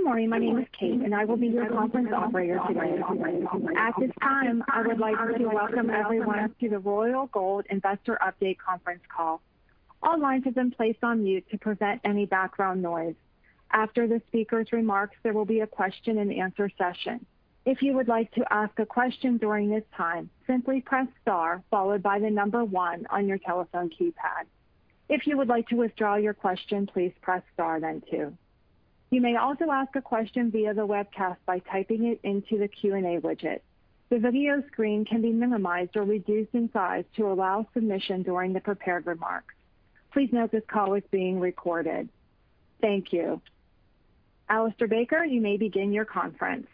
Good morning. My name is Kate, and I will be your conference operator today. At this time, I would like to welcome everyone to the Royal Gold Investor Update conference call. All lines have been placed on mute to prevent any background noise. After the speaker's remarks, there will be a question and answer session. If you would like to ask a question during this time, simply press star followed by the number one on your telephone keypad. If you would like to withdraw your question, please press star then two. You may also ask a question via the webcast by typing it into the Q&A widget. The video screen can be minimized or reduced in size to allow submission during the prepared remarks. Please note this call is being recorded. Thank you. Alistair Baker, you may begin your conference.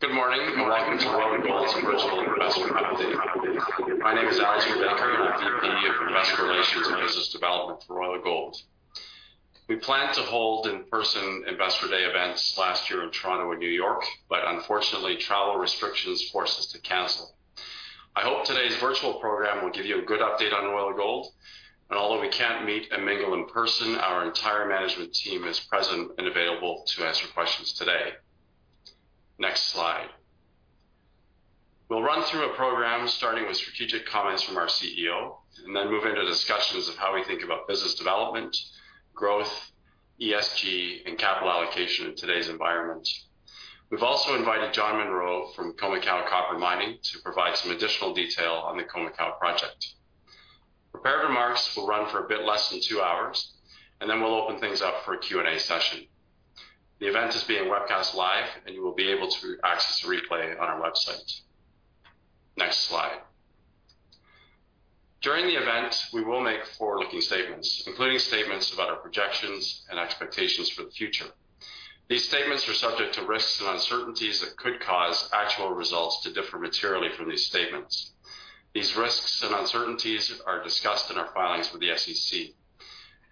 Good morning and welcome to Royal Gold's virtual Investor Day update. My name is Alistair Baker, I'm the VP of Investor Relations and Business Development for Royal Gold. We planned to hold in-person Investor Day events last year in Toronto and New York, unfortunately, travel restrictions forced us to cancel. I hope today's virtual program will give you a good update on Royal Gold, although we can't meet and mingle in person, our entire management team is present and available to answer questions today. Next slide. We'll run through a program starting with strategic comments from our CEO, then move into discussions of how we think about business development, growth, ESG, and capital allocation in today's environment. We've also invited John Munro from Khoemacau Copper Mining to provide some additional detail on the Khoemacau project. Prepared remarks will run for a bit less than two hours. Then we'll open things up for a Q&A session. The event is being webcast live. You will be able to access a replay on our website. Next slide. During the event, we will make forward-looking statements, including statements about our projections and expectations for the future. These statements are subject to risks and uncertainties that could cause actual results to differ materially from these statements. These risks and uncertainties are discussed in our filings with the SEC.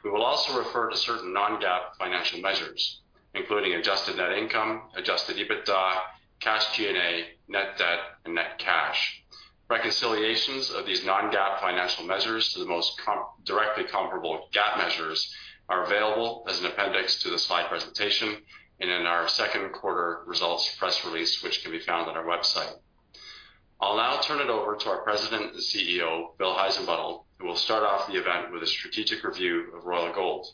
We will also refer to certain non-GAAP financial measures, including adjusted net income, adjusted EBITDA, cash G&A, net debt, and net cash. Reconciliations of these non-GAAP financial measures to the most directly comparable GAAP measures are available as an appendix to the slide presentation and in our second quarter results press release, which can be found on our website. I'll now turn it over to our President and CEO, Bill Heissenbuttel, who will start off the event with a strategic review of Royal Gold.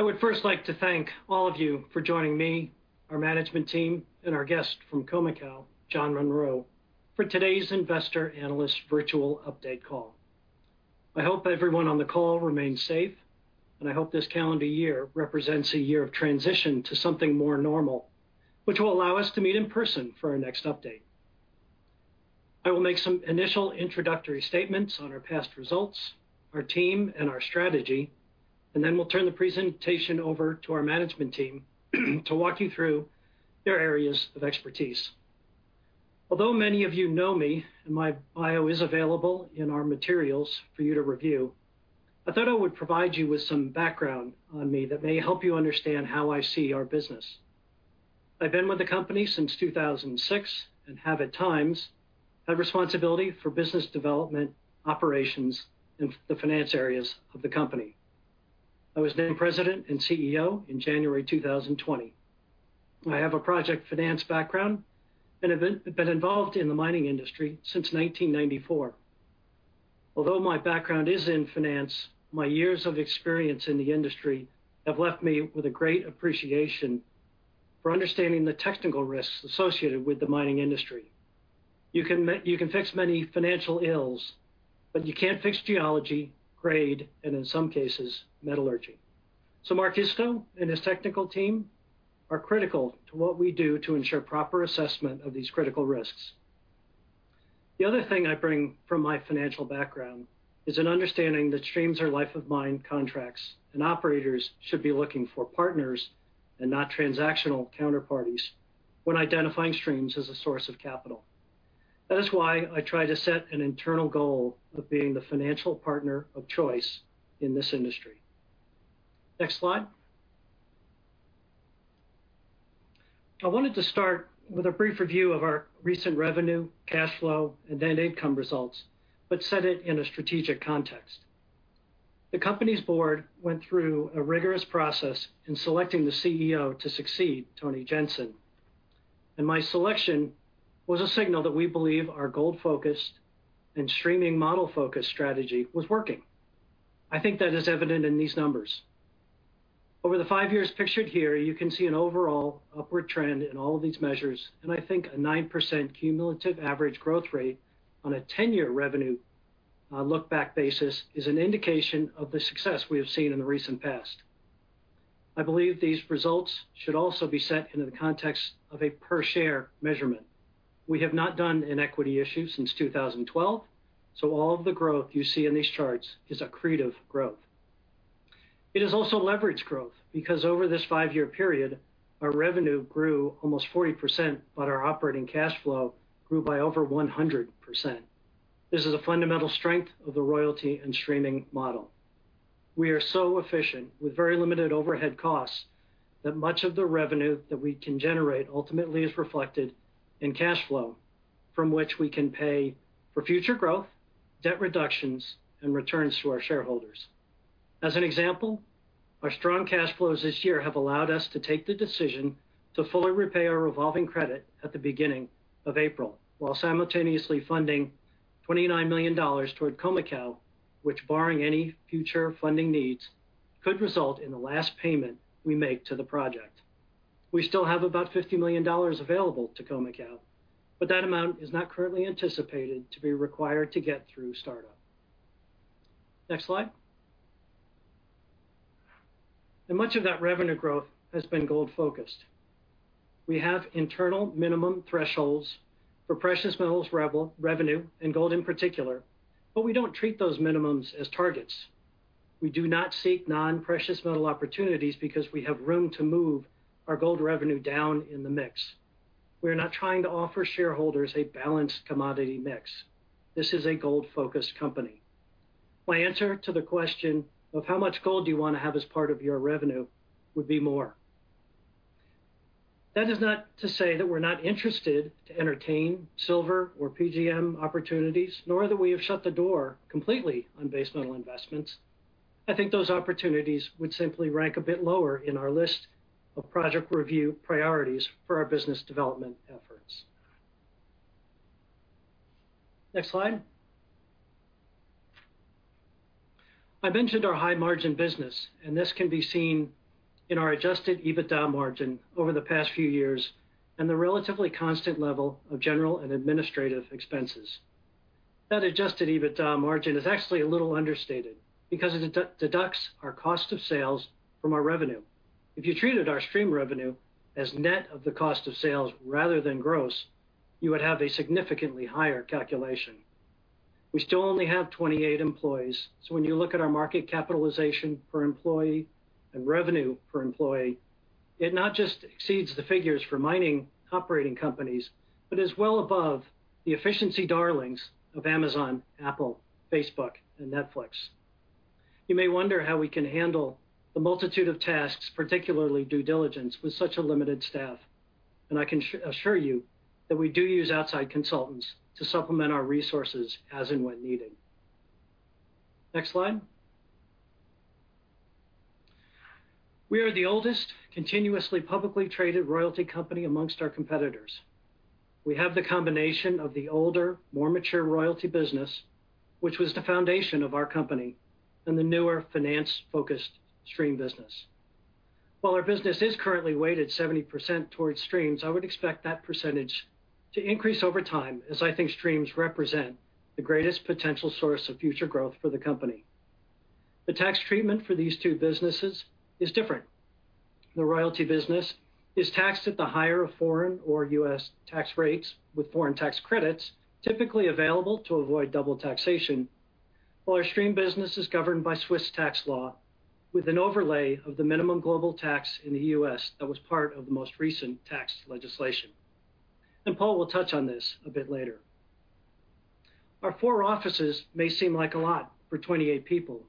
I would first like to thank all of you for joining me, our management team, and our guest from Khoemacau, John Munro, for today's investor analyst virtual update call. I hope everyone on the call remains safe, and I hope this 2021 represents a year of transition to something more normal, which will allow us to meet in person for our next update. I will make some initial introductory statements on our past results, our team, and our strategy, and then we'll turn the presentation over to our management team to walk you through their areas of expertise. Although many of you know me, and my bio is available in our materials for you to review, I thought I would provide you with some background on me that may help you understand how I see our business. I've been with the company since 2006 and have at times had responsibility for business development, operations, and the finance areas of the company. I was named President and CEO in January 2020. I have a project finance background and have been involved in the mining industry since 1994. Although my background is in finance, my years of experience in the industry have left me with a great appreciation for understanding the technical risks associated with the mining industry. You can fix many financial ills, but you can't fix geology, grade, and in some cases, metallurgy. Mark Isto and his technical team are critical to what we do to ensure proper assessment of these critical risks. The other thing I bring from my financial background is an understanding that streams are life-of-mine contracts, and operators should be looking for partners and not transactional counterparties when identifying streams as a source of capital. That is why I try to set an internal goal of being the financial partner of choice in this industry. Next slide. I wanted to start with a brief review of our recent revenue, cash flow, and net income results, but set it in a strategic context. The company's board went through a rigorous process in selecting the CEO to succeed Tony Jensen, and my selection was a signal that we believe our gold-focused and streaming model focus strategy was working. I think that is evident in these numbers. Over the five years pictured here, you can see an overall upward trend in all of these measures. I think a 9% cumulative average growth rate on a 10-year revenue look-back basis is an indication of the success we have seen in the recent past. I believe these results should also be set into the context of a per-share measurement. We have not done an equity issue since 2012. All of the growth you see in these charts is accretive growth. It is also leverage growth because over this five-year period, our revenue grew almost 40%. Our operating cash flow grew by over 100%. This is a fundamental strength of the royalty and streaming model. We are so efficient with very limited overhead costs that much of the revenue that we can generate ultimately is reflected in cash flow, from which we can pay for future growth, debt reductions, and returns to our shareholders. As an example, our strong cash flows this year have allowed us to take the decision to fully repay our revolving credit at the beginning of April, while simultaneously funding $29 million toward Khoemacau, which barring any future funding needs, could result in the last payment we make to the project. We still have about $50 million available to Khoemacau, that amount is not currently anticipated to be required to get through startup. Next slide. Much of that revenue growth has been gold-focused. We have internal minimum thresholds for precious metals revenue, and gold in particular, but we don't treat those minimums as targets. We do not seek non-precious metal opportunities because we have room to move our gold revenue down in the mix. We are not trying to offer shareholders a balanced commodity mix. This is a gold-focused company. My answer to the question of how much gold do you want to have as part of your revenue would be more. That is not to say that we're not interested to entertain silver or PGM opportunities, nor that we have shut the door completely on base metal investments. I think those opportunities would simply rank a bit lower in our list of project review priorities for our business development efforts. Next slide. I mentioned our high margin business, and this can be seen in our adjusted EBITDA margin over the past few years and the relatively constant level of general and administrative expenses. That adjusted EBITDA margin is actually a little understated because it deducts our cost of sales from our revenue. If you treated our stream revenue as net of the cost of sales rather than gross, you would have a significantly higher calculation. We still only have 28 employees, so when you look at our market capitalization per employee and revenue per employee, it not just exceeds the figures for mining operating companies, but is well above the efficiency darlings of Amazon, Apple, Facebook, and Netflix. You may wonder how we can handle the multitude of tasks, particularly due diligence, with such a limited staff. I can assure you that we do use outside consultants to supplement our resources as and when needed. Next slide. We are the oldest continuously publicly traded royalty company amongst our competitors. We have the combination of the older, more mature royalty business, which was the foundation of our company, and the newer finance focused stream business. While our business is currently weighted 70% towards streams, I would expect that percentage to increase over time, as I think streams represent the greatest potential source of future growth for the company. The tax treatment for these two businesses is different. The royalty business is taxed at the higher foreign or U.S. tax rates with foreign tax credits typically available to avoid double taxation. While our stream business is governed by Swiss tax law, with an overlay of the minimum global tax in the U.S. that was part of the most recent tax legislation. Paul will touch on this a bit later. Our four offices may seem like a lot for 28 people,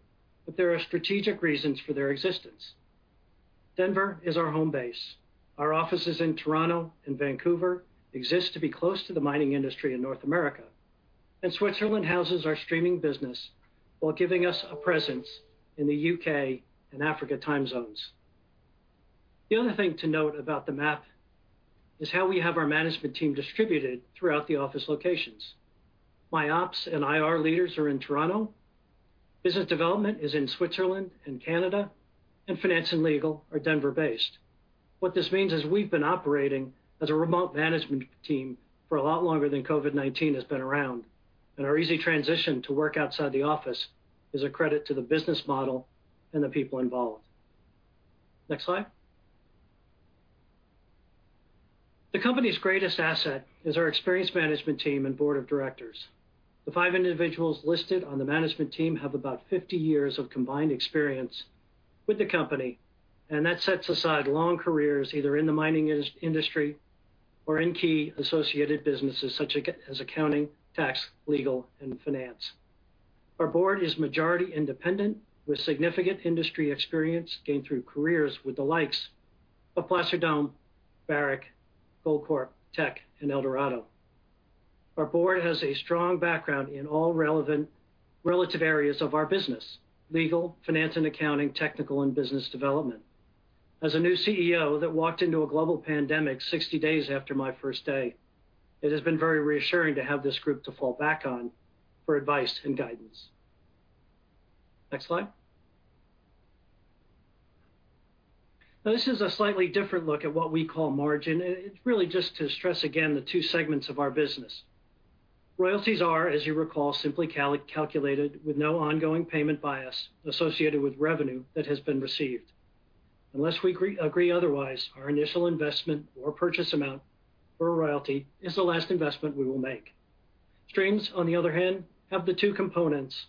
but there are strategic reasons for their existence. Denver is our home base. Our offices in Toronto and Vancouver exist to be close to the mining industry in North America. Switzerland houses our streaming business while giving us a presence in the U.K. and Africa time zones. The other thing to note about the map is how we have our management team distributed throughout the office locations. My ops and IR leaders are in Toronto, business development is in Switzerland and Canada, and finance and legal are Denver-based. What this means is we've been operating as a remote management team for a lot longer than COVID-19 has been around, and our easy transition to work outside the office is a credit to the business model and the people involved. Next slide. The company's greatest asset is our experienced management team and board of directors. The five individuals listed on the management team have about 50 years of combined experience with the company, and that sets aside long careers either in the mining industry or in key associated businesses such as accounting, tax, legal, and finance. Our board is majority independent, with significant industry experience gained through careers with the likes of Placer Dome, Barrick, Goldcorp, Teck, and Eldorado. Our board has a strong background in all relevant relative areas of our business: legal, finance and accounting, technical, and business development. As a new CEO that walked into a global pandemic 60 days after my first day, it has been very reassuring to have this group to fall back on for advice and guidance. Next slide. Now, this is a slightly different look at what we call margin, and it's really just to stress again the two segments of our business. Royalties are, as you recall, simply calculated with no ongoing payment bias associated with revenue that has been received. Unless we agree otherwise, our initial investment or purchase amount for a royalty is the last investment we will make. Streams, on the other hand, have the two components,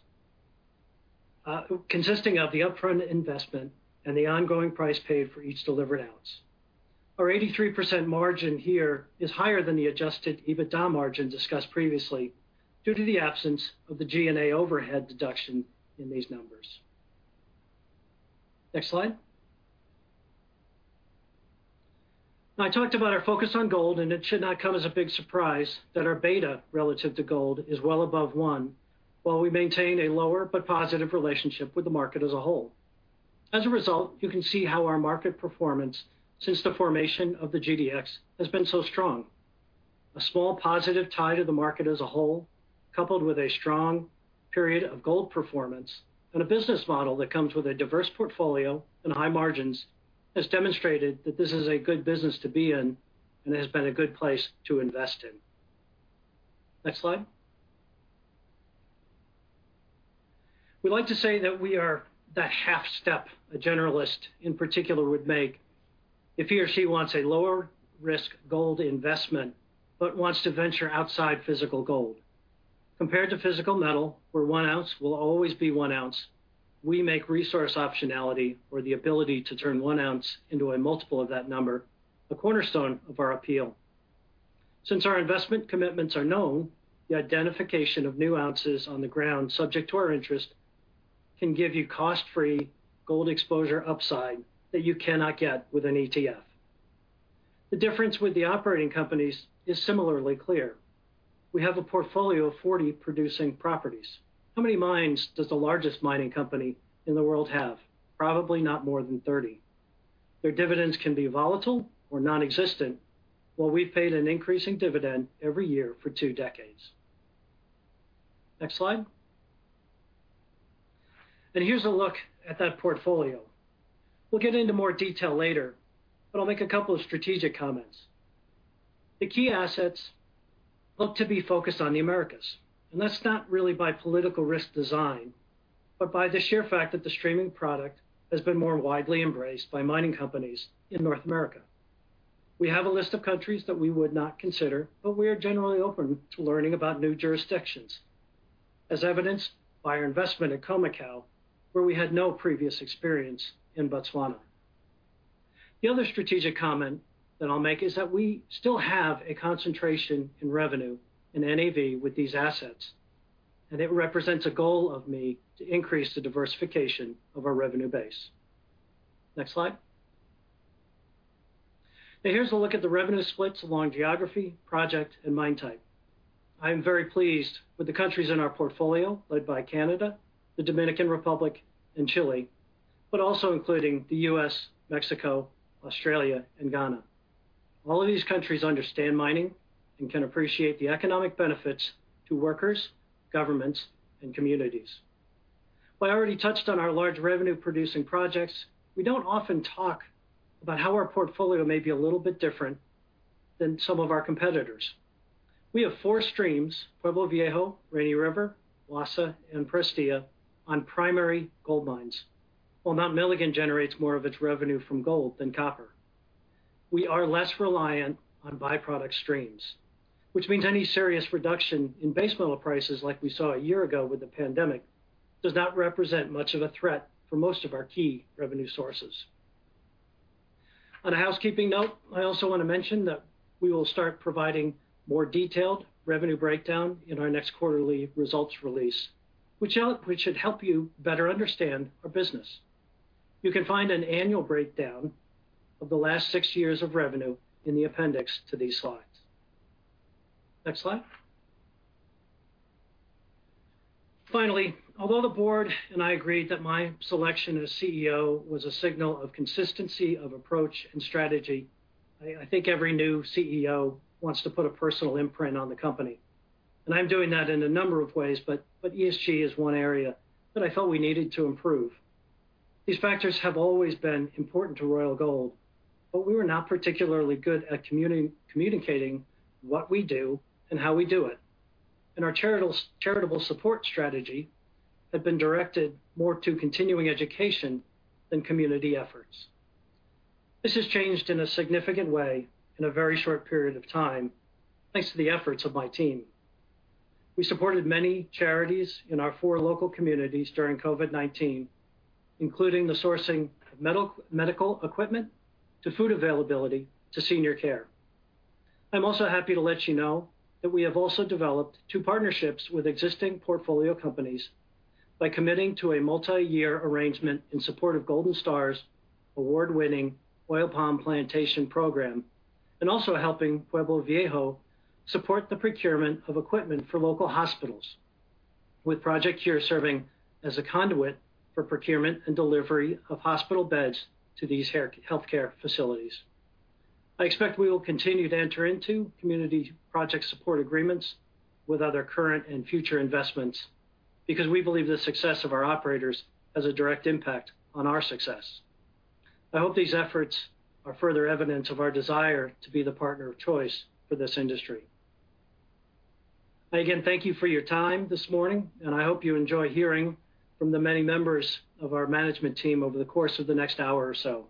consisting of the upfront investment and the ongoing price paid for each delivered ounce. Our 83% margin here is higher than the adjusted EBITDA margin discussed previously due to the absence of the G&A overhead deduction in these numbers. Next slide. I talked about our focus on gold, and it should not come as a big surprise that our beta relative to gold is well above one, while we maintain a lower but positive relationship with the market as a whole. As a result, you can see how our market performance since the formation of the GDX has been so strong. A small positive tie to the market as a whole, coupled with a strong period of gold performance and a business model that comes with a diverse portfolio and high margins, has demonstrated that this is a good business to be in and has been a good place to invest in. Next slide. We like to say that we are the half step a generalist in particular would make if he or she wants a lower risk gold investment, but wants to venture outside physical gold. Compared to physical metal, where one ounce will always be one ounce, we make resource optionality or the ability to turn one ounce into a multiple of that number, a cornerstone of our appeal. Since our investment commitments are known, the identification of new ounces on the ground subject to our interest can give you cost-free gold exposure upside that you cannot get with an ETF. The difference with the operating companies is similarly clear. We have a portfolio of 40 producing properties. How many mines does the largest mining company in the world have? Probably not more than 30. Their dividends can be volatile or nonexistent, while we've paid an increasing dividend every year for 20 years. Next slide. Here's a look at that portfolio. We'll get into more detail later, but I'll make a couple of strategic comments. The key assets look to be focused on the Americas, that's not really by political risk design, but by the sheer fact that the streaming product has been more widely embraced by mining companies in North America. We have a list of countries that we would not consider, we are generally open to learning about new jurisdictions, as evidenced by our investment in Khoemacau, where we had no previous experience in Botswana. The other strategic comment that I'll make is that we still have a concentration in revenue and NAV with these assets, it represents a goal of me to increase the diversification of our revenue base. Next slide. Here's a look at the revenue splits along geography, project, and mine type. I am very pleased with the countries in our portfolio, led by Canada, the Dominican Republic, and Chile, but also including the U.S., Mexico, Australia, and Ghana. All of these countries understand mining and can appreciate the economic benefits to workers, governments, and communities. While I already touched on our large revenue-producing projects, we don't often talk about how our portfolio may be a little bit different than some of our competitors. We have four streams, Pueblo Viejo, Rainy River, Wassa, and Prestea, on primary gold mines, while Mount Milligan generates more of its revenue from gold than copper. We are less reliant on byproduct streams, which means any serious reduction in base metal prices like we saw a year ago with the pandemic does not represent much of a threat for most of our key revenue sources. On a housekeeping note, I also want to mention that we will start providing more detailed revenue breakdown in our next quarterly results release, which should help you better understand our business. You can find an annual breakdown of the last six years of revenue in the appendix to these slides. Next slide. Finally, although the board and I agreed that my selection as CEO was a signal of consistency of approach and strategy, I think every new CEO wants to put a personal imprint on the company, and I'm doing that in a number of ways, but ESG is one area that I felt we needed to improve. These factors have always been important to Royal Gold, but we were not particularly good at communicating what we do and how we do it. Our charitable support strategy had been directed more to continuing education than community efforts. This has changed in a significant way in a very short period of time thanks to the efforts of my team. We supported many charities in our four local communities during COVID-19, including the sourcing of medical equipment to food availability to senior care. I'm also happy to let you know that we have also developed two partnerships with existing portfolio companies by committing to a multi-year arrangement in support of Golden Star's award-winning oil palm plantation program, and also helping Pueblo Viejo support the procurement of equipment for local hospitals with Project C.U.R.E. serving as a conduit for procurement and delivery of hospital beds to these healthcare facilities. I expect we will continue to enter into community project support agreements with other current and future investments because we believe the success of our operators has a direct impact on our success. I hope these efforts are further evidence of our desire to be the partner of choice for this industry. I again thank you for your time this morning, and I hope you enjoy hearing from the many members of our management team over the course of the next hour or so.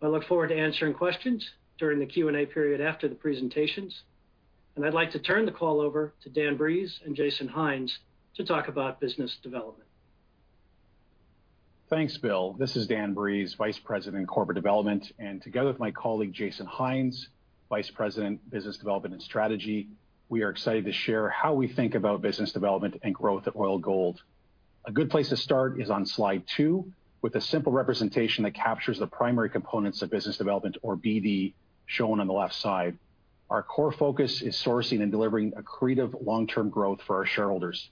I look forward to answering questions during the Q&A period after the presentations, and I'd like to turn the call over to Dan Breeze and Jason Hynes to talk about business development Thanks Bill. This is Dan Breeze, Vice President, Corporate Development, and together with my colleague Jason Hynes, Vice President, Business Development and Strategy, we are excited to share how we think about business development and growth at Royal Gold. A good place to start is on slide two, with a simple representation that captures the primary components of business development, or BD, shown on the left side. Our core focus is sourcing and delivering accretive long-term growth for our shareholders.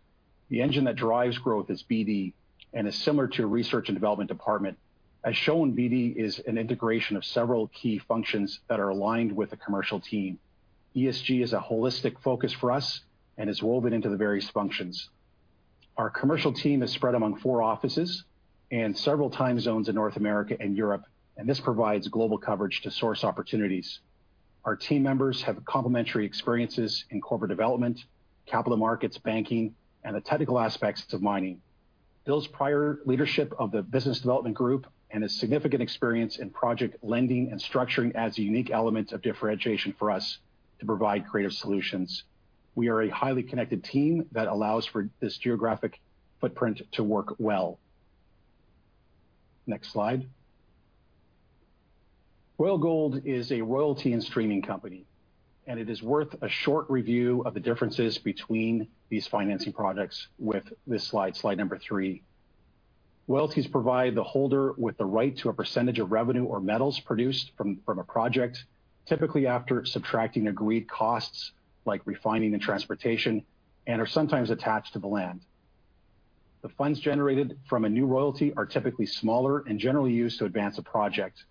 The engine that drives growth is BD and is similar to a research and development department. As shown, BD is an integration of several key functions that are aligned with the commercial team. ESG is a holistic focus for us and is woven into the various functions. Our commercial team is spread among four offices and several time zones in North America and Europe, and this provides global coverage to source opportunities. Our team members have complementary experiences in corporate development, capital markets, banking, and the technical aspects of mining. Bill's prior leadership of the business development group and his significant experience in project lending and structuring adds a unique element of differentiation for us to provide creative solutions. We are a highly connected team that allows for this geographic footprint to work well. Next slide. Royal Gold is a royalty and streaming company, and it is worth a short review of the differences between these financing products with this slide number three. Royalties provide the holder with the right to a percentage of revenue or metals produced from a project, typically after subtracting agreed costs like refining and transportation, and are sometimes attached to the land. The funds generated from a new royalty are typically smaller and generally used to advance a project.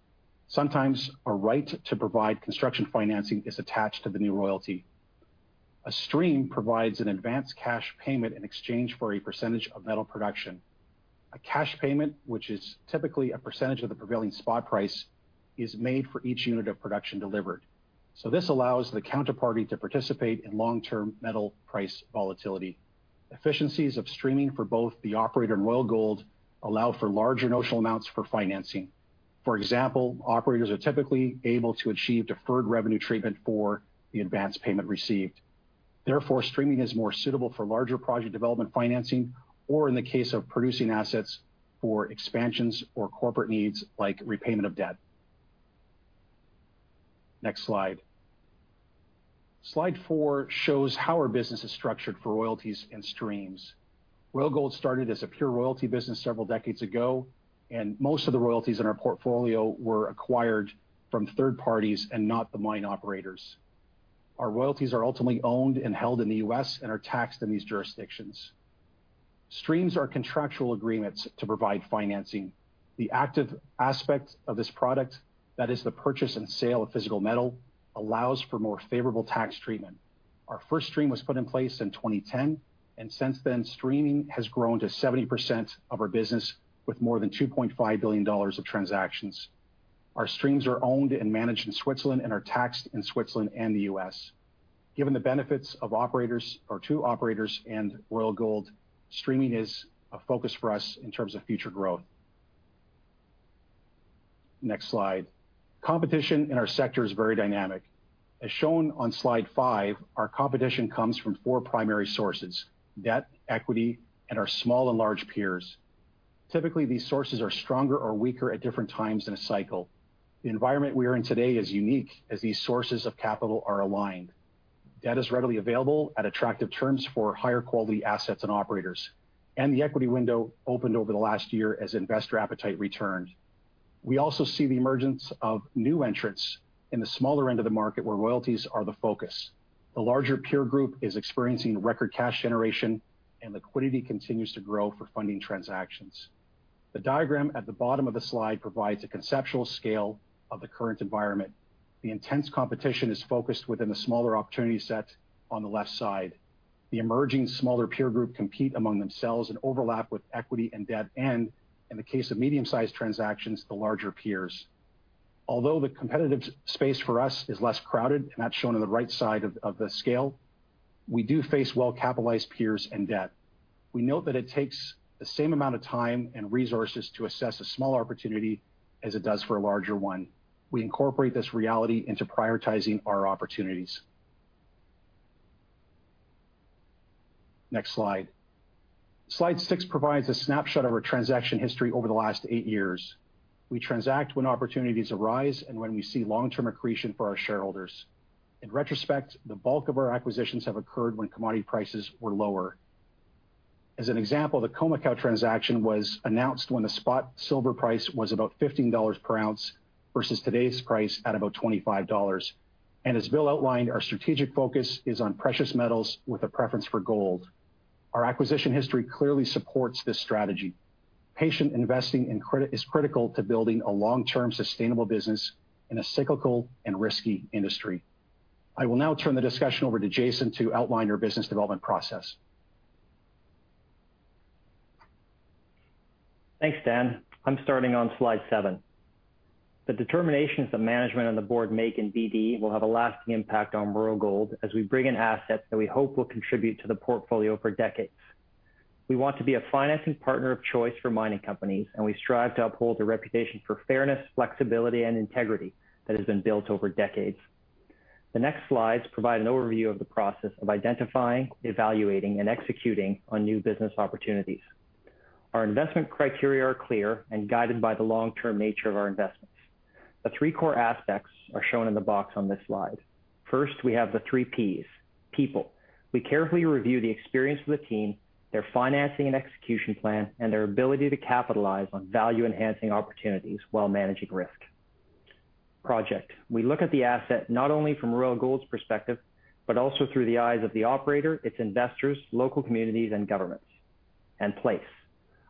Sometimes a right to provide construction financing is attached to the new royalty. A stream provides an advanced cash payment in exchange for a percentage of metal production. A cash payment, which is typically a percentage of the prevailing spot price, is made for each unit of production delivered. This allows the counterparty to participate in long-term metal price volatility. Efficiencies of streaming for both the operator and Royal Gold allow for larger notional amounts for financing. For example, operators are typically able to achieve deferred revenue treatment for the advanced payment received. Therefore, streaming is more suitable for larger project development financing, or in the case of producing assets for expansions or corporate needs, like repayment of debt. Next slide. Slide four shows how our business is structured for royalties and streams. Royal Gold started as a pure royalty business several decades ago, and most of the royalties in our portfolio were acquired from third parties and not the mine operators. Our royalties are ultimately owned and held in the U.S. and are taxed in these jurisdictions. Streams are contractual agreements to provide financing. The active aspect of this product, that is the purchase and sale of physical metal, allows for more favorable tax treatment. Our first stream was put in place in 2010, and since then, streaming has grown to 70% of our business, with more than $2.5 billion of transactions. Our streams are owned and managed in Switzerland and are taxed in Switzerland and the U.S. Given the benefits to operators and Royal Gold, streaming is a focus for us in terms of future growth. Next slide. Competition in our sector is very dynamic. As shown on slide five, our competition comes from four primary sources, debt, equity, and our small and large peers. Typically, these sources are stronger or weaker at different times in a cycle. The environment we are in today is unique, as these sources of capital are aligned. Debt is readily available at attractive terms for higher quality assets and operators, and the equity window opened over the last year as investor appetite returned. We also see the emergence of new entrants in the smaller end of the market, where royalties are the focus. The larger peer group is experiencing record cash generation, and liquidity continues to grow for funding transactions. The diagram at the bottom of the slide provides a conceptual scale of the current environment. The intense competition is focused within the smaller opportunity set on the left side. The emerging smaller peer group compete among themselves and overlap with equity and debt, and in the case of medium-sized transactions, the larger peers. Although the competitive space for us is less crowded, and that's shown on the right side of the scale, we do face well-capitalized peers and debt. We note that it takes the same amount of time and resources to assess a small opportunity as it does for a larger one. We incorporate this reality into prioritizing our opportunities. Next slide. Slide six provides a snapshot of our transaction history over the last eight years. We transact when opportunities arise and when we see long-term accretion for our shareholders. In retrospect, the bulk of our acquisitions have occurred when commodity prices were lower. As an example, the Khoemacau transaction was announced when the spot silver price was about $15 per ounce versus today's price at about $25. As Bill outlined, our strategic focus is on precious metals with a preference for gold. Our acquisition history clearly supports this strategy. Patient investing is critical to building a long-term sustainable business in a cyclical and risky industry. I will now turn the discussion over to Jason to outline our business development process. Thanks Dan. I'm starting on slide seven. The determinations that management and the board make in BD will have a lasting impact on Royal Gold as we bring in assets that we hope will contribute to the portfolio for decades. We want to be a financing partner of choice for mining companies, and we strive to uphold a reputation for fairness, flexibility, and integrity that has been built over decades. The next slides provide an overview of the process of identifying, evaluating, and executing on new business opportunities. Our investment criteria are clear and guided by the long-term nature of our investments. The three core aspects are shown in the box on this slide. First, we have the three Ps. People. We carefully review the experience of the team, their financing and execution plan, and their ability to capitalize on value-enhancing opportunities while managing risk. Project. We look at the asset not only from Royal Gold's perspective, but also through the eyes of the operator, its investors, local communities, and governments.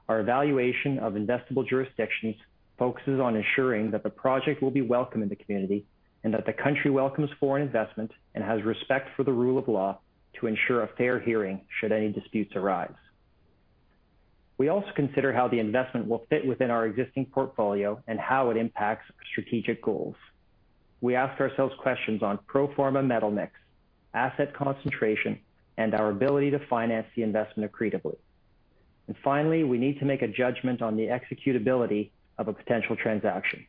Our evaluation of investable jurisdictions focuses on ensuring that the project will be welcome in the community and that the country welcomes foreign investment and has respect for the rule of law to ensure a fair hearing should any disputes arise. We also consider how the investment will fit within our existing portfolio and how it impacts our strategic goals. We ask ourselves questions on pro forma metal mix, asset concentration, and our ability to finance the investment accretively. Finally, we need to make a judgment on the executability of a potential transaction.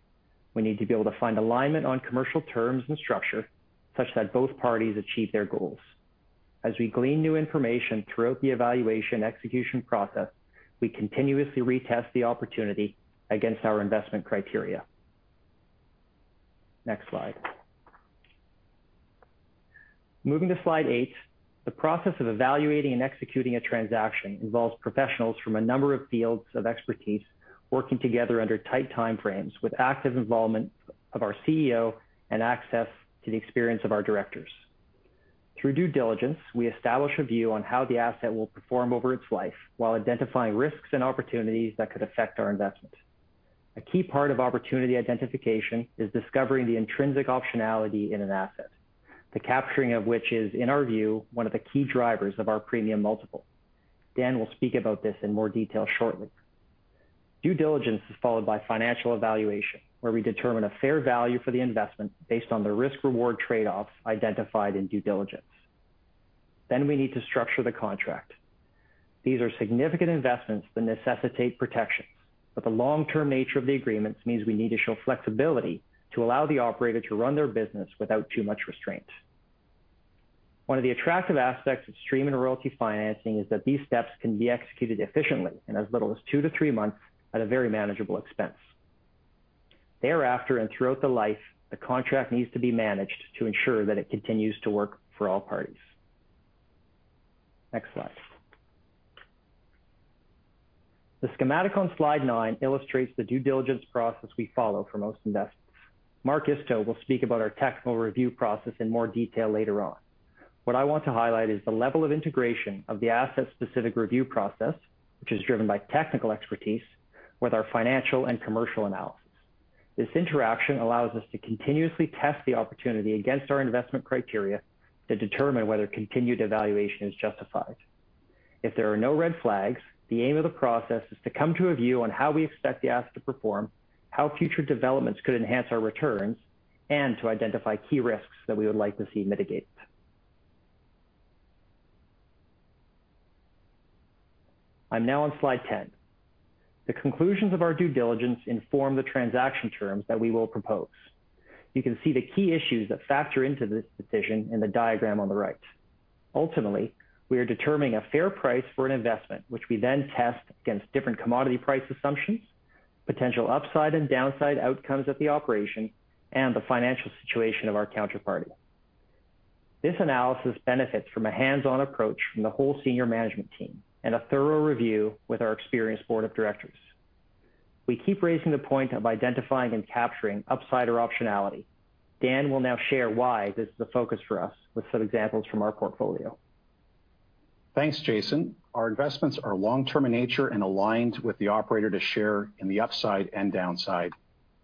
We need to be able to find alignment on commercial terms and structure such that both parties achieve their goals. As we glean new information throughout the evaluation execution process, we continuously retest the opportunity against our investment criteria. Next slide. Moving to slide eight, the process of evaluating and executing a transaction involves professionals from a number of fields of expertise working together under tight timeframes with active involvement of our CEO and access to the experience of our directors. Through due diligence, we establish a view on how the asset will perform over its life while identifying risks and opportunities that could affect our investment. A key part of opportunity identification is discovering the intrinsic optionality in an asset, the capturing of which is, in our view, one of the key drivers of our premium multiple. Dan will speak about this in more detail shortly. Due diligence is followed by financial evaluation, where we determine a fair value for the investment based on the risk-reward trade-offs identified in due diligence. We need to structure the contract. These are significant investments that necessitate protections, but the long-term nature of the agreements means we need to show flexibility to allow the operator to run their business without too much restraint. One of the attractive aspects of stream and royalty financing is that these steps can be executed efficiently in as little as two to three months at a very manageable expense. Thereafter and throughout the life, the contract needs to be managed to ensure that it continues to work for all parties. Next slide. The schematic on slide nine illustrates the due diligence process we follow for most investments. Mark Isto will speak about our technical review process in more detail later on. What I want to highlight is the level of integration of the asset-specific review process, which is driven by technical expertise with our financial and commercial analysis. This interaction allows us to continuously test the opportunity against our investment criteria to determine whether continued evaluation is justified. If there are no red flags, the aim of the process is to come to a view on how we expect the asset to perform, how future developments could enhance our returns, and to identify key risks that we would like to see mitigated. I'm now on slide 10. The conclusions of our due diligence inform the transaction terms that we will propose. You can see the key issues that factor into this decision in the diagram on the right. Ultimately, we are determining a fair price for an investment, which we then test against different commodity price assumptions, potential upside and downside outcomes of the operation, and the financial situation of our counterparty. This analysis benefits from a hands-on approach from the whole senior management team and a thorough review with our experienced board of directors. We keep raising the point of identifying and capturing upside or optionality. Dan will now share why this is a focus for us with some examples from our portfolio. Thanks, Jason. Our investments are long-term in nature and aligned with the operator to share in the upside and downside.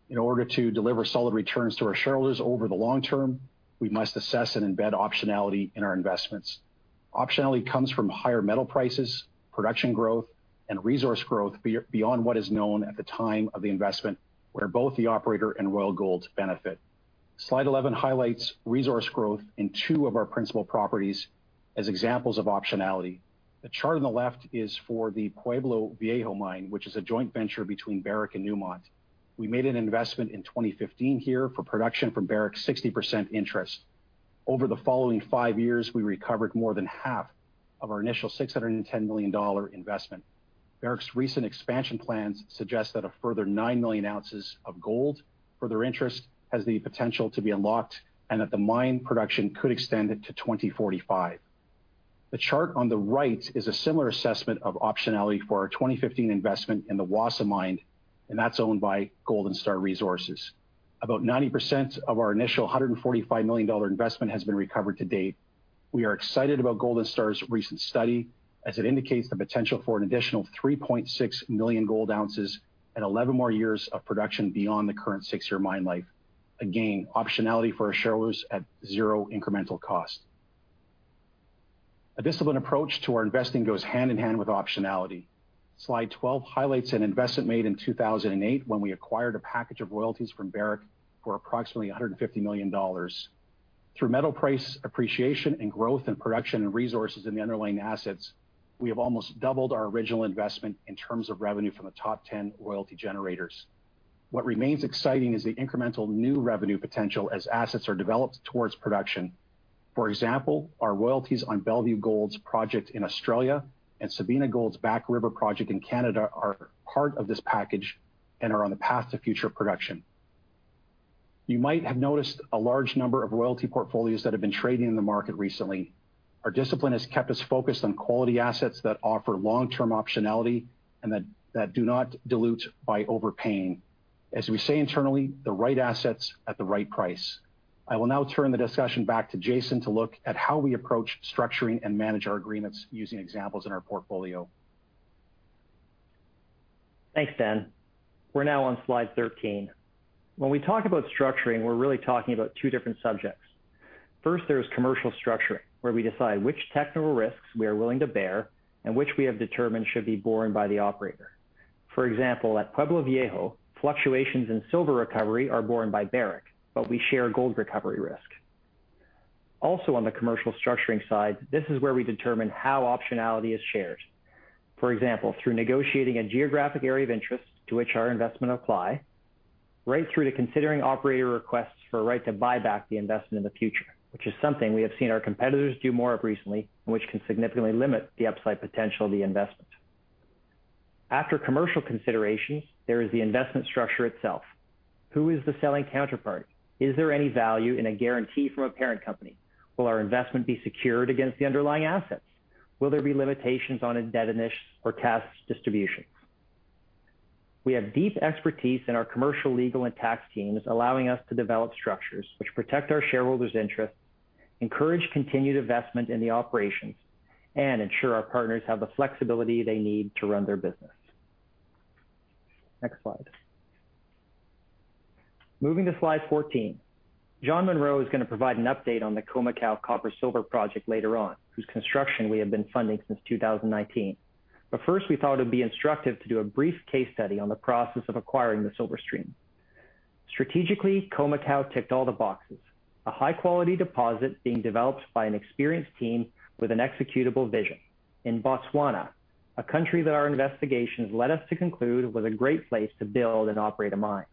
In order to deliver solid returns to our shareholders over the long term, we must assess and embed optionality in our investments. Optionality comes from higher metal prices, production growth, and resource growth beyond what is known at the time of the investment, where both the operator and Royal Gold benefit. Slide 11 highlights resource growth in two of our principal properties as examples of optionality. The chart on the left is for the Pueblo Viejo mine, which is a joint venture between Barrick and Newmont. We made an investment in 2015 here for production from Barrick's 60% interest. Over the following five years, we recovered more than half of our initial $610 million investment. Barrick's recent expansion plans suggest that a further 9 million ounces of gold for their interest has the potential to be unlocked, and that the mine production could extend it to 2045. The chart on the right is a similar assessment of optionality for our 2015 investment in the Wassa Mine, and that's owned by Golden Star Resources. About 90% of our initial $145 million investment has been recovered to date. We are excited about Golden Star's recent study, as it indicates the potential for an additional 3.6 million gold ounces and 11 more years of production beyond the current six-year mine life. Again, optionality for our shareholders at zero incremental cost. A disciplined approach to our investing goes hand in hand with optionality. Slide 12 highlights an investment made in 2008 when we acquired a package of royalties from Barrick for approximately $150 million. Through metal price appreciation and growth in production and resources in the underlying assets, we have almost doubled our original investment in terms of revenue from the top 10 royalty generators. What remains exciting is the incremental new revenue potential as assets are developed towards production. For example, our royalties on Bellevue Gold's project in Australia and Sabina Gold's Back River project in Canada are part of this package and are on the path to future production. You might have noticed a large number of royalty portfolios that have been trading in the market recently. Our discipline has kept us focused on quality assets that offer long-term optionality and that do not dilute by overpaying. As we say internally, the right assets at the right price. I will now turn the discussion back to Jason to look at how we approach structuring and manage our agreements using examples in our portfolio. Thanks Dan. We're now on slide 13. When we talk about structuring, we're really talking about two different subjects. First, there's commercial structuring, where we decide which technical risks we are willing to bear and which we have determined should be borne by the operator. For example, at Pueblo Viejo, fluctuations in silver recovery are borne by Barrick, but we share gold recovery risk. On the commercial structuring side, this is where we determine how optionality is shared. For example, through negotiating a geographic area of interest to which our investment apply, right through to considering operator requests for a right to buy back the investment in the future, which is something we have seen our competitors do more of recently, and which can significantly limit the upside potential of the investment. After commercial considerations, there is the investment structure itself. Who is the selling counterparty? Is there any value in a guarantee from a parent company? Will our investment be secured against the underlying assets? Will there be limitations on indemnity or tax distribution? We have deep expertise in our commercial, legal, and tax teams, allowing us to develop structures which protect our shareholders' interests, encourage continued investment in the operations, and ensure our partners have the flexibility they need to run their business. Next slide. Moving to slide 14. John Munro is going to provide an update on the Khoemacau copper-silver project later on, whose construction we have been funding since 2019. First, we thought it would be instructive to do a brief case study on the process of acquiring the silver stream. Strategically, Khoemacau ticked all the boxes. A high-quality deposit being developed by an experienced team with an executable vision in Botswana, a country that our investigations led us to conclude was a great place to build and operate a mine.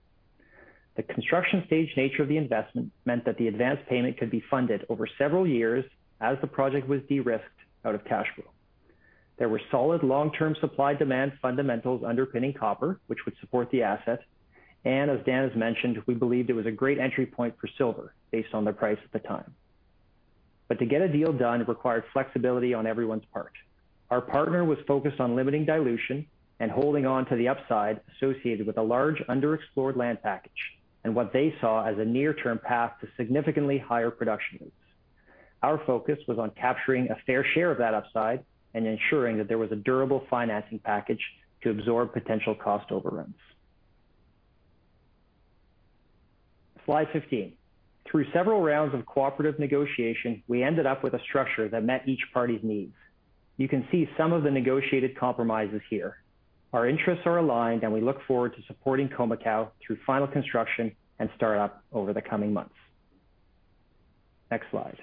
The construction stage nature of the investment meant that the advanced payment could be funded over several years as the project was de-risked out of cash flow. There were solid long-term supply-demand fundamentals underpinning copper, which would support the asset. As Dan has mentioned, we believed it was a great entry point for silver based on the price at the time. To get a deal done required flexibility on everyone's part. Our partner was focused on limiting dilution and holding on to the upside associated with a large underexplored land package and what they saw as a near-term path to significantly higher production rates. Our focus was on capturing a fair share of that upside and ensuring that there was a durable financing package to absorb potential cost overruns. Slide 15. Through several rounds of cooperative negotiation, we ended up with a structure that met each party's needs. You can see some of the negotiated compromises here. Our interests are aligned, and we look forward to supporting Khoemacau through final construction and start-up over the coming months. Next slide.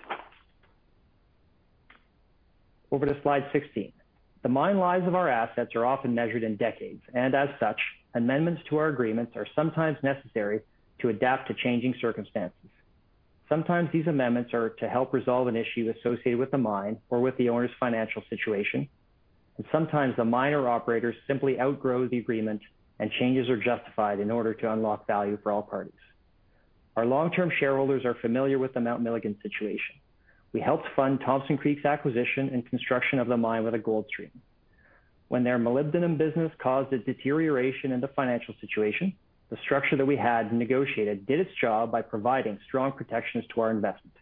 Over to slide 16. The mine lives of our assets are often measured in decades, and as such, amendments to our agreements are sometimes necessary to adapt to changing circumstances. Sometimes these amendments are to help resolve an issue associated with the mine or with the owner's financial situation, and sometimes the mine or operators simply outgrow the agreement, and changes are justified in order to unlock value for all parties. Our long-term shareholders are familiar with the Mount Milligan situation. We helped fund Thompson Creek's acquisition and construction of the mine with a gold stream. When their molybdenum business caused a deterioration in the financial situation, the structure that we had negotiated did its job by providing strong protections to our investment.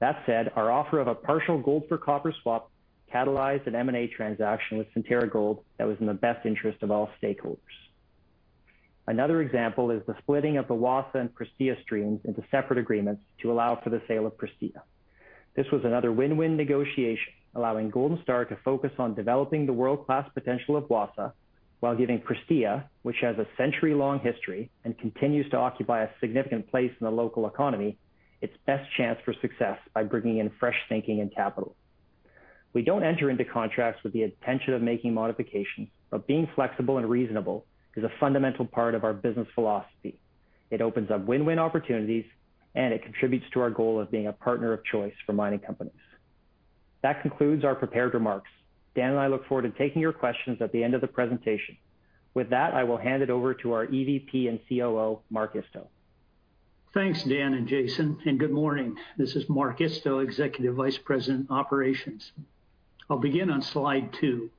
That said, our offer of a partial gold for copper swap catalyzed an M&A transaction with Centerra Gold that was in the best interest of all stakeholders. Another example is the splitting of the Wassa and Prestea streams into separate agreements to allow for the sale of Prestea. This was another win-win negotiation, allowing Golden Star to focus on developing the world-class potential of Wassa while giving Prestea, which has a century-long history and continues to occupy a significant place in the local economy, its best chance for success by bringing in fresh thinking and capital. We don't enter into contracts with the intention of making modifications, but being flexible and reasonable is a fundamental part of our business philosophy. It opens up win-win opportunities, and it contributes to our goal of being a partner of choice for mining companies. That concludes our prepared remarks. Dan and I look forward to taking your questions at the end of the presentation. With that, I will hand it over to our Executive Vice President and Chief Operating Officer, Mark Isto. Thanks, Dan and Jason. Good morning. This is Mark Isto, Executive Vice President, Operations. I'll begin on slide two.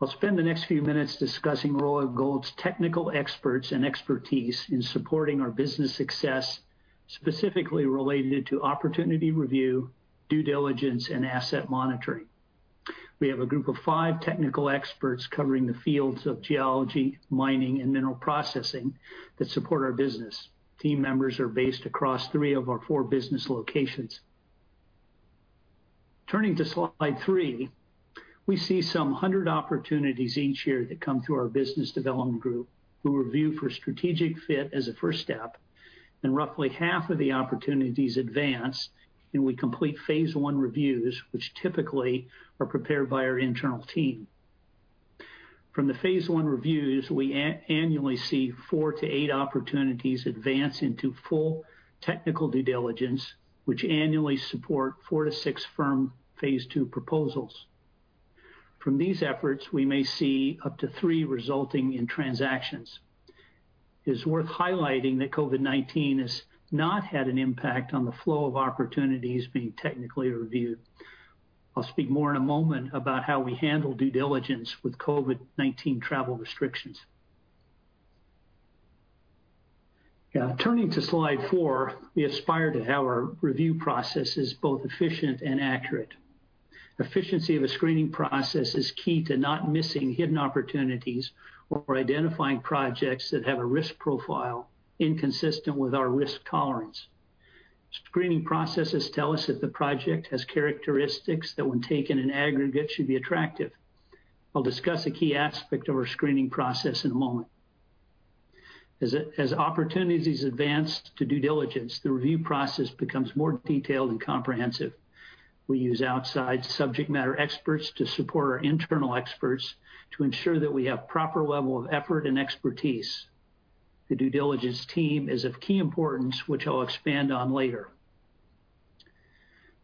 I'll spend the next few minutes discussing Royal Gold's technical experts and expertise in supporting our business success, specifically related to opportunity review, due diligence, and asset monitoring. We have a group of five technical experts covering the fields of geology, mining, and mineral processing that support our business. Team members are based across three of our four business locations. Turning to slide three, we see some 100 opportunities each year that come through our business development group, who review for strategic fit as a first step, and roughly half of the opportunities advance, and we complete phase I reviews, which typically are prepared by our internal team. From the phase I reviews, we annually see four to eight opportunities advance into full technical due diligence, which annually support four to six firm phase II proposals. From these efforts, we may see up to three resulting in transactions. It is worth highlighting that COVID-19 has not had an impact on the flow of opportunities being technically reviewed. I'll speak more in a moment about how we handle due diligence with COVID-19 travel restrictions. Turning to slide four, we aspire to have our review processes both efficient and accurate. Efficiency of a screening process is key to not missing hidden opportunities or identifying projects that have a risk profile inconsistent with our risk tolerance. Screening processes tell us if the project has characteristics that when taken in aggregate, should be attractive. I will discuss a key aspect of our screening process in a moment. As opportunities advance to due diligence, the review process becomes more detailed and comprehensive. We use outside subject matter experts to support our internal experts to ensure that we have proper level of effort and expertise. The due diligence team is of key importance, which I will expand on later.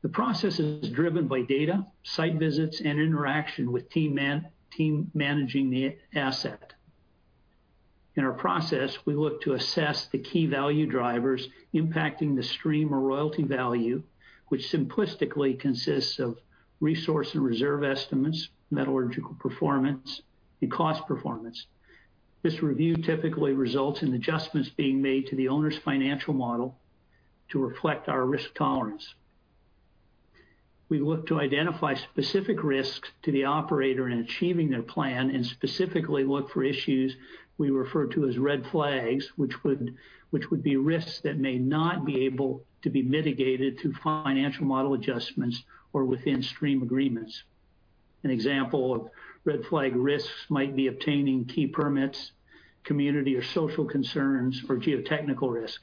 The process is driven by data, site visits, and interaction with team managing the asset. In our process, we look to assess the key value drivers impacting the stream or royalty value, which simplistically consists of resource and reserve estimates, metallurgical performance, and cost performance. This review typically results in adjustments being made to the owner's financial model to reflect our risk tolerance. We look to identify specific risks to the operator in achieving their plan, and specifically look for issues we refer to as red flags, which would be risks that may not be able to be mitigated through financial model adjustments or within stream agreements. An example of red flag risks might be obtaining key permits, community or social concerns, or geotechnical risk.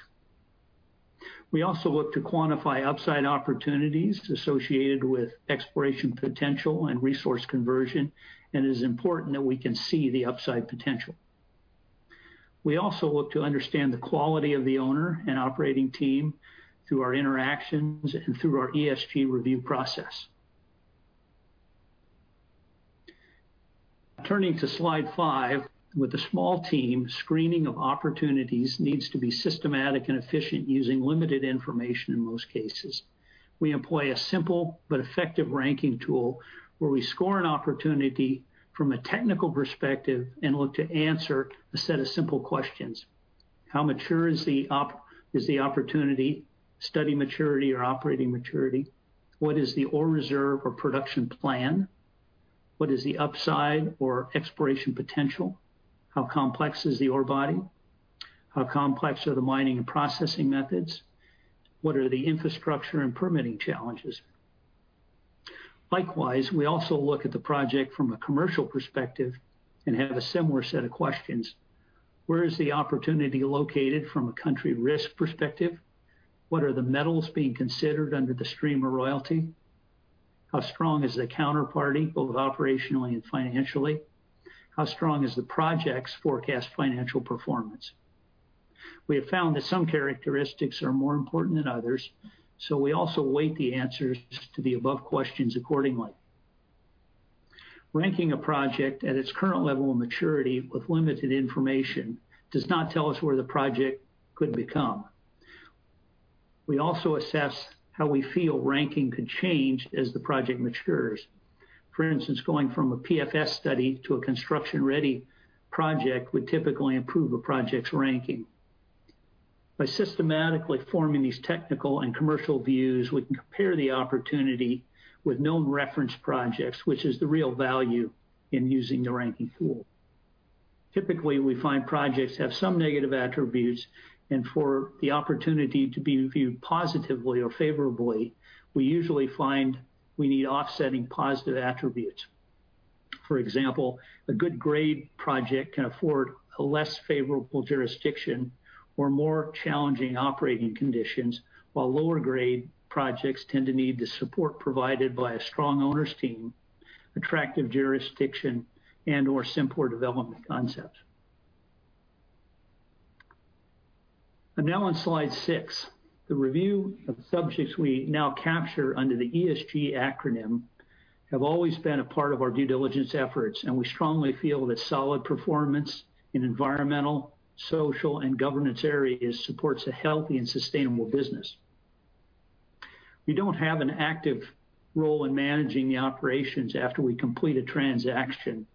We also look to quantify upside opportunities associated with exploration potential and resource conversion, and it is important that we can see the upside potential. We also look to understand the quality of the owner and operating team through our interactions and through our ESG review process. Turning to slide five. With a small team, screening of opportunities needs to be systematic and efficient, using limited information in most cases. We employ a simple but effective ranking tool where we score an opportunity from a technical perspective and look to answer a set of simple questions. How mature is the opportunity, study maturity, or operating maturity? What is the ore reserve or production plan? What is the upside or exploration potential? How complex is the ore body? How complex are the mining and processing methods? What are the infrastructure and permitting challenges? Likewise, we also look at the project from a commercial perspective and have a similar set of questions. Where is the opportunity located from a country risk perspective? What are the metals being considered under the stream or royalty? How strong is the counterparty, both operationally and financially? How strong is the project's forecast financial performance? We have found that some characteristics are more important than others, so we also weight the answers to the above questions accordingly. Ranking a project at its current level of maturity with limited information does not tell us where the project could become. We also assess how we feel ranking could change as the project matures. For instance, going from a PFS study to a construction-ready project would typically improve a project's ranking. By systematically forming these technical and commercial views, we can compare the opportunity with known reference projects, which is the real value in using the ranking tool. Typically, we find projects have some negative attributes, and for the opportunity to be viewed positively or favorably, we usually find we need offsetting positive attributes. For example, a good grade project can afford a less favorable jurisdiction or more challenging operating conditions, while lower grade projects tend to need the support provided by a strong owner's team, attractive jurisdiction, and/or simpler development concepts. Now on slide six. The review of subjects we now capture under the ESG acronym have always been a part of our due diligence efforts. We strongly feel that solid performance in environmental, social, and governance areas supports a healthy and sustainable business. We don't have an active role in managing the operations after we complete a transaction.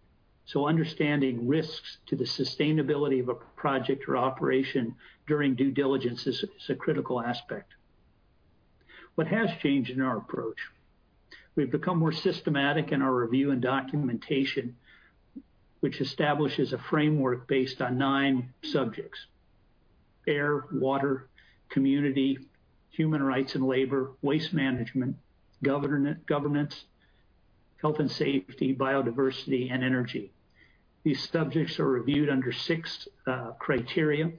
Understanding risks to the sustainability of a project or operation during due diligence is a critical aspect. What has changed in our approach? We've become more systematic in our review and documentation, which establishes a framework based on nine subjects, air, water, community, human rights and labor, waste management, governance, health and safety, biodiversity, and energy. These subjects are reviewed under six criteria,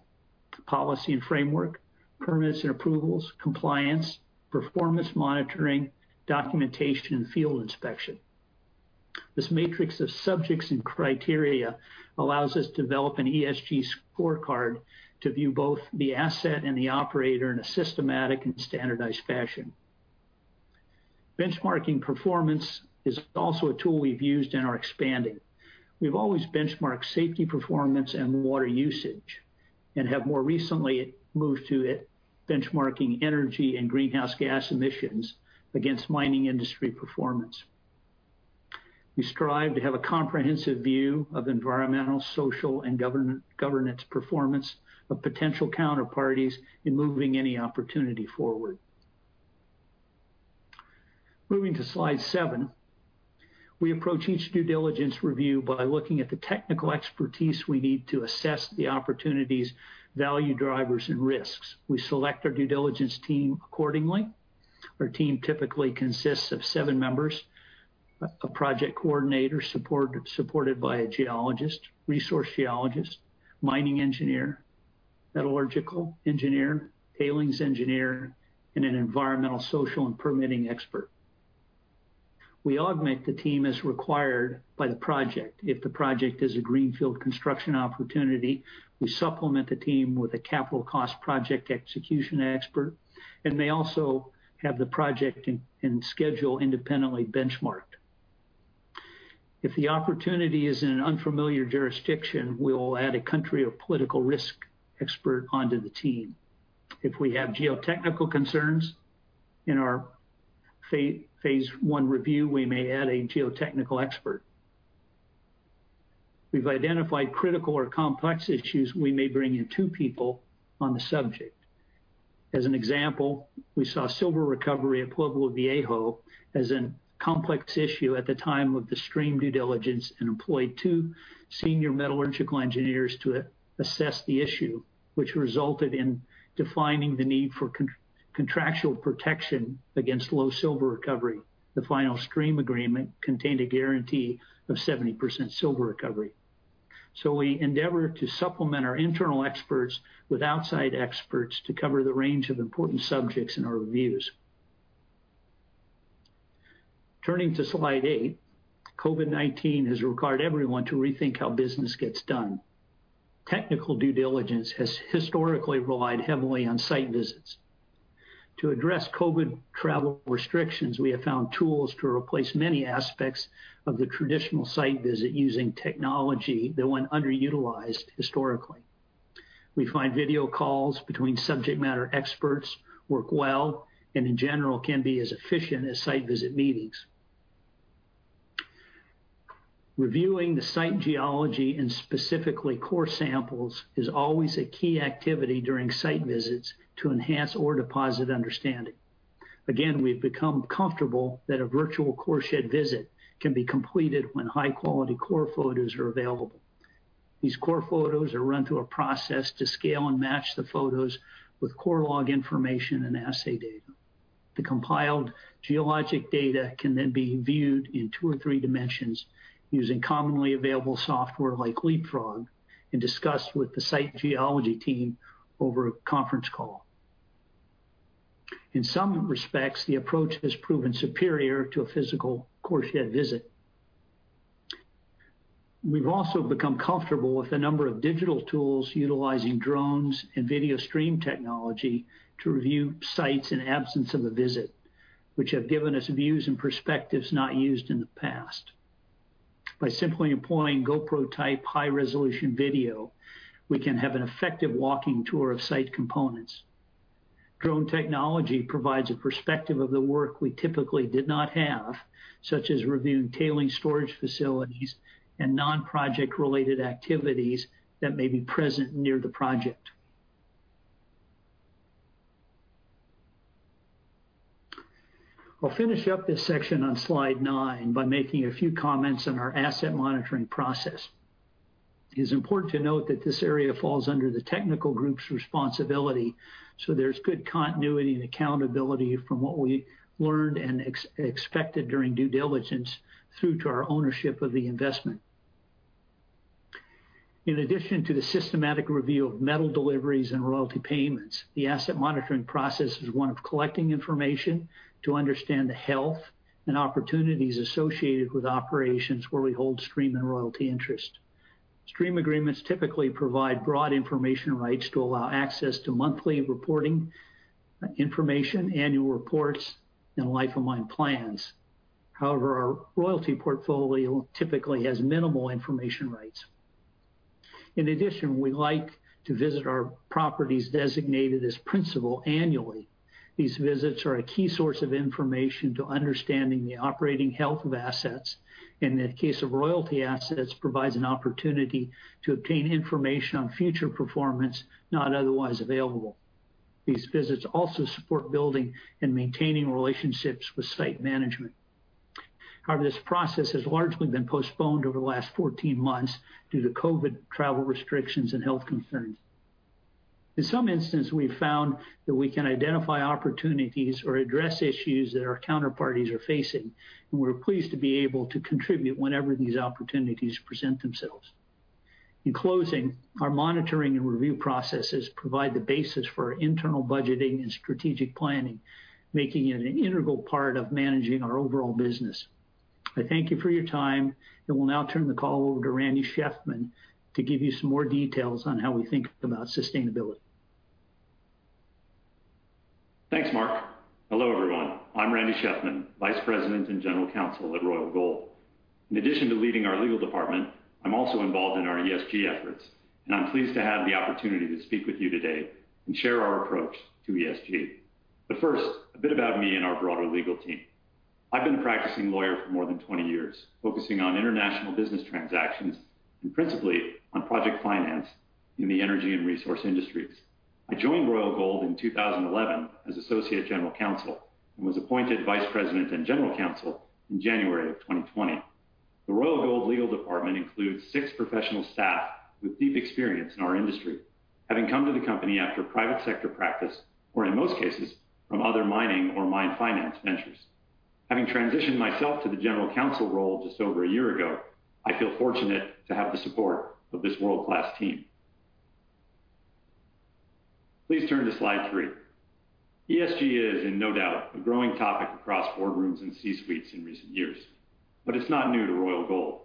Policy and framework, permits and approvals, compliance, performance monitoring, documentation, and field inspection. This matrix of subjects and criteria allows us to develop an ESG scorecard to view both the asset and the operator in a systematic and standardized fashion. Benchmarking performance is also a tool we've used and are expanding. We've always benchmarked safety performance and water usage, and have more recently moved to benchmarking energy and greenhouse gas emissions against mining industry performance. We strive to have a comprehensive view of environmental, social, and governance performance of potential counterparties in moving any opportunity forward. Moving to slide seven, we approach each due diligence review by looking at the technical expertise we need to assess the opportunity's value drivers and risks. We select our due diligence team accordingly. Our team typically consists of seven members, a project coordinator, supported by a geologist, resource geologist, mining engineer, metallurgical engineer, tailings engineer, and an environmental, social, and permitting expert. We augment the team as required by the project. If the project is a greenfield construction opportunity, we supplement the team with a capital cost project execution expert, and may also have the project and schedule independently benchmarked. If the opportunity is in an unfamiliar jurisdiction, we will add a country or political risk expert onto the team. If we have geotechnical concerns in our phase I review, we may add a geotechnical expert. If we've identified critical or complex issues, we may bring in two people on the subject. As an example, we saw silver recovery at Pueblo Viejo as a complex issue at the time of the stream due diligence and employed two senior metallurgical engineers to assess the issue, which resulted in defining the need for contractual protection against low silver recovery. The final stream agreement contained a guarantee of 70% silver recovery. We endeavor to supplement our internal experts with outside experts to cover the range of important subjects in our reviews. Turning to slide eight, COVID-19 has required everyone to rethink how business gets done. Technical due diligence has historically relied heavily on site visits. To address COVID travel restrictions, we have found tools to replace many aspects of the traditional site visit using technology that went underutilized historically. We find video calls between subject matter experts work well, and in general, can be as efficient as site visit meetings. Reviewing the site geology and specifically core samples is always a key activity during site visits to enhance ore deposit understanding. We've become comfortable that a virtual core shed visit can be completed when high-quality core photos are available. These core photos are run through a process to scale and match the photos with core log information and assay data. The compiled geologic data can then be viewed in two or three dimensions using commonly available software like Leapfrog and discussed with the site geology team over a conference call. In some respects, the approach has proven superior to a physical core shed visit. We've also become comfortable with a number of digital tools utilizing drones and video stream technology to review sites in absence of a visit, which have given us views and perspectives not used in the past. By simply employing GoPro-type high-resolution video, we can have an effective walking tour of site components. Drone technology provides a perspective of the work we typically did not have, such as reviewing tailing storage facilities and non-project-related activities that may be present near the project. I'll finish up this section on slide nine by making a few comments on our asset monitoring process. It is important to note that this area falls under the technical group's responsibility, so there's good continuity and accountability from what we learned and expected during due diligence through to our ownership of the investment. In addition to the systematic review of metal deliveries and royalty payments, the asset monitoring process is one of collecting information to understand the health and opportunities associated with operations where we hold stream and royalty interest. Stream agreements typically provide broad information rights to allow access to monthly reporting information, annual reports, and life-of-mine plans. However, our royalty portfolio typically has minimal information rights. In addition, we like to visit our properties designated as principal annually. These visits are a key source of information to understanding the operating health of assets, and in the case of royalty assets, provides an opportunity to obtain information on future performance not otherwise available. These visits also support building and maintaining relationships with site management. This process has largely been postponed over the last 14 months due to COVID travel restrictions and health concerns. In some instances, we've found that we can identify opportunities or address issues that our counterparties are facing, and we're pleased to be able to contribute whenever these opportunities present themselves. In closing, our monitoring and review processes provide the basis for our internal budgeting and strategic planning, making it an integral part of managing our overall business. I thank you for your time, and will now turn the call over to Randy Shefman to give you some more details on how we think about sustainability. Thanks Mark. Hello, everyone. I'm Randy Shefman, Vice President and General Counsel at Royal Gold. In addition to leading our legal department, I'm also involved in our ESG efforts. I'm pleased to have the opportunity to speak with you today and share our approach to ESG. First, a bit about me and our broader legal team. I've been a practicing lawyer for more than 20 years, focusing on international business transactions and principally on project finance in the energy and resource industries. I joined Royal Gold in 2011 as Associate General Counsel and was appointed Vice President and General Counsel in January of 2020. The Royal Gold legal department includes six professional staff with deep experience in our industry, having come to the company after private sector practice, or in most cases, from other mining or mine finance ventures. Having transitioned myself to the general counsel role just over a year ago, I feel fortunate to have the support of this world-class team. Please turn to slide three. ESG is in no doubt a growing topic across boardrooms and C-suites in recent years, but it's not new to Royal Gold.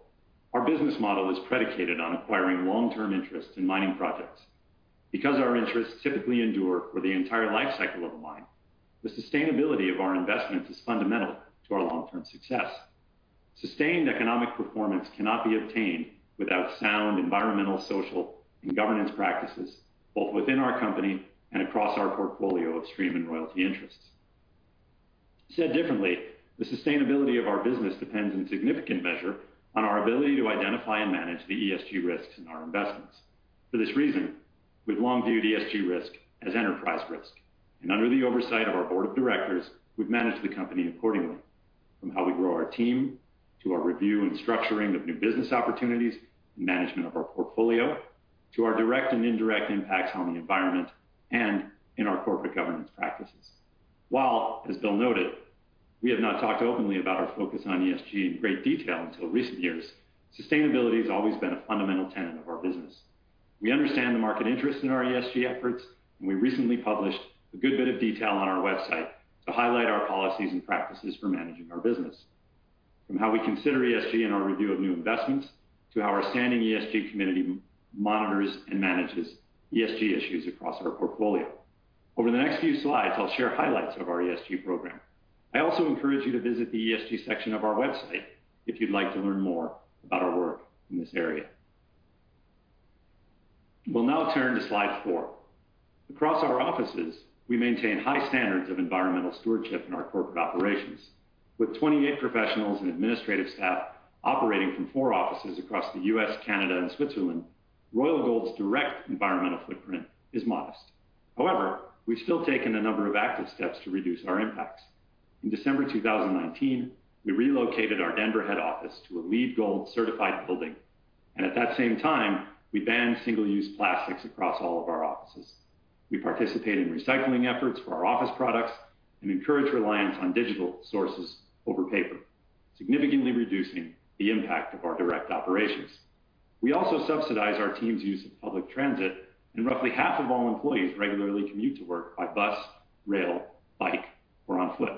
Our business model is predicated on acquiring long-term interest in mining projects. Because our interests typically endure for the entire life cycle of a mine, the sustainability of our investments is fundamental to our long-term success. Sustained economic performance cannot be obtained without sound environmental, social, and governance practices, both within our company and across our portfolio of stream and royalty interests. Said differently, the sustainability of our business depends in significant measure on our ability to identify and manage the ESG risks in our investments. For this reason, we've long viewed ESG risk as enterprise risk, and under the oversight of our board of directors, we've managed the company accordingly, from how we grow our team, to our review and structuring of new business opportunities, management of our portfolio, to our direct and indirect impacts on the environment and in our corporate governance practices. While, as Bill noted, we have not talked openly about our focus on ESG in great detail until recent years, sustainability has always been a fundamental tenet of our business. We understand the market interest in our ESG efforts, and we recently published a good bit of detail on our website to highlight our policies and practices for managing our business, from how we consider ESG in our review of new investments, to how our standing ESG Committee monitors and manages ESG issues across our portfolio. Over the next few slides, I'll share highlights of our ESG program. I also encourage you to visit the ESG section of our website if you'd like to learn more about our work in this area. We'll now turn to slide four. Across our offices, we maintain high standards of environmental stewardship in our corporate operations. With 28 professionals and administrative staff operating from four offices across the U.S., Canada, and Switzerland, Royal Gold's direct environmental footprint is modest. We've still taken a number of active steps to reduce our impacts. In December 2019, we relocated our Denver head office to a LEED Gold certified building. At that same time, we banned single-use plastics across all of our offices. We participate in recycling efforts for our office products and encourage reliance on digital sources over paper, significantly reducing the impact of our direct operations. We also subsidize our team's use of public transit, and roughly half of all employees regularly commute to work by bus, rail, bike, or on foot.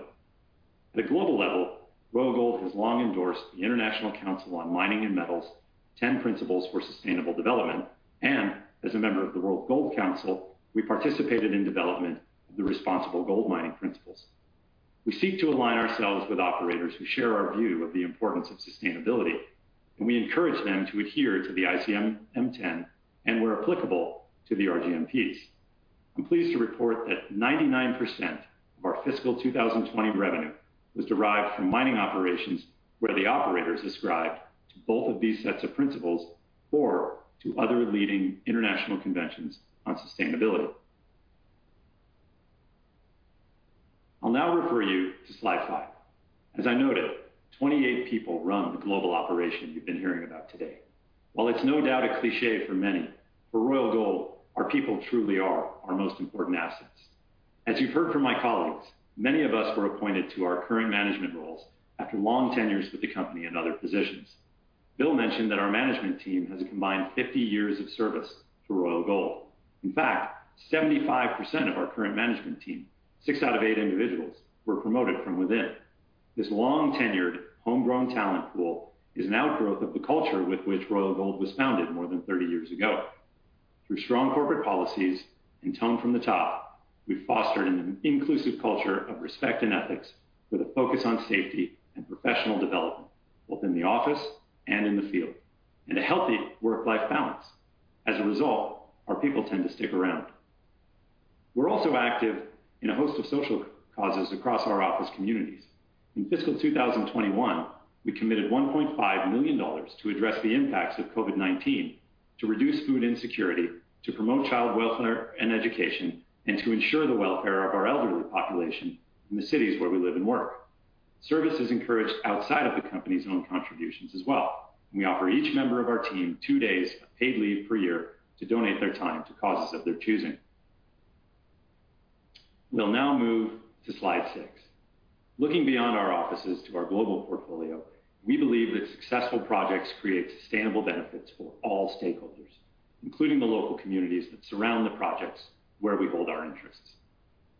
At a global level, Royal Gold has long endorsed the International Council on Mining and Metals' 10 Principles for Sustainable Development, and as a member of the World Gold Council, we participated in development of the Responsible Gold Mining Principles. We seek to align ourselves with operators who share our view of the importance of sustainability, and we encourage them to adhere to the ICMM 10 and where applicable to the RGMPs. I'm pleased to report that 99% of our fiscal 2020 revenue was derived from mining operations where the operators ascribed to both of these sets of principles or to other leading international conventions on sustainability. I'll now refer you to slide five. As I noted, 28 people run the global operation you've been hearing about today. While it's no doubt a cliché for many, for Royal Gold, our people truly are our most important assets. As you've heard from my colleagues, many of us were appointed to our current management roles after long tenures with the company in other positions. Bill mentioned that our management team has a combined 50 years of service for Royal Gold. In fact, 75% of our current management team, six out of eight individuals, were promoted from within. This long-tenured, homegrown talent pool is an outgrowth of the culture with which Royal Gold was founded more than 30 years ago. Through strong corporate policies and tone from the top, we've fostered an inclusive culture of respect and ethics with a focus on safety and professional development, both in the office and in the field, and a healthy work-life balance. As a result, our people tend to stick around. We're also active in a host of social causes across our office communities. In fiscal 2021, we committed $1.5 million to address the impacts of COVID-19, to reduce food insecurity, to promote child welfare and education, and to ensure the welfare of our elderly population in the cities where we live and work. Service is encouraged outside of the company's own contributions as well, and we offer each member of our team two days of paid leave per year to donate their time to causes of their choosing. We'll now move to slide six. Looking beyond our offices to our global portfolio, we believe that successful projects create sustainable benefits for all stakeholders, including the local communities that surround the projects where we hold our interests.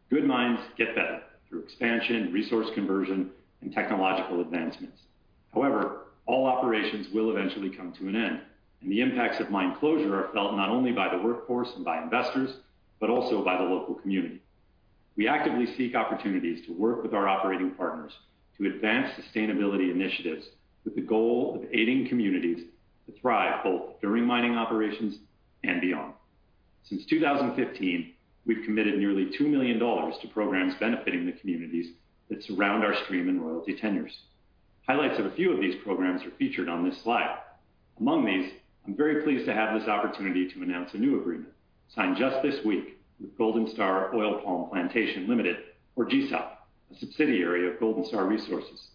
Good mines get better through expansion, resource conversion, and technological advancements. However, all operations will eventually come to an end, and the impacts of mine closure are felt not only by the workforce and by investors, but also by the local community. We actively seek opportunities to work with our operating partners to advance sustainability initiatives with the goal of aiding communities to thrive both during mining operations and beyond. Since 2015, we've committed nearly $2 million to programs benefiting the communities that surround our stream and royalty tenures. Highlights of a few of these programs are featured on this slide. Among these, I'm very pleased to have this opportunity to announce a new agreement signed just this week with Golden Star Oil Palm Plantation Limited, or GSOP, a subsidiary of Golden Star Resources.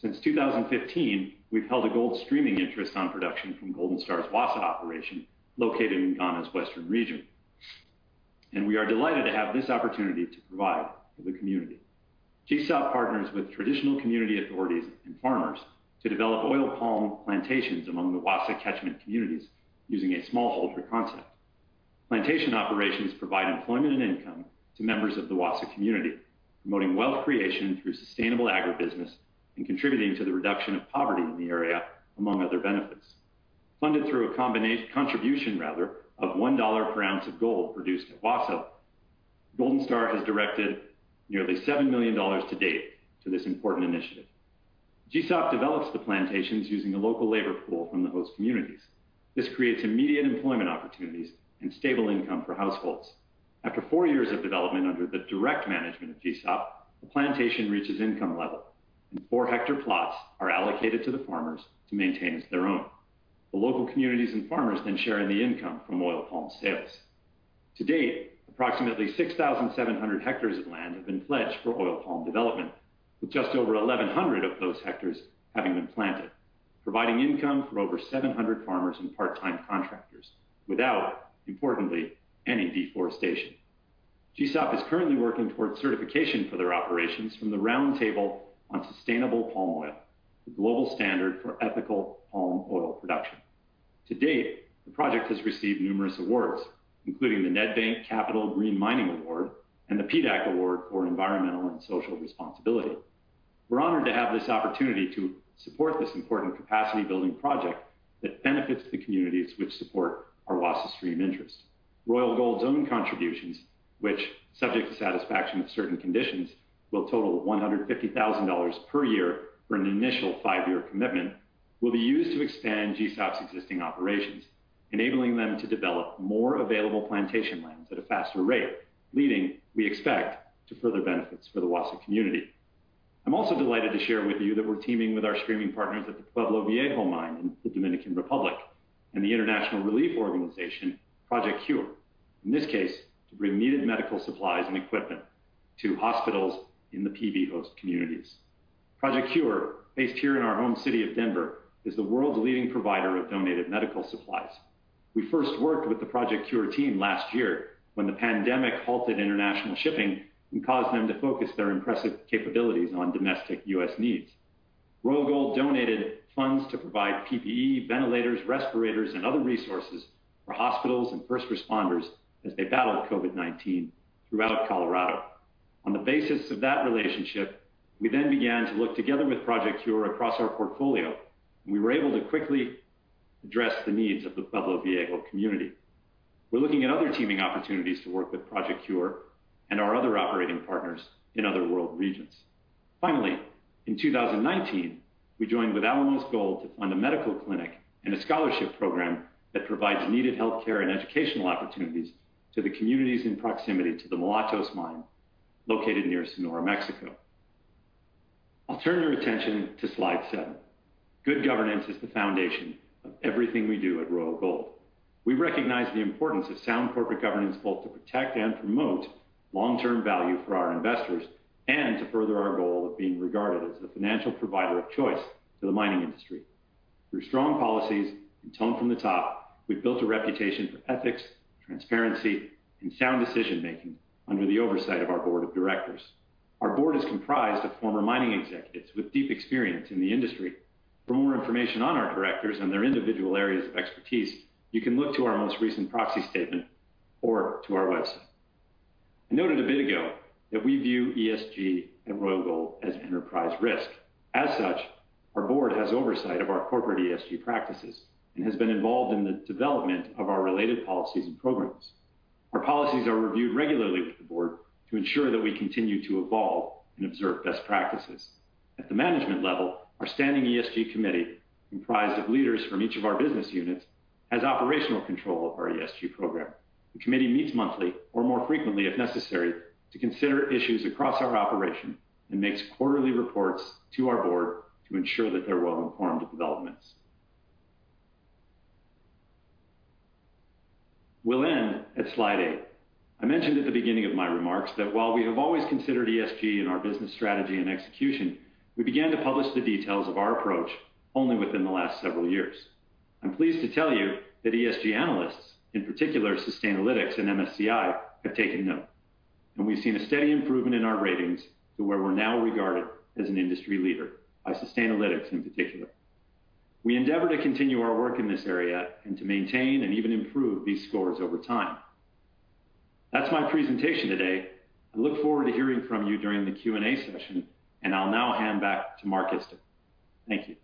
Since 2015, we've held a gold streaming interest on production from Golden Star's Wassa operation located in Ghana's western region. We are delighted to have this opportunity to provide for the community. GSOP partners with traditional community authorities and farmers to develop oil palm plantations among the Wassa catchment communities using a smallholder concept. Plantation operations provide employment and income to members of the Wassa community, promoting wealth creation through sustainable agribusiness and contributing to the reduction of poverty in the area, among other benefits. Funded through a contribution of $1 per ounce of gold produced at Wassa, Golden Star has directed nearly $7 million to date to this important initiative. GSOP develops the plantations using a local labor pool from the host communities. This creates immediate employment opportunities and stable income for households. After four years of development under the direct management of GSOP, the plantation reaches income level and four-hectare plots are allocated to the farmers to maintain as their own. The local communities and farmers then share in the income from oil palm sales. To date, approximately 6,700 hectares of land have been pledged for oil palm development, with just over 1,100 of those hectares having been planted, providing income for over 700 farmers and part-time contractors without, importantly, any deforestation. GSOP is currently working towards certification for their operations from the Roundtable on Sustainable Palm Oil, the global standard for ethical palm oil production. To date, the project has received numerous awards, including the Nedbank Capital Green Mining Award and the PDAC Award for environmental and social responsibility. We're honored to have this opportunity to support this important capacity-building project that benefits the communities which support our Wassa stream interest. Royal Gold's own contributions, which, subject to satisfaction of certain conditions, will total $150,000 per year for an initial five-year commitment, will be used to expand GSOP's existing operations, enabling them to develop more available plantation lands at a faster rate, leading, we expect, to further benefits for the Wassa community. I'm also delighted to share with you that we're teaming with our streaming partners at the Pueblo Viejo mine in the Dominican Republic and the international relief organization, Project C.U.R.E. In this case, to bring needed medical supplies and equipment to hospitals in the PV host communities. Project C.U.R.E., based here in our home city of Denver, is the world's leading provider of donated medical supplies. We first worked with the Project C.U.R.E. team last year when the pandemic halted international shipping and caused them to focus their impressive capabilities on domestic U.S. needs. Royal Gold donated funds to provide PPE, ventilators, respirators, and other resources for hospitals and first responders as they battled COVID-19 throughout Colorado. On the basis of that relationship, we then began to look together with Project C.U.R.E. across our portfolio, and we were able to quickly address the needs of the Pueblo Viejo community. We're looking at other teaming opportunities to work with Project C.U.R.E. and our other operating partners in other world regions. Finally, in 2019, we joined with Alamos Gold to fund a medical clinic and a scholarship program that provides needed healthcare and educational opportunities to the communities in proximity to the Mulatos mine located near Sonora, Mexico. I'll turn your attention to slide seven. Good governance is the foundation of everything we do at Royal Gold. We recognize the importance of sound corporate governance, both to protect and promote long-term value for our investors and to further our goal of being regarded as the financial provider of choice to the mining industry. Through strong policies and tone from the top, we've built a reputation for ethics, transparency, and sound decision-making under the oversight of our board of directors. Our board is comprised of former mining executives with deep experience in the industry. For more information on our directors and their individual areas of expertise, you can look to our most recent proxy statement or to our website. I noted a bit ago that we view ESG at Royal Gold as enterprise risk. As such, our board has oversight of our corporate ESG practices and has been involved in the development of our related policies and programs. Our policies are reviewed regularly with the board to ensure that we continue to evolve and observe best practices. At the management level, our standing ESG committee, comprised of leaders from each of our business units, has operational control of our ESG program. The committee meets monthly or more frequently if necessary, to consider issues across our operation, and makes quarterly reports to our board to ensure that they're well-informed of developments. We'll end at slide eight. I mentioned at the beginning of my remarks that while we have always considered ESG in our business strategy and execution, we began to publish the details of our approach only within the last several years. I'm pleased to tell you that ESG analysts, in particular Sustainalytics and MSCI, have taken note, and we've seen a steady improvement in our ratings to where we're now regarded as an industry leader by Sustainalytics in particular. We endeavor to continue our work in this area and to maintain and even improve these scores over time. That's my presentation today. I look forward to hearing from you during the Q&A session, and I'll now hand back to Mark Isto. Thank you.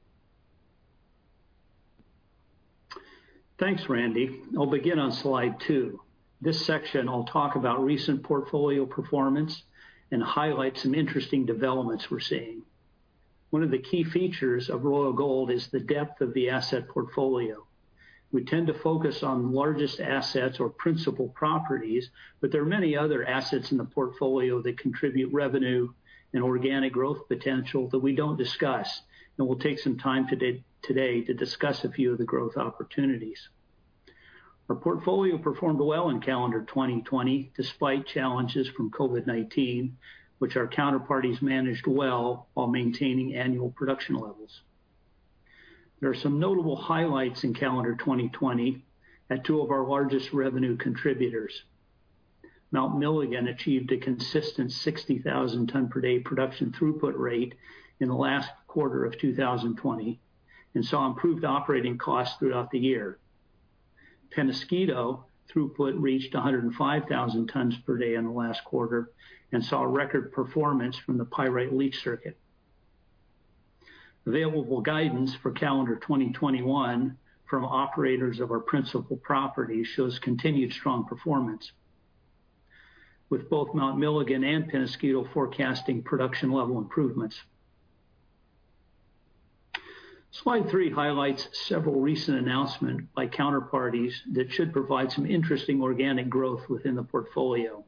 Thanks, Randy. I'll begin on slide two. This section, I'll talk about recent portfolio performance and highlight some interesting developments we're seeing. One of the key features of Royal Gold is the depth of the asset portfolio. We tend to focus on largest assets or principal properties, but there are many other assets in the portfolio that contribute revenue and organic growth potential that we don't discuss, and we'll take some time today to discuss a few of the growth opportunities. Our portfolio performed well in calendar 2020, despite challenges from COVID-19, which our counterparties managed well while maintaining annual production levels. There are some notable highlights in calendar 2020 at two of our largest revenue contributors. Mount Milligan achieved a consistent 60,000 tonne per day production throughput rate in the last quarter of 2020 and saw improved operating costs throughout the year. Peñasquito throughput reached 105,000 tons per day in the last quarter and saw record performance from the pyrite leach circuit. Available guidance for calendar 2021 from operators of our principal properties shows continued strong performance, with both Mount Milligan and Peñasquito forecasting production level improvements. Slide three highlights several recent announcements by counterparties that should provide some interesting organic growth within the portfolio.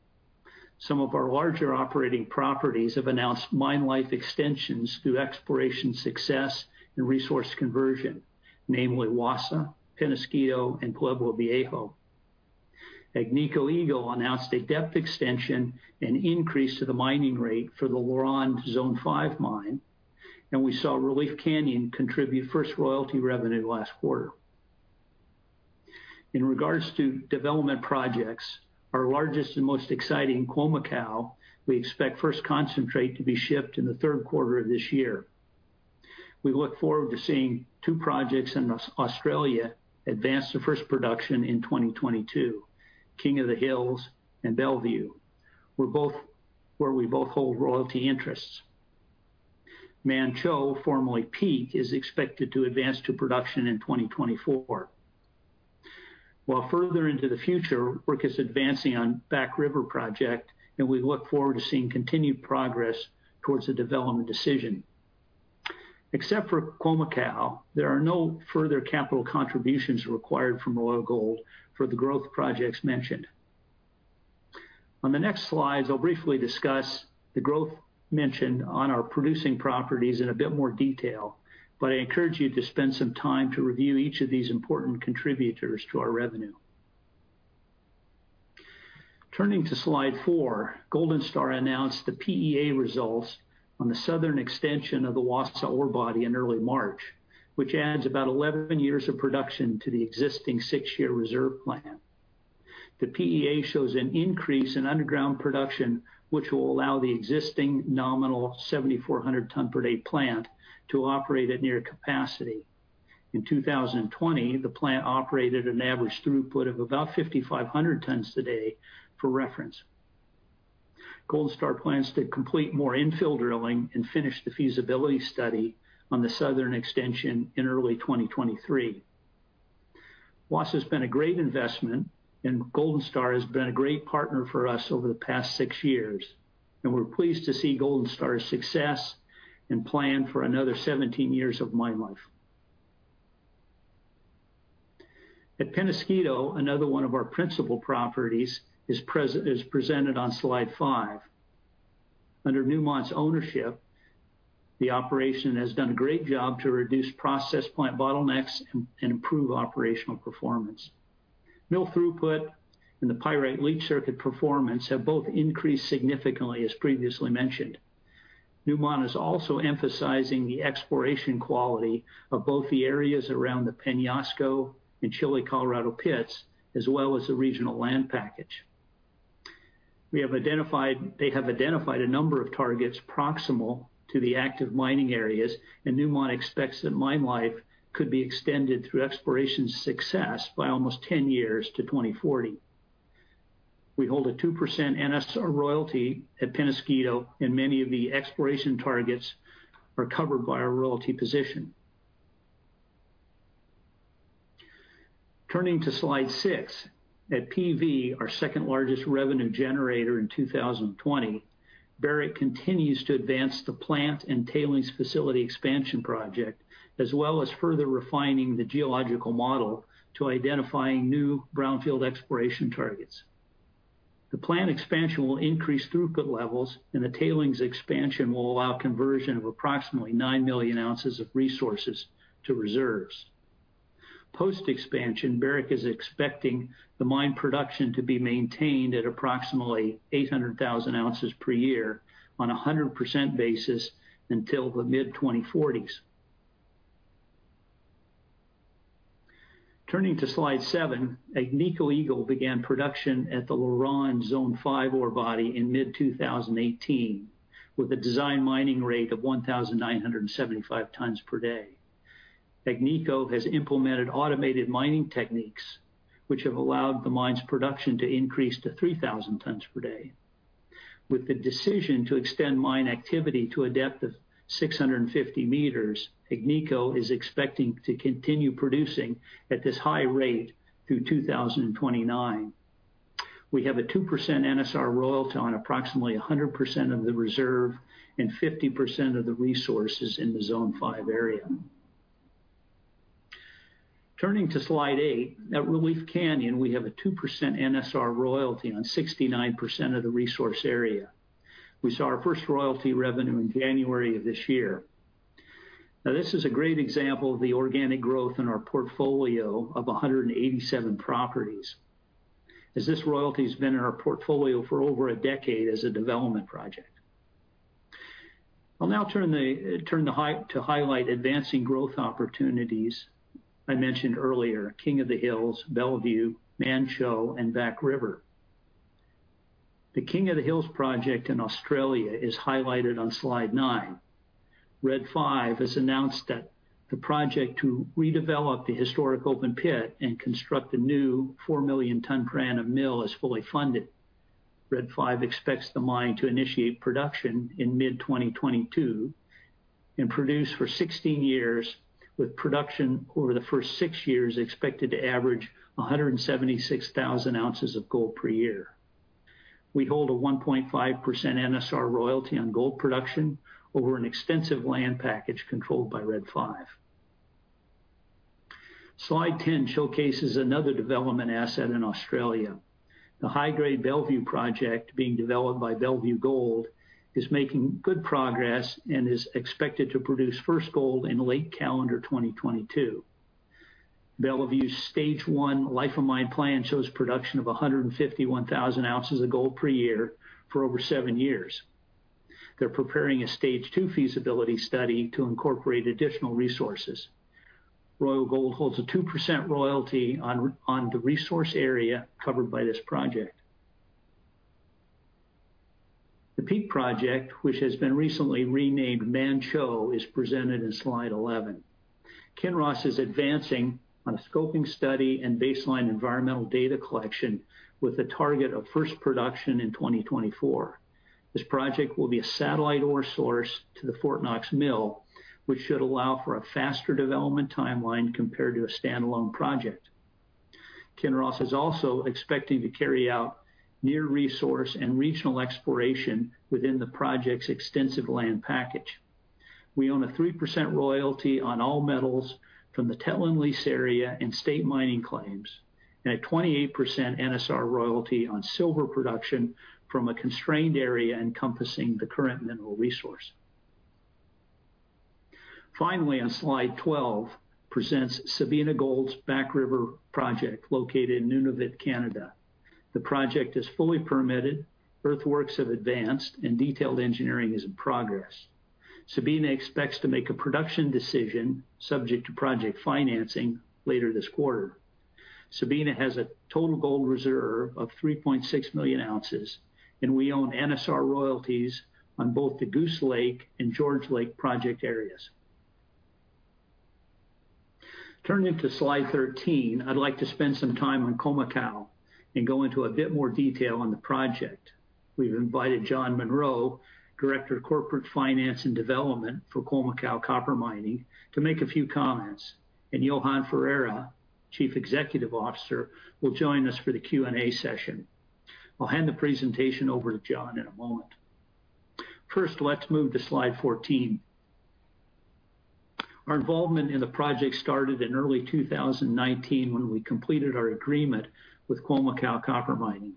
Some of our larger operating properties have announced mine life extensions through exploration success and resource conversion, namely Wassa, Peñasquito, and Pueblo Viejo. Agnico Eagle announced a depth extension and increase to the mining rate for the LaRonde Zone 5 mine. We saw Relief Canyon contribute first royalty revenue last quarter. In regards to development projects, our largest and most exciting, Khoemacau, we expect first concentrate to be shipped in the third quarter of this year. We look forward to seeing two projects in Australia advance to first production in 2022, King of the Hills and Bellevue, where we both hold royalty interests. Manh Choh, formerly Peak, is expected to advance to production in 2024. While further into the future, work is advancing on Back River project, and we look forward to seeing continued progress towards a development decision. Except for Khoemacau, there are no further capital contributions required from Royal Gold for the growth projects mentioned. On the next slides, I'll briefly discuss the growth mentioned on our producing properties in a bit more detail, but I encourage you to spend some time to review each of these important contributors to our revenue. Turning to slide four, Golden Star announced the PEA results on the southern extension of the Wassa ore body in early March, which adds about 11 years of production to the existing six-year reserve plan. The PEA shows an increase in underground production, which will allow the existing nominal 7,400 tonne per day plant to operate at near capacity. In 2020, the plant operated an average throughput of about 5,500 tonnes a day for reference. Golden Star plans to complete more infill drilling and finish the feasibility study on the southern extension in early 2023. Wassa has been a great investment, and Golden Star has been a great partner for us over the past six years, and we're pleased to see Golden Star's success and plan for another 17 years of mine life. At Peñasquito, another one of our principal properties is presented on slide five. Under Newmont's ownership, the operation has done a great job to reduce process plant bottlenecks and improve operational performance. Mill throughput and the pyrite leach circuit performance have both increased significantly, as previously mentioned. Newmont is also emphasizing the exploration quality of both the areas around the Peñasco and Chile Colorado pits, as well as the regional land package. They have identified a number of targets proximal to the active mining areas. Newmont expects that mine life could be extended through exploration success by almost 10 years to 2040. We hold a 2% NSR royalty at Peñasquito. Many of the exploration targets are covered by our royalty position. Turning to slide six, at PV, our second-largest revenue generator in 2020, Barrick continues to advance the plant and tailings facility expansion project, as well as further refining the geological model to identifying new brownfield exploration targets. The plant expansion will increase throughput levels, and the tailings expansion will allow conversion of approximately 9 million ounces of resources to reserves. Post-expansion, Barrick Gold Corporation is expecting the mine production to be maintained at approximately 800,000 ounces per year on a 100% basis until the mid-2040s. Turning to slide seven, Agnico Eagle began production at the LaRonde Zone 5 ore body in mid-2018 with a design mining rate of 1,975 tons per day. Agnico Eagle has implemented automated mining techniques, which have allowed the mine's production to increase to 3,000 tons per day. With the decision to extend mine activity to a depth of 650 meters, Agnico Eagle is expecting to continue producing at this high rate through 2029. We have a 2% NSR royalty on approximately 100% of the reserve and 50% of the resources in the Zone 5 area. Turning to slide eight, at Relief Canyon, we have a 2% NSR royalty on 69% of the resource area. We saw our first royalty revenue in January of this year. Now this is a great example of the organic growth in our portfolio of 187 properties, as this royalty's been in our portfolio for over a decade as a development project. I'll now turn to highlight advancing growth opportunities I mentioned earlier, King of the Hills, Bellevue, Manh Choh, and Back River. The King of the Hills project in Australia is highlighted on slide nine. Red 5 has announced that the project to redevelop the historic open pit and construct a new four million ton per annum mill is fully funded. Red 5 expects the mine to initiate production in mid-2022 and produce for 16 years, with production over the first six years expected to average 176,000 ounces of gold per year. We hold a 1.5% NSR royalty on gold production over an extensive land package controlled by Red 5. Slide 10 showcases another development asset in Australia. The high-grade Bellevue Project being developed by Bellevue Gold is making good progress and is expected to produce first gold in late calendar 2022. Bellevue's Stage 1 life-of-mine plan shows production of 151,000 ounces of gold per year for over seven years. They're preparing a Stage 2 feasibility study to incorporate additional resources. Royal Gold holds a 2% royalty on the resource area covered by this project. The Peak Project, which has been recently renamed Manh Choh, is presented in slide 11. Kinross is advancing on a scoping study and baseline environmental data collection with a target of first production in 2024. This project will be a satellite ore source to the Fort Knox mill, which should allow for a faster development timeline compared to a standalone project. Kinross is also expecting to carry out near resource and regional exploration within the project's extensive land package. We own a 3% royalty on all metals from the Tellon lease area and state mining claims, and a 28% NSR royalty on silver production from a constrained area encompassing the current minimal resource. On slide 12 presents Sabina Gold's Back River Project, located in Nunavut, Canada. The project is fully permitted, earthworks have advanced, and detailed engineering is in progress. Sabina expects to make a production decision subject to project financing later this quarter. Sabina has a total gold reserve of 3.6 million ounces. We own NSR royalties on both the Goose Lake and George Lake project areas. Turning to slide 13, I'd like to spend some time on Khoemacau and go into a bit more detail on the project. We've invited John Munro, Director of Corporate Finance and Development for Khoemacau Copper Mining, to make a few comments. Johan Ferreira, Chief Executive Officer, will join us for the Q&A session. I'll hand the presentation over to John in a moment. First, let's move to slide 14. Our involvement in the project started in early 2019 when we completed our agreement with Khoemacau Copper Mining.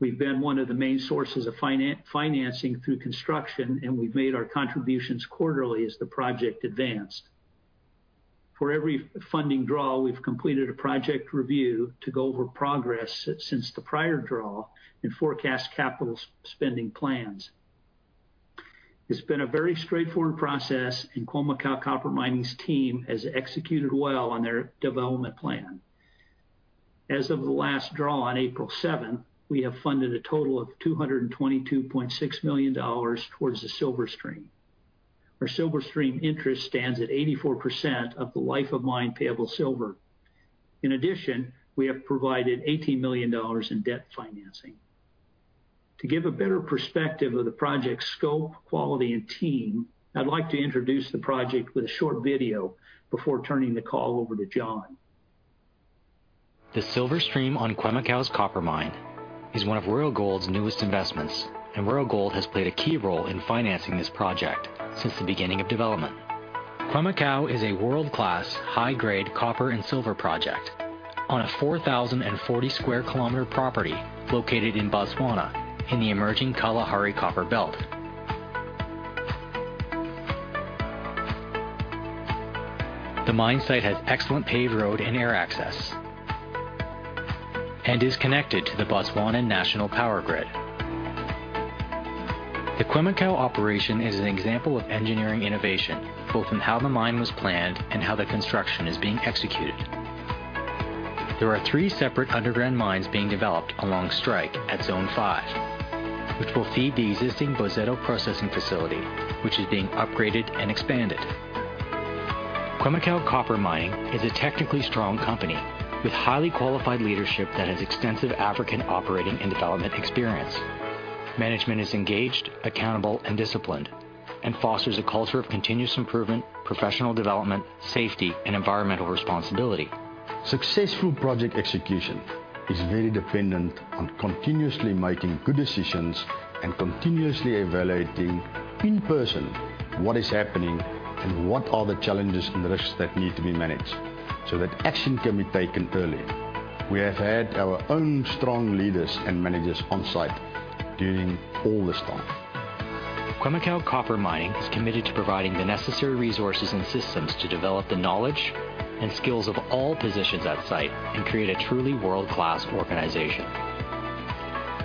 We've been one of the main sources of financing through construction. We've made our contributions quarterly as the project advanced. For every funding draw, we've completed a project review to go over progress since the prior draw and forecast capital spending plans. It's been a very straightforward process, and Khoemacau Copper Mining's team has executed well on their development plan. As of the last draw on April 7th, we have funded a total of $222.6 million towards the silver stream. Our silver stream interest stands at 84% of the life of mine payable silver. In addition, we have provided $18 million in debt financing. To give a better perspective of the project scope, quality, and team, I'd like to introduce the project with a short video before turning the call over to John. The silver stream on Khoemacau's Copper Mine is one of Royal Gold's newest investments, and Royal Gold has played a key role in financing this project since the beginning of development. Khoemacau is a world-class, high-grade copper and silver project on a 4,040 square kilometer property located in Botswana in the emerging Kalahari Copper Belt. The mine site has excellent paved road and air access and is connected to the Botswanan national power grid. The Khoemacau operation is an example of engineering innovation, both in how the mine was planned and how the construction is being executed. There are three separate underground mines being developed along strike at Zone 5, which will feed the existing Boseto processing facility, which is being upgraded and expanded. Khoemacau Copper Mining is a technically strong company with highly qualified leadership that has extensive African operating and development experience. Management is engaged, accountable, and disciplined and fosters a culture of continuous improvement, professional development, safety, and environmental responsibility. Successful project execution is very dependent on continuously making good decisions and continuously evaluating in person what is happening and what are the challenges and risks that need to be managed so that action can be taken early. We have had our own strong leaders and managers on site during all this time. Khoemacau Copper Mining is committed to providing the necessary resources and systems to develop the knowledge and skills of all positions at site and create a truly world-class organization.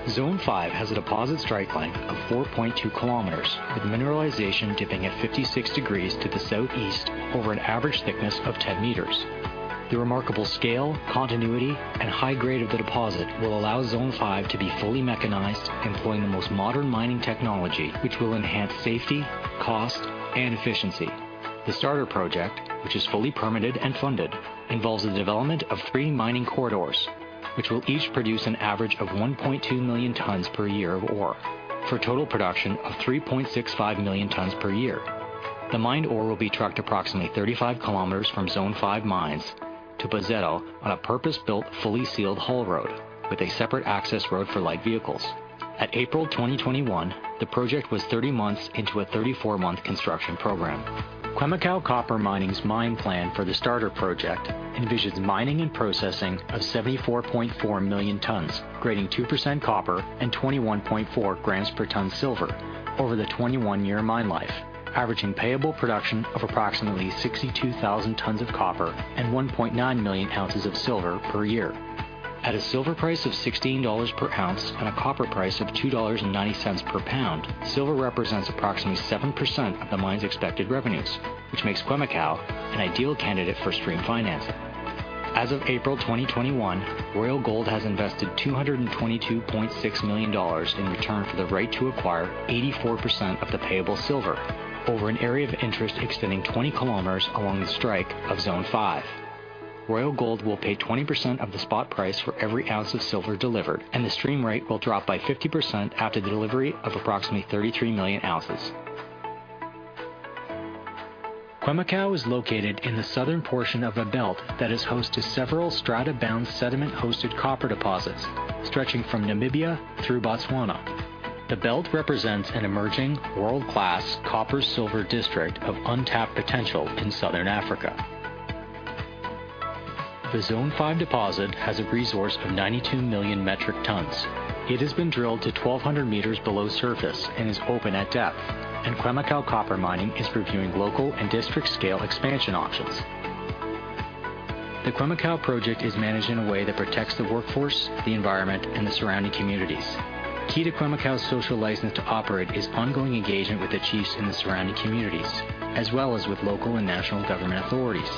Zone 5 has a deposit strike length of 4.2km, with mineralization dipping at 56 degrees to the southeast over an average thickness of 10m. The remarkable scale, continuity, and high grade of the deposit will allow Zone 5 to be fully mechanized, employing the most modern mining technology, which will enhance safety, cost, and efficiency. The starter project, which is fully permitted and funded, involves the development of three mining corridors, which will each produce an average of 1.2 million tons per year of ore for a total production of 3.65 million tons per year. The mined ore will be trucked approximately 35 km from Zone 5 mines to Boseto on a purpose-built, fully sealed haul road with a separate access road for light vehicles. At April 2021, the project was 30 months into a 34-month construction program. Khoemacau Copper Mining's mine plan for the starter project envisions mining and processing of 74.4 million tons, grading 2% copper and 21.4 grams per ton silver over the 21-year mine life, averaging payable production of approximately 62,000 tons of copper and 1.9 million ounces of silver per year. At a silver price of $16 per ounce and a copper price of $2.90 per pound, silver represents approximately 7% of the mine's expected revenues, which makes Khoemacau an ideal candidate for stream financing. As of April 2021, Royal Gold has invested $222.6 million in return for the right to acquire 84% of the payable silver over an area of interest extending 20 km along the strike of Zone 5. Royal Gold will pay 20% of the spot price for every ounce of silver delivered, and the stream rate will drop by 50% after the delivery of approximately 33 million ounces. Khoemacau is located in the southern portion of a belt that is host to several strata-bound sediment-hosted copper deposits stretching from Namibia through Botswana. The belt represents an emerging world-class copper silver district of untapped potential in southern Africa. The Zone 5 deposit has a resource of 92 million metric tons. It has been drilled to 1,200m below surface and is open at depth, and Khoemacau Copper Mining is reviewing local and district-scale expansion options. The Khoemacau project is managed in a way that protects the workforce, the environment, and the surrounding communities. Key to Khoemacau's social license to operate is ongoing engagement with the chiefs in the surrounding communities, as well as with local and national government authorities.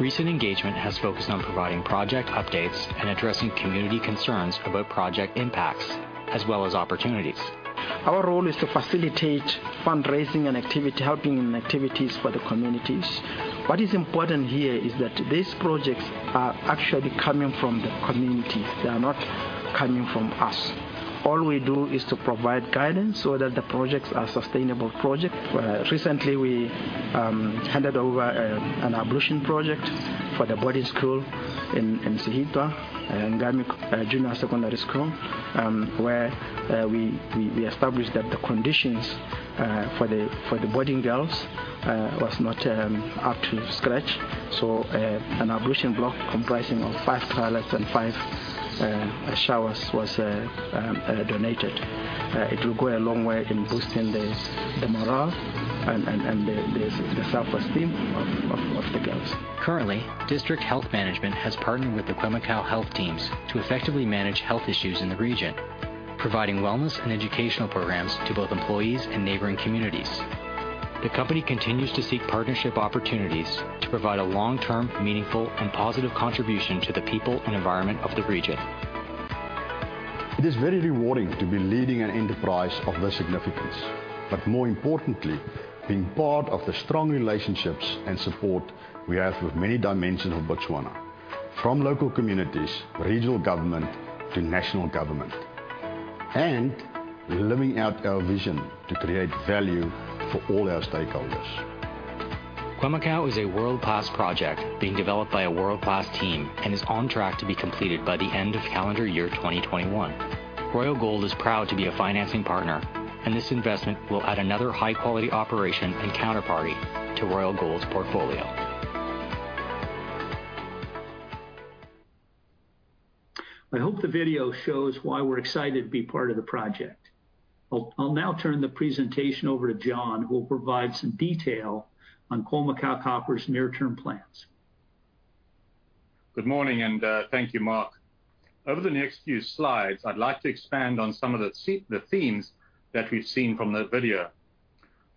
Recent engagement has focused on providing project updates and addressing community concerns about project impacts as well as opportunities. Our role is to facilitate fundraising and helping activities for the communities. What is important here is that these projects are actually coming from the community. They are not coming from us. All we do is to provide guidance so that the projects are sustainable projects. Recently, we handed over an ablution project for the boarding school in Sehithwa, Ngami Junior Secondary School, where we established that the conditions for the boarding girls was not up to scratch. An ablution block comprising of five toilets and five showers was donated. It will go a long way in boosting the morale and the self-esteem of the girls. Currently, district health management has partnered with the Khoemacau health teams to effectively manage health issues in the region, providing wellness and educational programs to both employees and neighboring communities. The company continues to seek partnership opportunities to provide a long-term, meaningful, and positive contribution to the people and environment of the region. It is very rewarding to be leading an enterprise of this significance, but more importantly, being part of the strong relationships and support we have with many dimensions of Botswana, from local communities, regional government to national government, and living out our vision to create value for all our stakeholders. Khoemacau is a world-class project being developed by a world-class team and is on track to be completed by the end of calendar year 2021. Royal Gold is proud to be a financing partner. This investment will add another high-quality operation and counterparty to Royal Gold's portfolio. I hope the video shows why we're excited to be part of the project. I'll now turn the presentation over to John, who will provide some detail on Khoemacau Copper's near-term plans Good morning. Thank you, Mark. Over the next few slides, I'd like to expand on some of the themes that we've seen from the video.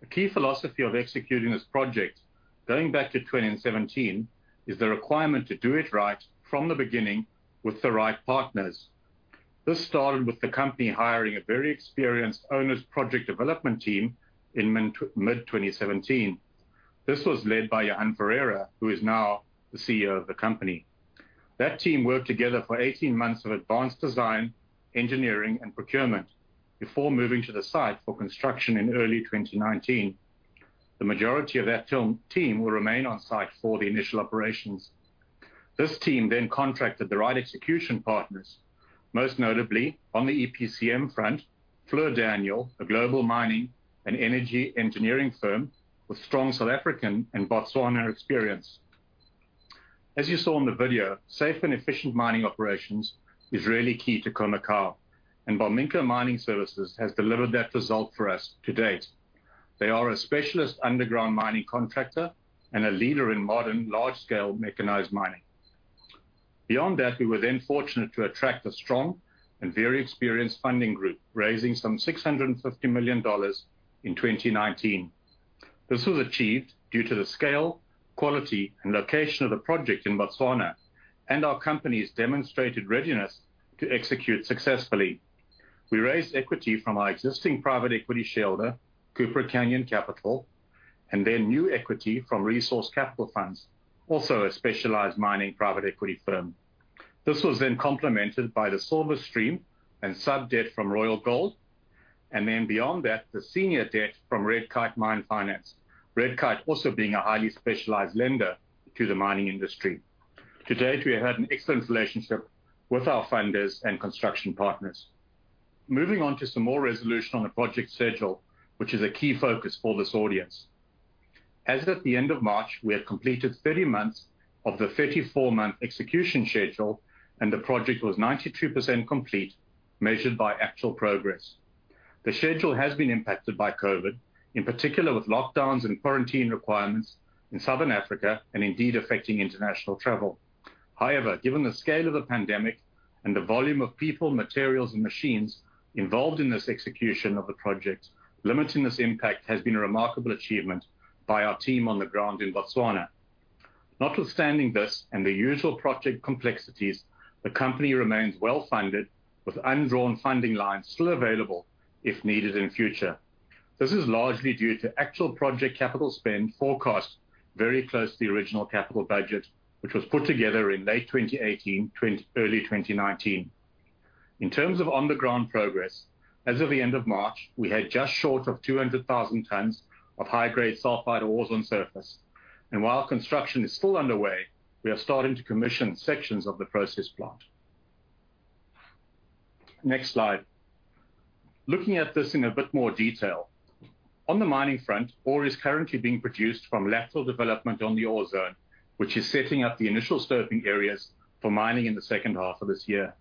A key philosophy of executing this project, going back to 2017, is the requirement to do it right from the beginning with the right partners. This started with the company hiring a very experienced owner's project development team in mid-2017. This was led by Johan Ferreira, who is now the CEO of the company. That team worked together for 18 months of advanced design, engineering, and procurement before moving to the site for construction in early 2019. The majority of that team will remain on site for the initial operations. This team then contracted the right execution partners, most notably on the EPCM front, Fluor Corporation, a global mining and energy engineering firm with strong South African and Botswana experience. As you saw in the video, safe and efficient mining operations is really key to Khoemacau, and Barminco Mining Services has delivered that result for us to date. They are a specialist underground mining contractor and a leader in modern, large-scale mechanized mining. Beyond that, we were then fortunate to attract a strong and very experienced funding group, raising some $650 million in 2019. This was achieved due to the scale, quality, and location of the project in Botswana, and our company's demonstrated readiness to execute successfully. We raised equity from our existing private equity shareholder, Cupric Canyon Capital, and then new equity from Resource Capital Funds, also a specialized mining private equity firm. This was then complemented by the silver stream and sub-debt from Royal Gold, and then beyond that, the senior debt from Red Kite Mine Finance. Red Kite also being a highly specialized lender to the mining industry. To date, we have had an excellent relationship with our funders and construction partners. Moving on to some more resolution on the project schedule, which is a key focus for this audience. As of the end of March, we had completed 30 months of the 34-month execution schedule, and the project was 92% complete, measured by actual progress. The schedule has been impacted by COVID, in particular with lockdowns and quarantine requirements in Southern Africa, and indeed affecting international travel. However, given the scale of the pandemic and the volume of people, materials, and machines involved in this execution of the project, limiting this impact has been a remarkable achievement by our team on the ground in Botswana. Notwithstanding this and the usual project complexities, the company remains well-funded with undrawn funding lines still available if needed in future. This is largely due to actual project capital spend forecast very close to the original capital budget, which was put together in late 2018, early 2019. In terms of underground progress, as of the end of March, we had just short of 200,000 tons of high-grade sulfide ores on surface. While construction is still underway, we are starting to commission sections of the process plant. Next slide. Looking at this in a bit more detail. On the mining front, ore is currently being produced from lateral development on the ore zone, which is setting up the initial stoping areas for mining in the second half of this year.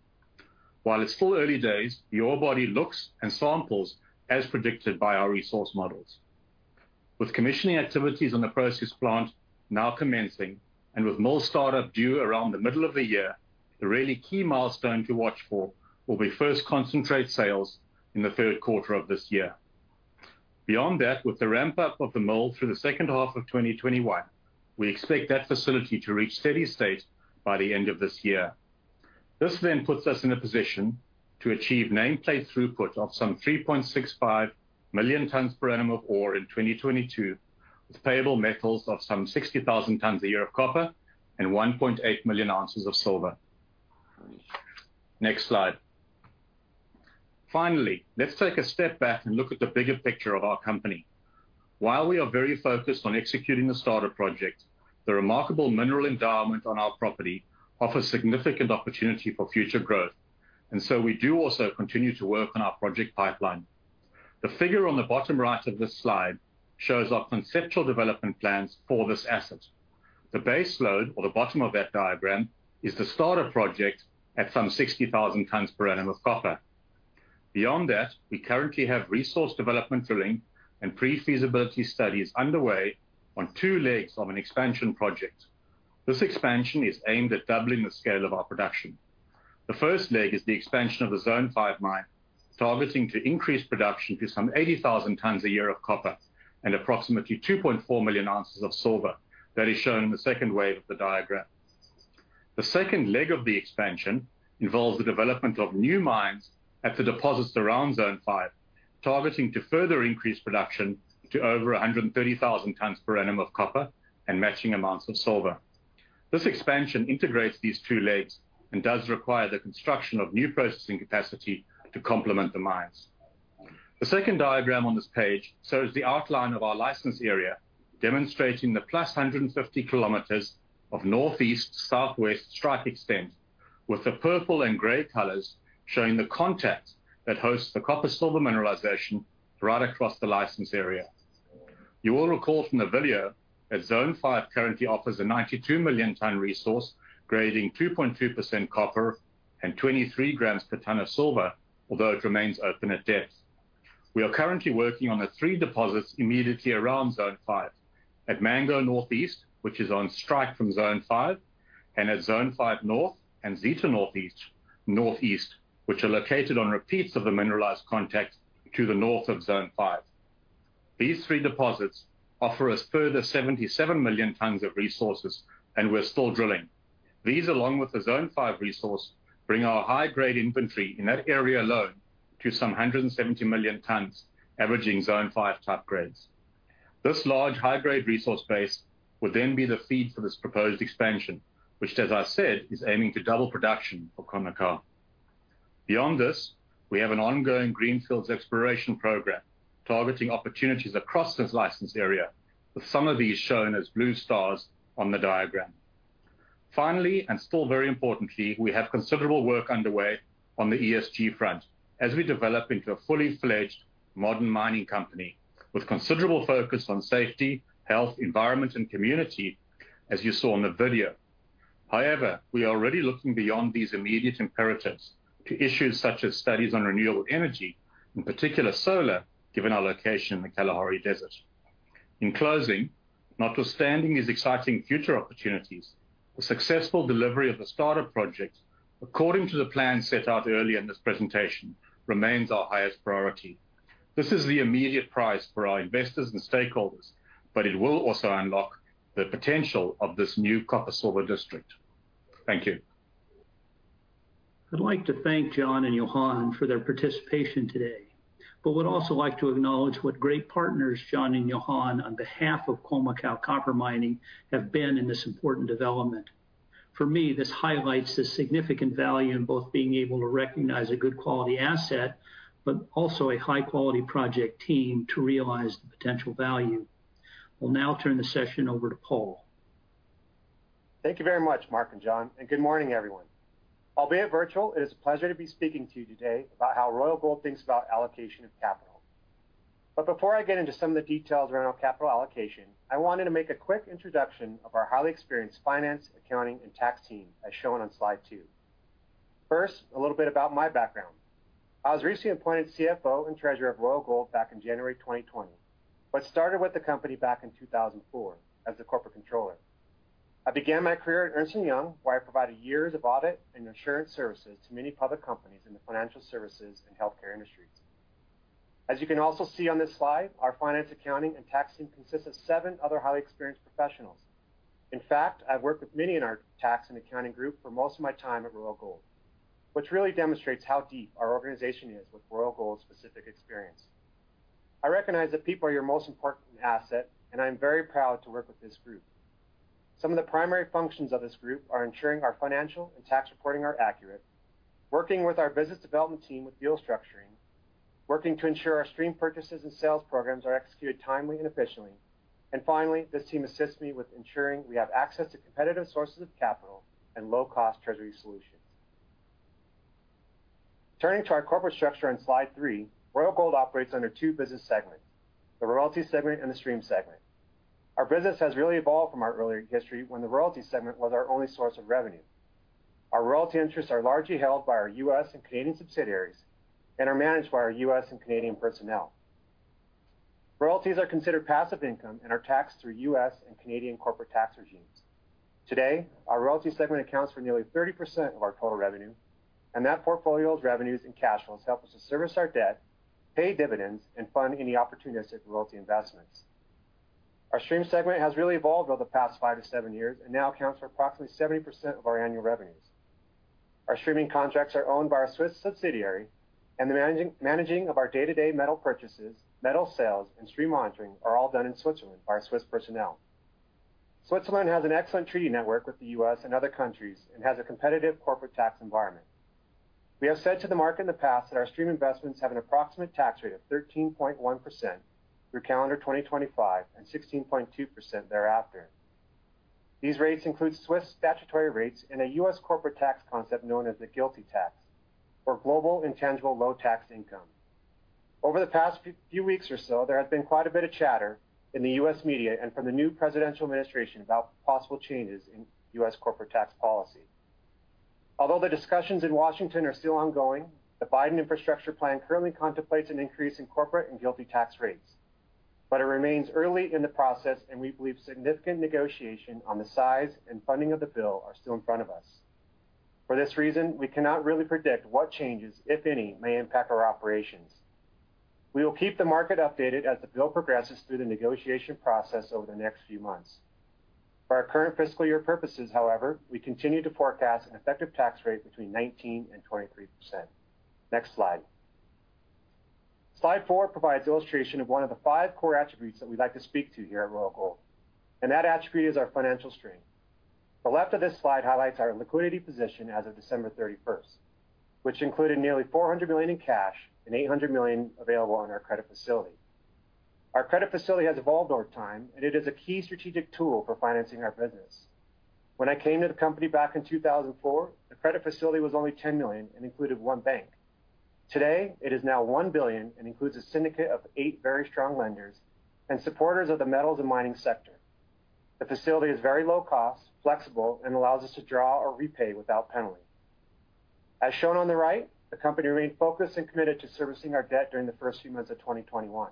While it's still early days, the ore body looks and samples as predicted by our resource models. With commissioning activities on the process plant now commencing, and with mill startup due around the middle of the year, the really key milestone to watch for will be first concentrate sales in the third quarter of this year. Beyond that, with the ramp-up of the mill through the second half of 2021, we expect that facility to reach steady state by the end of this year. This puts us in a position to achieve nameplate throughput of some 3.65 million tons per annum of ore in 2022, with payable metals of some 60,000 tons a year of copper and 1.8 million ounces of silver. Next slide. Finally, let's take a step back and look at the bigger picture of our company. While we are very focused on executing the starter project, the remarkable mineral endowment on our property offers significant opportunity for future growth, and so we do also continue to work on our project pipeline. The figure on the bottom right of this slide shows our conceptual development plans for this asset. The base load or the bottom of that diagram is the starter project at 60,000 tons per annum of copper. Beyond that, we currently have resource development drilling and pre-feasibility studies underway on two legs of an expansion project. This expansion is aimed at doubling the scale of our production. The first leg is the expansion of the Zone 5 mine, targeting to increase production to 80,000 tons a year of copper and approximately 2.4 million ounces of silver. That is shown in the second wave of the diagram. The second leg of the expansion involves the development of new mines at the deposits around Zone 5, targeting to further increase production to over 130,000 tons per annum of copper and matching amounts of silver. This expansion integrates these two legs and does require the construction of new processing capacity to complement the mines. The second diagram on this page shows the outline of our license area, demonstrating the plus 150 kilometers of northeast-southwest strike extent, with the purple and gray colors showing the contact that hosts the copper-silver mineralization right across the license area. You will recall from the video that Zone 5 currently offers a 92 million ton resource, grading 2.2% copper and 23 grams per ton of silver, although it remains open at depth. We are currently working on the three deposits immediately around Zone 5. At Mango Northeast, which is on strike from Zone 5, and at Zone 5 North and Zeta Northeast, which are located on repeats of the mineralized contact to the north of Zone 5. These three deposits offer us further 77 million tons of resources. We're still drilling. These, along with the Zone 5 resource, bring our high-grade inventory in that area alone to some 170 million tons, averaging Zone 5 type grades. This large high-grade resource base would be the feed for this proposed expansion, which, as I said, is aiming to double production for Khoemacau. Beyond this, we have an ongoing greenfields exploration program targeting opportunities across this license area, with some of these shown as blue stars on the diagram. Finally, and still very importantly, we have considerable work underway on the ESG front as we develop into a fully-fledged modern mining company with considerable focus on safety, health, environment, and community, as you saw in the video. However, we are already looking beyond these immediate imperatives to issues such as studies on renewable energy, in particular solar, given our location in the Kalahari Desert. In closing, notwithstanding these exciting future opportunities, the successful delivery of the startup project according to the plan set out earlier in this presentation remains our highest priority. This is the immediate prize for our investors and stakeholders, but it will also unlock the potential of this new copper-silver district. Thank you. I'd like to thank John and Johan for their participation today, but would also like to acknowledge what great partners John and Johan on behalf of Khoemacau Copper Mining have been in this important development. For me, this highlights the significant value in both being able to recognize a good quality asset, but also a high-quality project team to realize the potential value. We'll now turn the session over to Paul. Thank you very much, Mark and John, and good morning, everyone. Albeit virtual, it is a pleasure to be speaking to you today about how Royal Gold thinks about allocation of capital. Before I get into some of the details around our capital allocation, I wanted to make a quick introduction of our highly experienced finance, accounting, and tax team, as shown on slide two. First, a little bit about my background. I was recently appointed CFO and Treasurer of Royal Gold back in January 2020, but started with the company back in 2004 as a corporate controller. I began my career at Ernst & Young, where I provided years of audit and insurance services to many public companies in the financial services and healthcare industries. As you can also see on this slide, our finance, accounting, and tax team consists of seven other highly experienced professionals. In fact, I've worked with many in our tax and accounting group for most of my time at Royal Gold, which really demonstrates how deep our organization is with Royal Gold-specific experience. I recognize that people are your most important asset, and I'm very proud to work with this group. Some of the primary functions of this group are ensuring our financial and tax reporting are accurate, working with our business development team with deal structuring, working to ensure our stream purchases and sales programs are executed timely and efficiently, and finally, this team assists me with ensuring we have access to competitive sources of capital and low-cost treasury solutions. Turning to our corporate structure on slide three, Royal Gold operates under two business segments, the royalty segment and the stream segment. Our business has really evolved from our earlier history when the royalty segment was our only source of revenue. Our royalty interests are largely held by our U.S. and Canadian subsidiaries and are managed by our U.S. and Canadian personnel. Royalties are considered passive income and are taxed through U.S. and Canadian corporate tax regimes. Today, our royalty segment accounts for nearly 30% of our total revenue, and that portfolio's revenues and cash flows help us to service our debt, pay dividends, and fund any opportunistic royalty investments. Our stream segment has really evolved over the past five to seven years and now accounts for approximately 70% of our annual revenues. Our streaming contracts are owned by our Swiss subsidiary, and the managing of our day-to-day metal purchases, metal sales, and stream monitoring are all done in Switzerland by our Swiss personnel. Switzerland has an excellent treaty network with the U.S. and other countries and has a competitive corporate tax environment. We have said to the market in the past that our stream investments have an approximate tax rate of 13.1% through calendar 2025 and 16.2% thereafter. These rates include Swiss statutory rates and a U.S. corporate tax concept known as the GILTI tax, or global intangible low-tax income. Over the past few weeks or so, there has been quite a bit of chatter in the U.S. media and from the new presidential administration about possible changes in U.S. corporate tax policy. Although the discussions in Washington are still ongoing, the Biden infrastructure plan currently contemplates an increase in corporate and GILTI tax rates. It remains early in the process, and we believe significant negotiation on the size and funding of the bill are still in front of us. For this reason, we cannot really predict what changes, if any, may impact our operations. We will keep the market updated as the bill progresses through the negotiation process over the next few months. For our current fiscal year purposes, however, we continue to forecast an effective tax rate between 19%-23%. Next slide. Slide four provides illustration of one of the five core attributes that we'd like to speak to here at Royal Gold, and that attribute is our financial strength. The left of this slide highlights our liquidity position as of December 31st, 2020 which included nearly $400 million in cash and $800 million available on our credit facility. Our credit facility has evolved over time, and it is a key strategic tool for financing our business. When I came to the company back in 2004, the credit facility was only $10 million and included one bank. Today, it is now $1 billion and includes a syndicate of eight very strong lenders and supporters of the metals and mining sector. The facility is very low cost, flexible, and allows us to draw or repay without penalty. As shown on the right, the company remained focused and committed to servicing our debt during the first few months of 2021.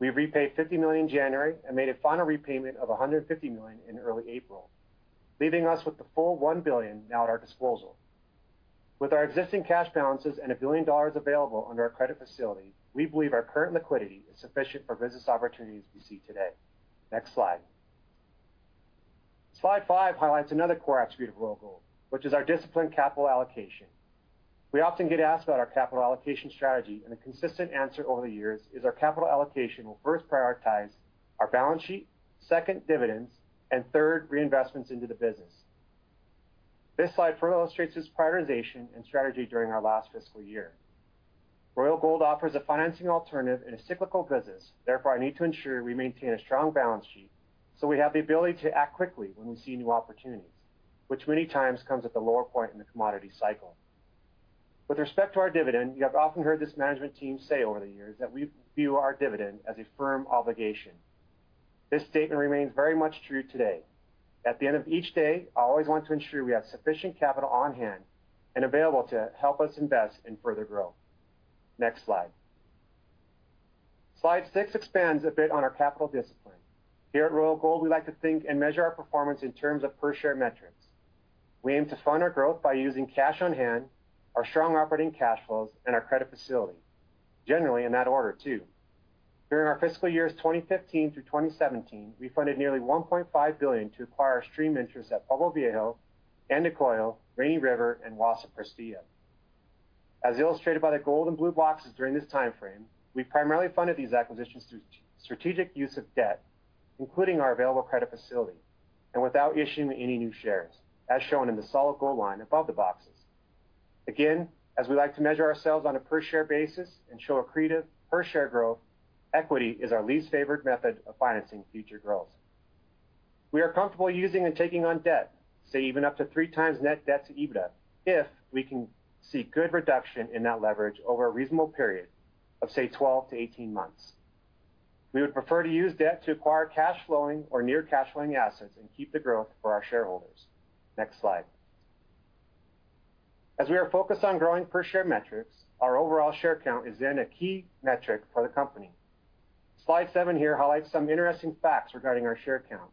We repaid $50 million in January and made a final repayment of $150 million in early April, leaving us with the full $1 billion now at our disposal. With our existing cash balances and $1 billion available under our credit facility, we believe our current liquidity is sufficient for business opportunities we see today. Next slide. Slide five highlights another core attribute of Royal Gold, which is our disciplined capital allocation. We often get asked about our capital allocation strategy, and a consistent answer over the years is our capital allocation will first prioritize our balance sheet, second, dividends, and third, reinvestments into the business. This slide further illustrates this prioritization and strategy during our last fiscal year. Royal Gold offers a financing alternative in a cyclical business, therefore, our need to ensure we maintain a strong balance sheet, so we have the ability to act quickly when we see new opportunities, which many times comes at the lower point in the commodity cycle. With respect to our dividend, you have often heard this management team say over the years that we view our dividend as a firm obligation. This statement remains very much true today. At the end of each day, I always want to ensure we have sufficient capital on hand and available to help us invest in further growth. Next slide. Slide six expands a bit on our capital discipline. Here at Royal Gold, we like to think and measure our performance in terms of per share metrics. We aim to fund our growth by using cash on hand, our strong operating cash flows, and our credit facility, generally in that order, too. During our fiscal years 2015 through 2017, we funded nearly $1.5 billion to acquire stream interests at Pueblo Viejo, Andijoy, Rainy River, and Wassa Prestea. As illustrated by the gold and blue boxes during this timeframe, we primarily funded these acquisitions through strategic use of debt, including our available credit facility, and without issuing any new shares, as shown in the solid gold line above the boxes. Again, as we like to measure ourselves on a per share basis and show accretive per share growth, equity is our least favorite method of financing future growth. We are comfortable using and taking on debt, say even up to 3x net debt to EBITDA, if we can see good reduction in that leverage over a reasonable period of, say, 12-18 months. We would prefer to use debt to acquire cash flowing or near cash flowing assets and keep the growth for our shareholders. Next slide. We are focused on growing per share metrics, our overall share count is then a key metric for the company. Slide seven here highlights some interesting facts regarding our share count.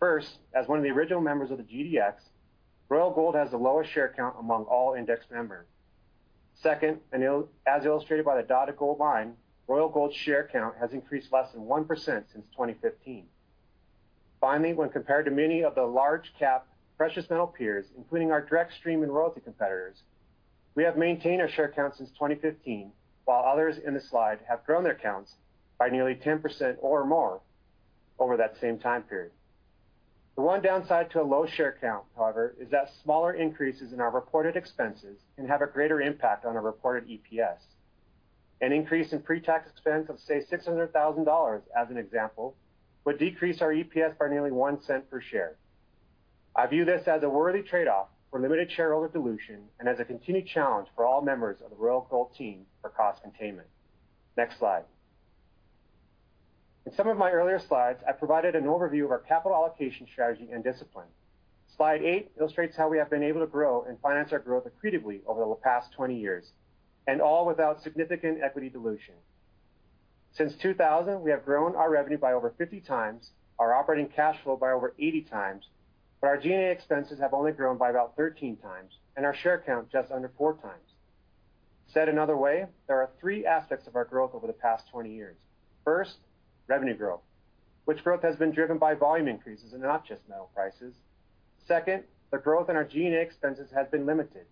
First, as one of the original members of the GDX, Royal Gold has the lowest share count among all index members. Second, as illustrated by the dotted gold line, Royal Gold's share count has increased less than 1% since 2015. Finally, when compared to many of the large cap precious metal peers, including our direct stream and royalty competitors, we have maintained our share count since 2015, while others in this slide have grown their counts by nearly 10% or more over that same time period. The one downside to a low share count, however, is that smaller increases in our reported expenses can have a greater impact on our reported EPS. An increase in pre-tax expense of, say, $600,000 as an example, would decrease our EPS by nearly $0.01 per share. I view this as a worthy trade-off for limited shareholder dilution and as a continued challenge for all members of the Royal Gold team for cost containment. Next slide. In some of my earlier slides, I provided an overview of our capital allocation strategy and discipline. Slide eight illustrates how we have been able to grow and finance our growth accretively over the past 20 years, and all without significant equity dilution. Since 2000, we have grown our revenue by over 50x, our operating cash flow by over 80x, but our G&A expenses have only grown by about 13x, our share count just under 4x. Said another way, there are three aspects of our growth over the past 20 years. First, revenue growth, which growth has been driven by volume increases and not just metal prices. Second, the growth in our G&A expenses has been limited,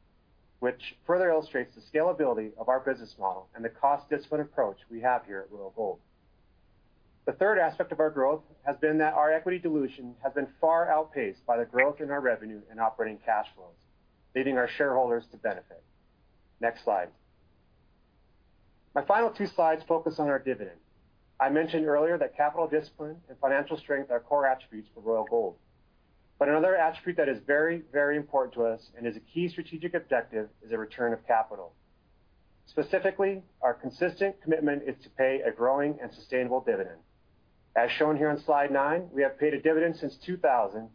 which further illustrates the scalability of our business model and the cost discipline approach we have here at Royal Gold. The third aspect of our growth has been that our equity dilution has been far outpaced by the growth in our revenue and operating cash flows, leading our shareholders to benefit. Next slide. My final two slides focus on our dividend. I mentioned earlier that capital discipline and financial strength are core attributes for Royal Gold. Another attribute that is very, very important to us and is a key strategic objective is a return of capital. Specifically, our consistent commitment is to pay a growing and sustainable dividend. As shown here on slide nine, we have paid a dividend since 2000,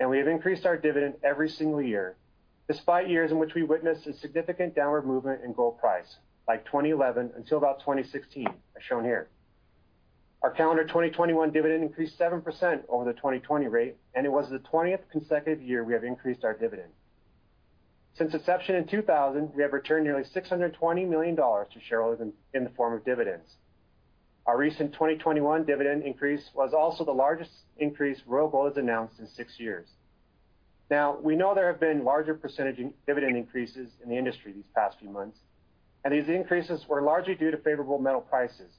and we have increased our dividend every single year, despite years in which we witnessed a significant downward movement in gold price, like 2011 until about 2016, as shown here. Our calendar 2021 dividend increased 7% over the 2020 rate. It was the 20th consecutive year we have increased our dividend. Since inception in 2000, we have returned nearly $620 million to shareholders in the form of dividends. Our recent 2021 dividend increase was also the largest increase Royal Gold has announced in six years. We know there have been larger percentage in dividend increases in the industry these past few months. These increases were largely due to favorable metal prices.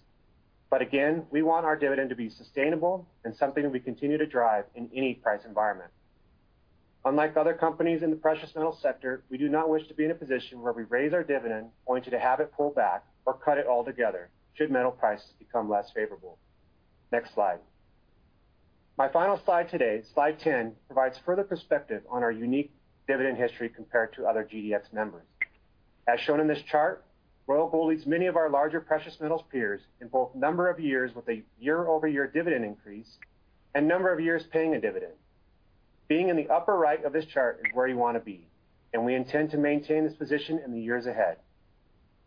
Again, we want our dividend to be sustainable and something that we continue to drive in any price environment. Unlike other companies in the precious metal sector, we do not wish to be in a position where we raise our dividend, only to have it pull back or cut it altogether should metal prices become less favorable. Next slide. My final slide today, slide 10, provides further perspective on our unique dividend history compared to other GDX members. Shown in this chart, Royal Gold leads many of our larger precious metals peers in both number of years with a year-over-year dividend increase and number of years paying a dividend. Being in the upper right of this chart is where you want to be, we intend to maintain this position in the years ahead.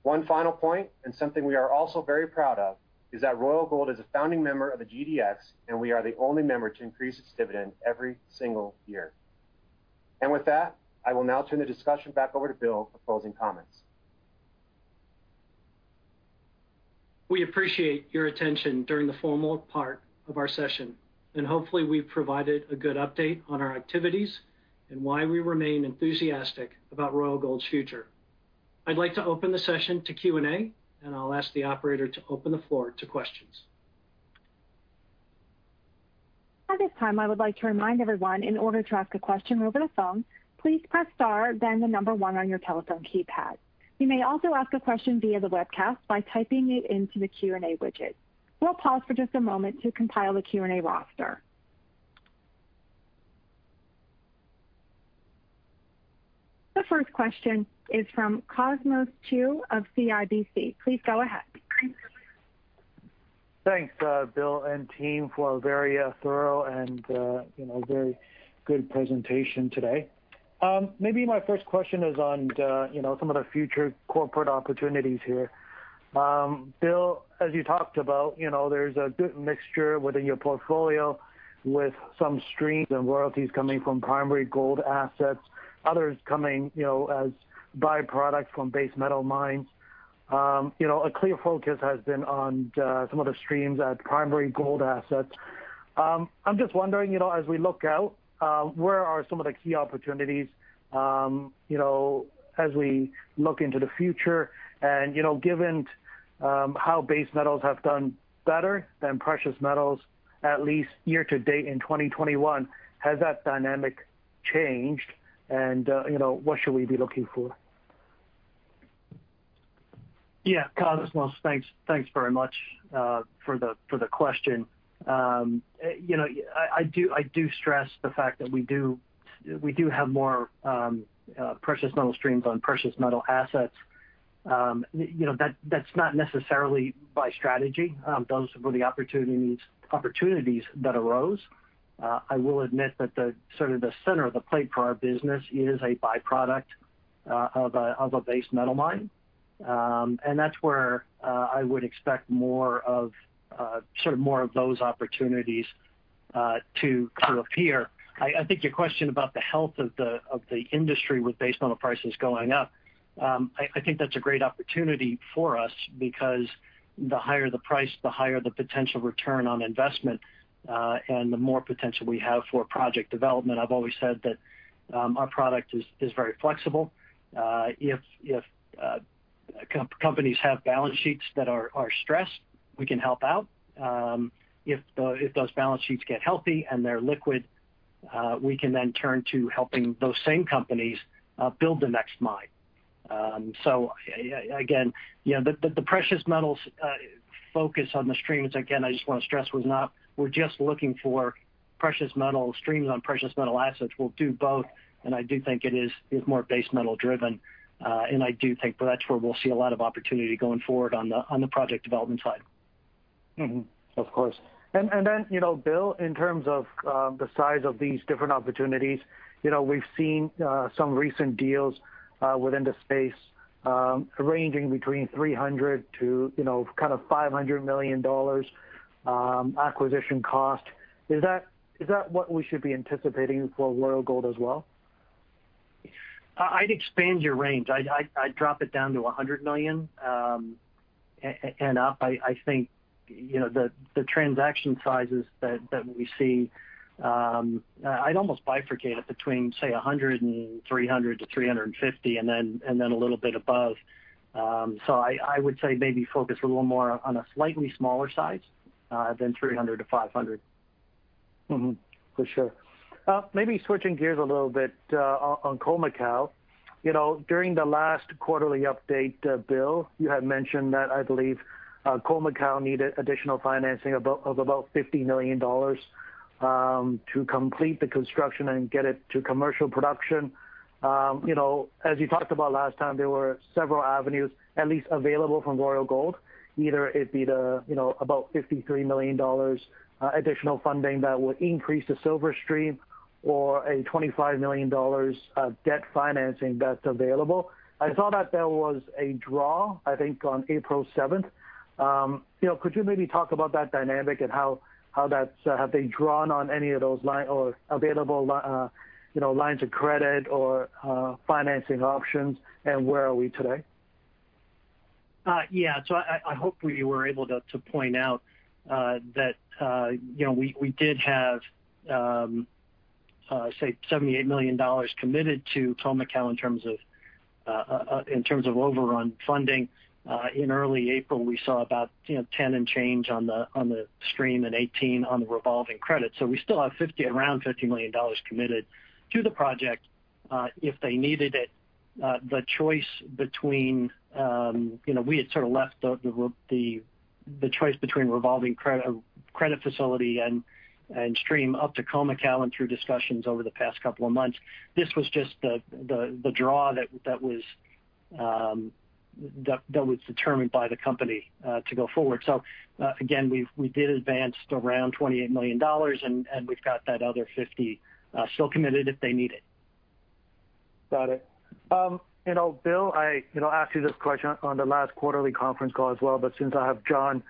One final point, something we are also very proud of, is that Royal Gold is a founding member of the GDX, we are the only member to increase its dividend every single year. With that, I will now turn the discussion back over to Bill for closing comments. We appreciate your attention during the formal part of our session, and hopefully we've provided a good update on our activities and why we remain enthusiastic about Royal Gold's future. I'd like to open the session to Q&A, and I'll ask the operator to open the floor to questions. At this time, I would like to remind everyone, in order to ask a question over the phone, please press star then the number one on your telephone keypad. You may also ask a question via the webcast by typing it into the Q&A widget. We'll pause for just a moment to compile the Q&A roster. The first question is from Cosmos Chiu of CIBC. Please go ahead. Thanks Bill and team, for a very thorough and very good presentation today. Maybe my first question is on some of the future corporate opportunities here. Bill, as you talked about, there's a good mixture within your portfolio with some streams and royalties coming from primary gold assets, others coming as byproducts from base metal mines. A clear focus has been on some of the streams at primary gold assets. I'm just wondering, as we look out, where are some of the key opportunities as we look into the future, and given how base metals have done better than precious metals, at least year-to-date in 2021, has that dynamic changed, and what should we be looking for? Yeah. Cosmos, thanks very much for the question. I do stress the fact that we do have more precious metal streams on precious metal assets. That's not necessarily by strategy. Those were the opportunities that arose. I will admit that the center of the plate for our business is a byproduct of a base metal mine, and that's where I would expect more of those opportunities to appear. I think your question about the health of the industry with base metal prices going up, I think that's a great opportunity for us because the higher the price, the higher the potential return on investment, and the more potential we have for project development. I've always said that our product is very flexible. If companies have balance sheets that are stressed, we can help out. If those balance sheets get healthy and they're liquid, we can then turn to helping those same companies build the next mine. Again, the precious metals focus on the streams, again, I just want to stress we're just looking for precious metal streams on precious metal assets. We'll do both. I do think it is more base metal driven. I do think that's where we'll see a lot of opportunity going forward on the project development side. Of course. Bill, in terms of the size of these different opportunities, we've seen some recent deals within the space ranging between $300 million-$500 million acquisition cost. Is that what we should be anticipating for Royal Gold as well? I'd expand your range. I'd drop it down to $100 million and up. I think the transaction sizes that we see, I'd almost bifurcate it between, say, $100 million and $300 million-$350 million, and then a little bit above. I would say maybe focus a little more on a slightly smaller size than $300 million-$500 million. For sure. Maybe switching gears a little bit on Khoemacau. During the last quarterly update, Bill, you had mentioned that I believe Khoemacau needed additional financing of about $50 million to complete the construction and get it to commercial production. As you talked about last time, there were several avenues at least available from Royal Gold. Either it be the about $53 million additional funding that would increase the silver stream or a $25 million debt financing that is available. I saw that there was a draw, I think, on April 7th. 2021 Could you maybe talk about that dynamic and have they drawn on any of those available lines of credit or financing options, and where are we today? Yeah. I hope we were able to point out that we did have, say, $78 million committed to Khoemacau in terms of overrun funding. In early April, we saw about $10 and change on the stream and $18 million on the revolving credit. We still have around $50 million committed to the project if they needed it. We had sort of left the choice between revolving credit facility and stream up to Khoemacau and through discussions over the past couple of months. This was just the draw that was determined by the company to go forward. Again, we did advance around $28 million, and we've got that other 50 still committed if they need it. Got it. Bill, I asked you this question on the last quarterly conference call as well, but since I have John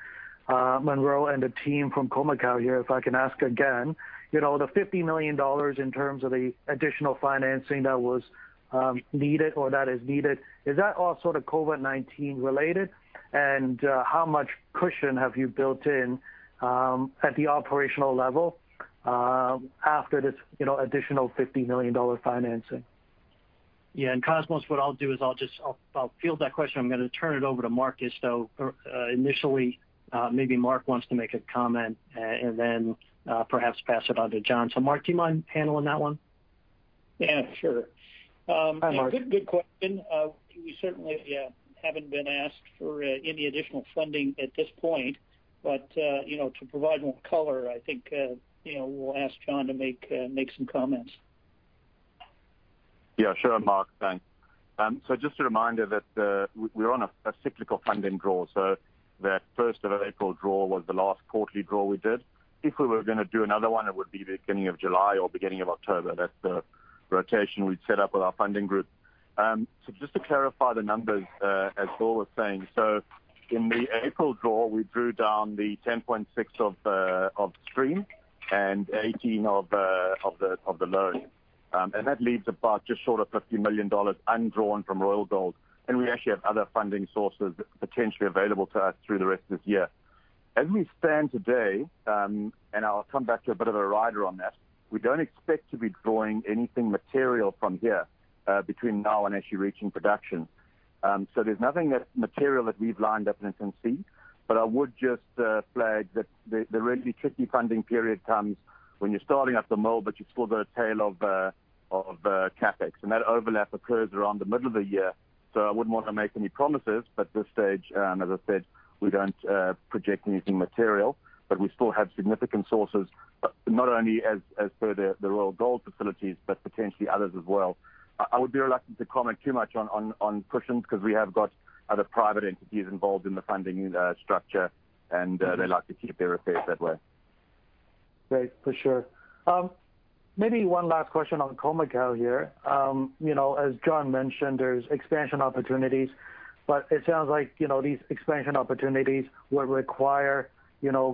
Munro and the team from Khoemacau here, if I can ask again. The $50 million in terms of the additional financing that was needed or that is needed, is that all sort of COVID-19 related? How much cushion have you built in at the operational level after this additional $50 million financing? Cosmos, what I'll do is I'll field that question. I'm going to turn it over to Mark, though, initially, maybe Mark wants to make a comment, and then perhaps pass it on to John. Mark, do you mind handling that one? Yeah, sure. Hi, Mark. Good question. We certainly haven't been asked for any additional funding at this point, but to provide more color, I think we'll ask John to make some comments. Yeah, sure, Mark. Thanks. Just a reminder that we're on a cyclical funding draw. That first of April draw was the last quarterly draw we did. If we were going to do another one, it would be the beginning of July or beginning of October. That's the rotation we've set up with our funding group. Just to clarify the numbers, as Bill was saying, so in the April draw, we drew down the 10.6 of Stream and 18 of the loan. That leaves about just short of $50 million undrawn from Royal Gold, and we actually have other funding sources potentially available to us through the rest of this year. As we stand today, and I'll come back to a bit of a rider on that, we don't expect to be drawing anything material from here between now and actually reaching production. There's nothing material that we've lined up in infancy, but I would just flag that the really tricky funding period comes when you're starting up the mill, but you've still got a tail of CapEx, and that overlap occurs around the middle of the year. I wouldn't want to make any promises, but at this stage, as I said, we don't project anything material, but we still have significant sources, not only as per the Royal Gold facilities, but potentially others as well. I would be reluctant to comment too much on cushions because we have got other private entities involved in the funding structure, and they like to keep their affairs that way. Great, for sure. Maybe one last question on Khoemacau here. As John mentioned, there's expansion opportunities, but it sounds like these expansion opportunities will require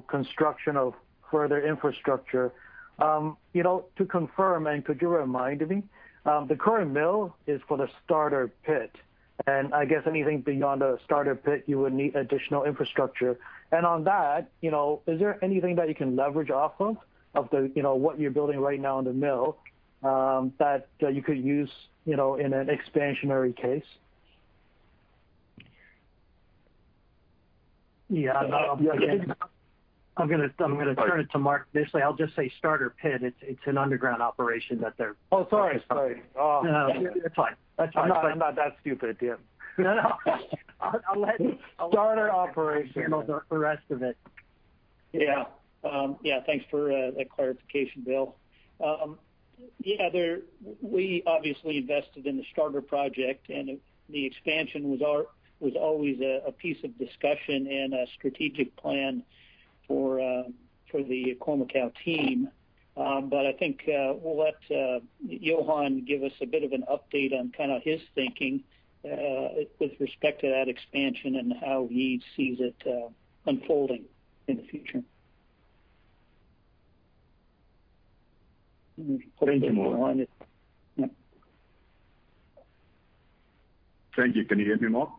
construction of further infrastructure. To confirm, could you remind me, the current mill is for the starter pit, and I guess anything beyond a starter pit, you would need additional infrastructure. On that, is there anything that you can leverage off of what you're building right now in the mill, that you could use in an expansionary case? Yeah. I'm going to turn it to Mark. I'll just say starter pit. It's an underground operation. Oh, sorry. No, it's fine. I'm not that stupid. No. I'll let Mark. Starter operation. Handle the rest of it. Yeah. Thanks for that clarification, Bill. Yeah, we obviously invested in the starter project, and the expansion was always a piece of discussion and a strategic plan for the Khoemacau team. I think we'll let Johan give us a bit of an update on kind of his thinking with respect to that expansion and how he sees it unfolding in the future. Thank you. Thank you. Can you hear me, Mark?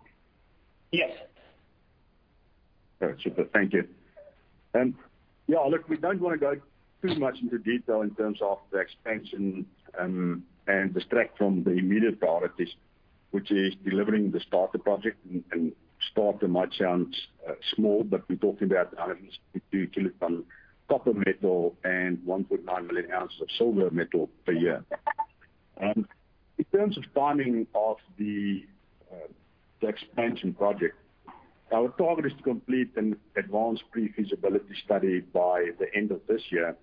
Yes. All right, super. Thank you. Yeah, look, we don't want to go too much into detail in terms of the expansion and distract from the immediate priorities, which is delivering the starter project. Starter might sound small, but we're talking about 152 kilos of copper metal and 1.9 million ounces of silver metal per year. In terms of timing of the expansion project, our target is to complete an advanced pre-feasibility study by the end of this year,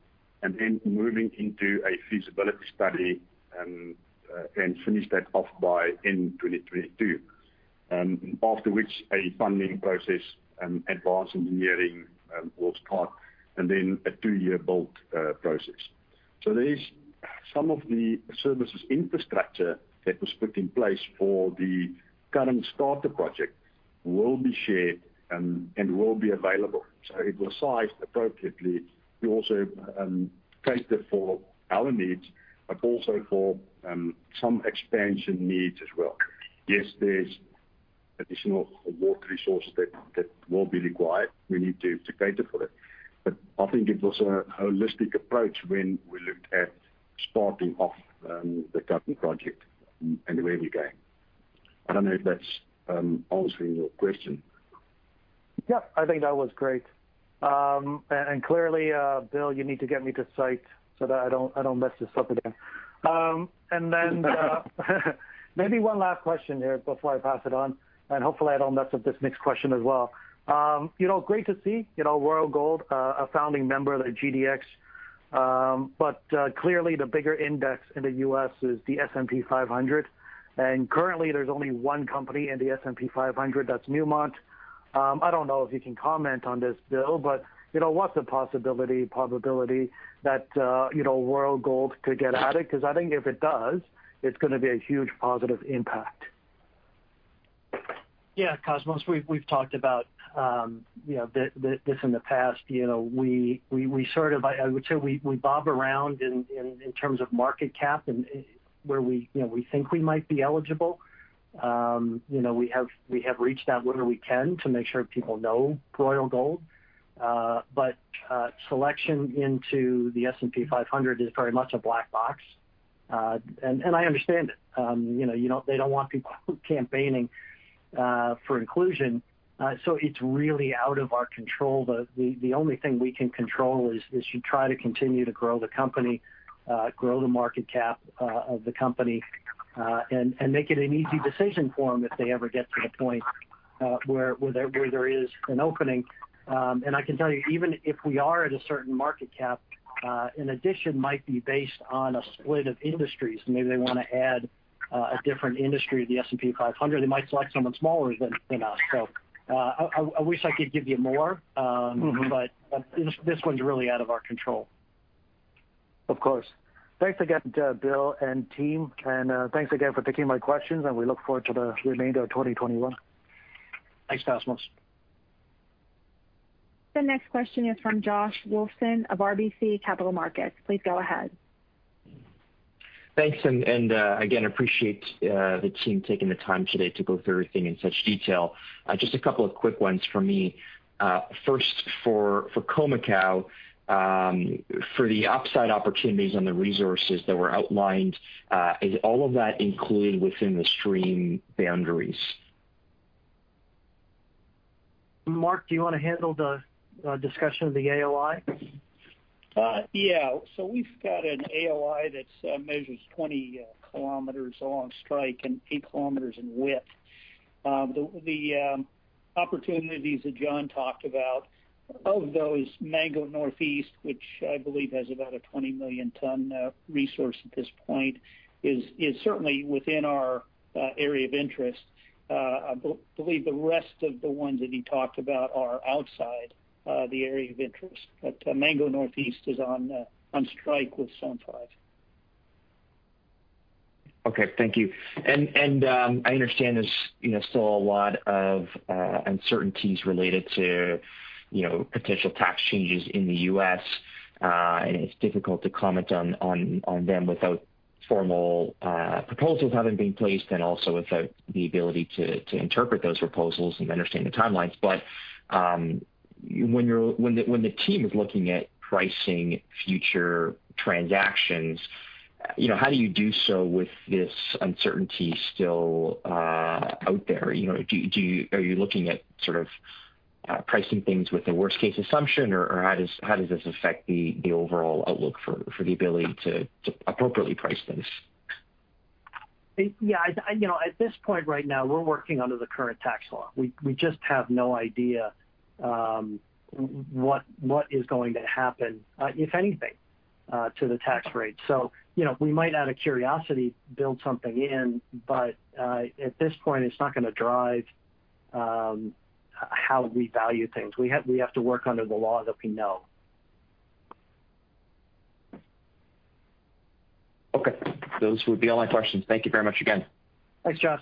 and then moving into a feasibility study and finish that off by end 2022. After which, a funding process, advanced engineering will start, and then a two-year build process. There's some of the services infrastructure that was put in place for the current starter project will be shared and will be available. It was sized appropriately. We also catered for our needs, also for some expansion needs as well. Yes, there's additional water resources that will be required. We need to cater for that. I think it was a holistic approach when we looked at sparking off the current project and where we're going. I don't know if that's answering your question. Yeah, I think that was great. Clearly, Bill, you need to get me to site so that I don't mess this up again. Maybe one last question here before I pass it on. Hopefully I don't mess up this next question as well. Great to see Royal Gold, a founding member of the GDX. Clearly the bigger index in the U.S. is the S&P 500. Currently there's only one company in the S&P 500, that's Newmont. I don't know if you can comment on this, Bill, what's the possibility, probability that Royal Gold could get at it? I think if it does, it's going to be a huge positive impact. Yeah. Cosmos, we've talked about this in the past. I would say we bob around in terms of market cap and where we think we might be eligible. We have reached out whenever we can to make sure people know Royal Gold. Selection into the S&P 500 is very much a black box. I understand it. They don't want people campaigning for inclusion. It's really out of our control. The only thing we can control is to try to continue to grow the company, grow the market cap of the company, and make it an easy decision for them if they ever get to the point where there is an opening. I can tell you, even if we are at a certain market cap, an addition might be based on a split of industries. Maybe they want to add a different industry to the S&P 500. They might select someone smaller than us. I wish I could give you more. This one's really out of our control. Of course. Thanks again, Bill and team, and thanks again for taking my questions, and we look forward to the remainder of 2021. Thanks, Cosmos. The next question is from Josh Wolfson of RBC Capital Markets. Please go ahead. Thanks. Again, appreciate the team taking the time today to go through everything in such detail. Just a couple of quick ones for me. First, for Khoemacau, for the upside opportunities on the resources that were outlined, is all of that included within the stream boundaries? Mark, do you want to handle the discussion of the AOI? We've got an AOI that measures 20 km along strike and 8 km in width. The opportunities that John talked about, of those, Mango Northeast, which I believe has about a 20 million ton resource at this point, is certainly within our area of interest. I believe the rest of the ones that he talked about are outside the area of interest. Mango Northeast is on strike with Zone 5. Okay. Thank you. I understand there's still a lot of uncertainties related to potential tax changes in the U.S. It's difficult to comment on them without formal proposals having been placed. Also without the ability to interpret those proposals and understand the timelines. When the team is looking at pricing future transactions, how do you do so with this uncertainty still out there? Are you looking at pricing things with the worst case assumption, or how does this affect the overall outlook for the ability to appropriately price things? At this point right now, we're working under the current tax law. We just have no idea what is going to happen, if anything, to the tax rate. We might, out of curiosity, build something in, but at this point, it's not going to drive how we value things. We have to work under the law that we know. Okay. Those would be all my questions. Thank you very much again. Thanks, Josh.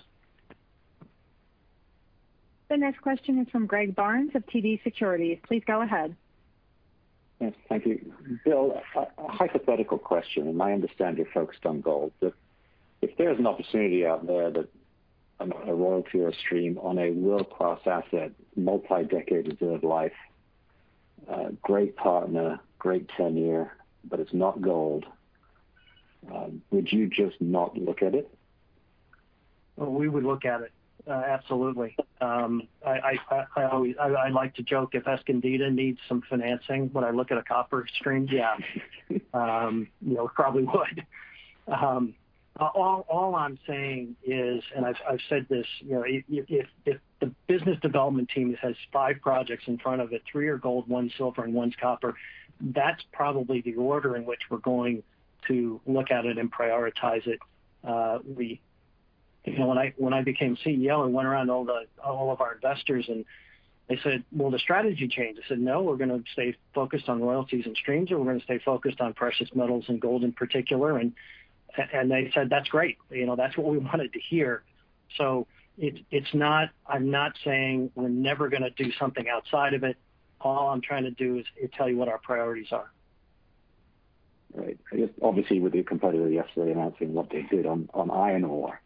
The next question is from Greg Barnes of TD Securities. Please go ahead. Yes. Thank you. Bill, a hypothetical question. In my understanding, you're focused on gold, but if there's an opportunity out there that a royalty or stream on a world-class asset, multi-decade reserve life, great partner, great tenure, but it's not gold, would you just not look at it? We would look at it. Absolutely. I like to joke, if Escondida needs some financing, would I look at a copper stream? Yeah. Probably would. All I'm saying is, and I've said this, if the business development team has five projects in front of it, three are gold, one's silver, and one's copper, that's probably the order in which we're going to look at it and prioritize it. When I became CEO and went around to all of our investors and they said, "Will the strategy change?" I said, "No, we're going to stay focused on royalties and streams, and we're going to stay focused on precious metals and gold in particular." They said, "That's great. That's what we wanted to hear." I'm not saying we're never going to do something outside of it. All I'm trying to do is tell you what our priorities are. Right. I guess obviously with your competitor yesterday announcing what they did on iron ore.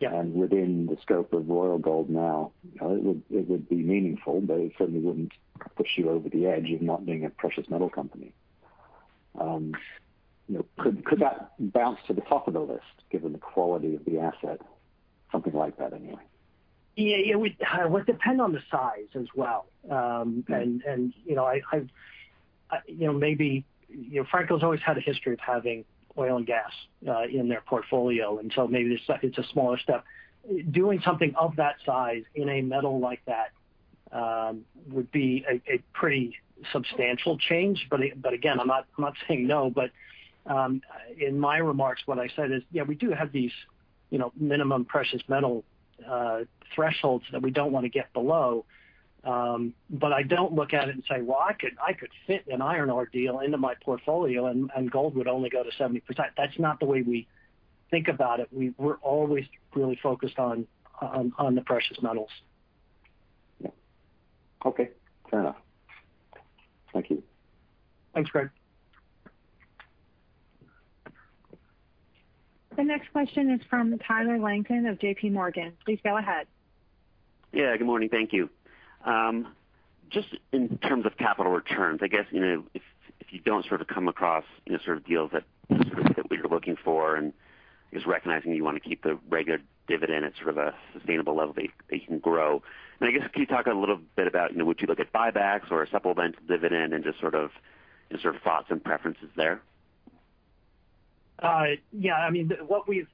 Yeah Within the scope of Royal Gold now, it would be meaningful, but it certainly wouldn't push you over the edge of not being a precious metal company. Could that bounce to the top of the list given the quality of the asset? Something like that, anyway. Yeah. It would depend on the size as well. Franco-Nevada's always had a history of having oil and gas in their portfolio. Maybe it's a smaller step. Doing something of that size in a metal like that would be a pretty substantial change. Again, I'm not saying no. In my remarks, what I said is, we do have these minimum precious metal thresholds that we don't want to get below. I don't look at it and say, "Well, I could fit an iron ore deal into my portfolio, and gold would only go to 70%." That's not the way we think about it. We're always really focused on the precious metals. Yeah. Okay, fair enough. Thank you. Thanks, Greg. The next question is from Tyler Langton of J.P. Morgan. Please go ahead. Yeah, good morning. Thank you. Just in terms of capital returns, I guess, if you don't come across deals that we were looking for and just recognizing you want to keep the regular dividend at a sustainable level that you can grow. I guess, can you talk a little bit about would you look at buybacks or a supplemental dividend and just thoughts and preferences there? Yeah. What we